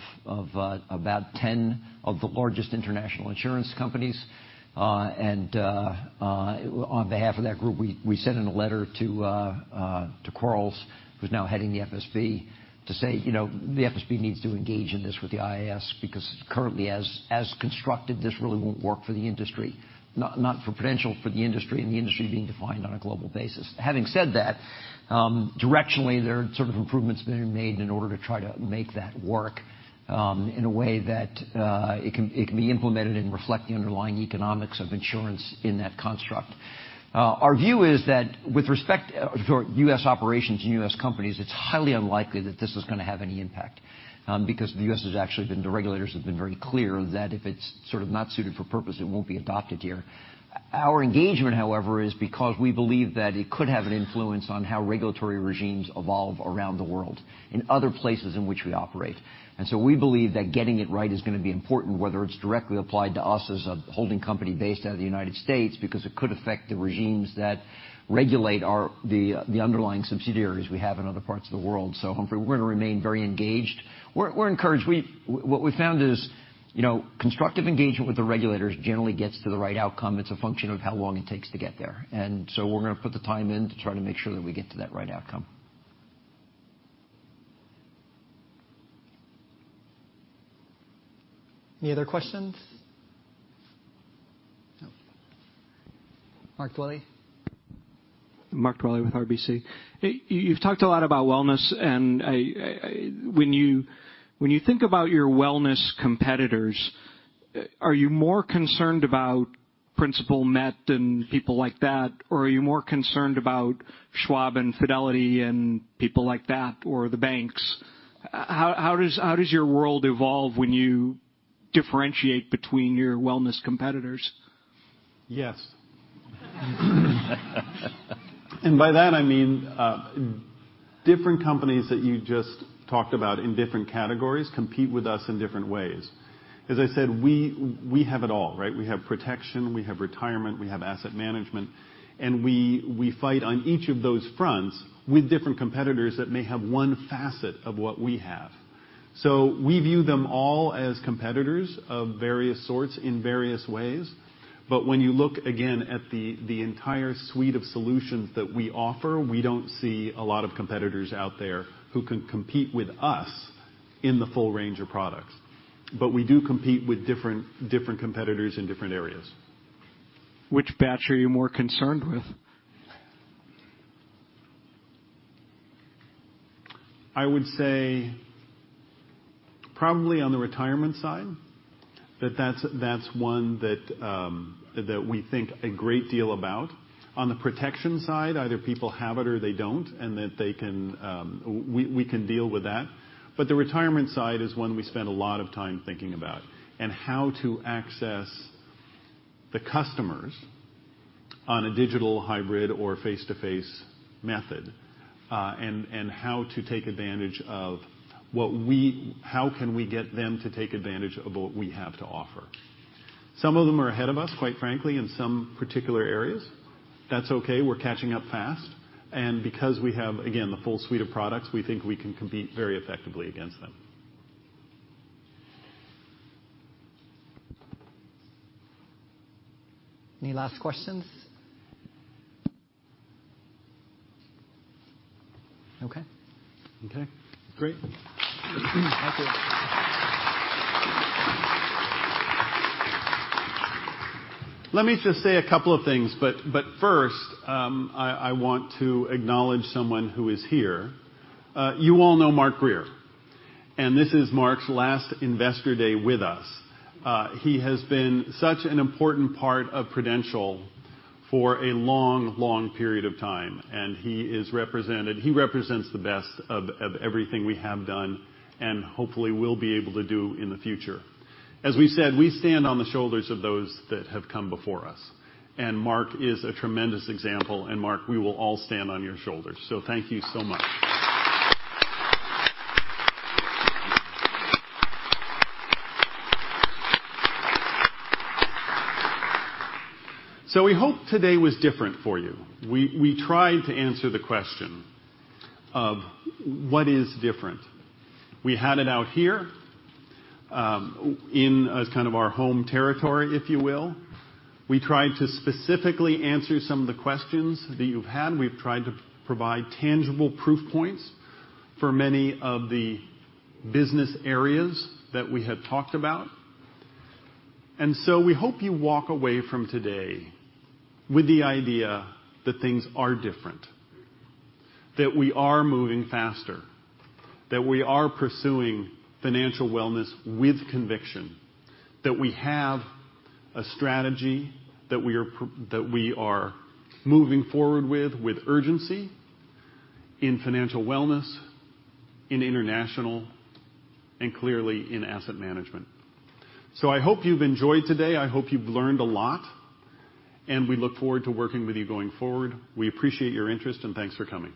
about 10 of the largest international insurance companies, and on behalf of that group, we sent in a letter to Quarles, who's now heading the FSB, to say the FSB needs to engage in this with the IAIS because currently, as constructed, this really won't work for the industry. Not for Prudential, for the industry, and the industry being defined on a global basis. Having said that, directionally, there are sort of improvements that are made in order to try to make that work in a way that it can be implemented and reflect the underlying economics of insurance in that construct. Our view is that with respect to our U.S. operations and U.S. companies, it's highly unlikely that this is going to have any impact because the regulators have been very clear that if it's sort of not suited for purpose, it won't be adopted here. Our engagement, however, is because we believe that it could have an influence on how regulatory regimes evolve around the world in other places in which we operate. We believe that getting it right is going to be important, whether it's directly applied to us as a holding company based out of the United States because it could affect the regimes that regulate the underlying subsidiaries we have in other parts of the world. Humphrey, we're going to remain very engaged. We're encouraged. What we've found is constructive engagement with the regulators generally gets to the right outcome. It's a function of how long it takes to get there. We're going to put the time in to try to make sure that we get to that right outcome. Any other questions? No. Mark Dwelle? Mark Dwelle with RBC. You've talked a lot about wellness, and when you think about your wellness competitors, are you more concerned about Principal, Met, and people like that, or are you more concerned about Schwab and Fidelity, and people like that, or the banks? How does your world evolve when you differentiate between your wellness competitors? Yes. By that, I mean, different companies that you just talked about in different categories compete with us in different ways. As I said, we have it all, right? We have protection, we have retirement, we have asset management, and we fight on each of those fronts with different competitors that may have one facet of what we have. We view them all as competitors of various sorts in various ways. When you look again at the entire suite of solutions that we offer, we don't see a lot of competitors out there who can compete with us in the full range of products. We do compete with different competitors in different areas. Which batch are you more concerned with? I would say probably on the retirement side. That's one that we think a great deal about. On the protection side, either people have it or they don't, and we can deal with that. The retirement side is one we spend a lot of time thinking about, and how to access the customers on a digital, hybrid, or face-to-face method, and how can we get them to take advantage of what we have to offer? Some of them are ahead of us, quite frankly, in some particular areas. That's okay. We're catching up fast. Because we have, again, the full suite of products, we think we can compete very effectively against them. Any last questions? Okay. Okay, great. Thank you. Let me just say a couple of things. First, I want to acknowledge someone who is here. You all know Mark Grier. This is Mark's last Investor Day with us. He has been such an important part of Prudential for a long period of time. He represents the best of everything we have done and hopefully will be able to do in the future. As we said, we stand on the shoulders of those that have come before us. Mark is a tremendous example. Mark, we will all stand on your shoulders. Thank you so much. We hope today was different for you. We tried to answer the question of what is different. We had it out here in kind of our home territory, if you will. We tried to specifically answer some of the questions that you've had. We've tried to provide tangible proof points for many of the business areas that we have talked about. We hope you walk away from today with the idea that things are different, that we are moving faster, that we are pursuing Financial Wellness with conviction, that we have a strategy that we are moving forward with urgency in Financial Wellness, in international, and clearly in asset management. I hope you've enjoyed today. I hope you've learned a lot. We look forward to working with you going forward. We appreciate your interest. Thanks for coming.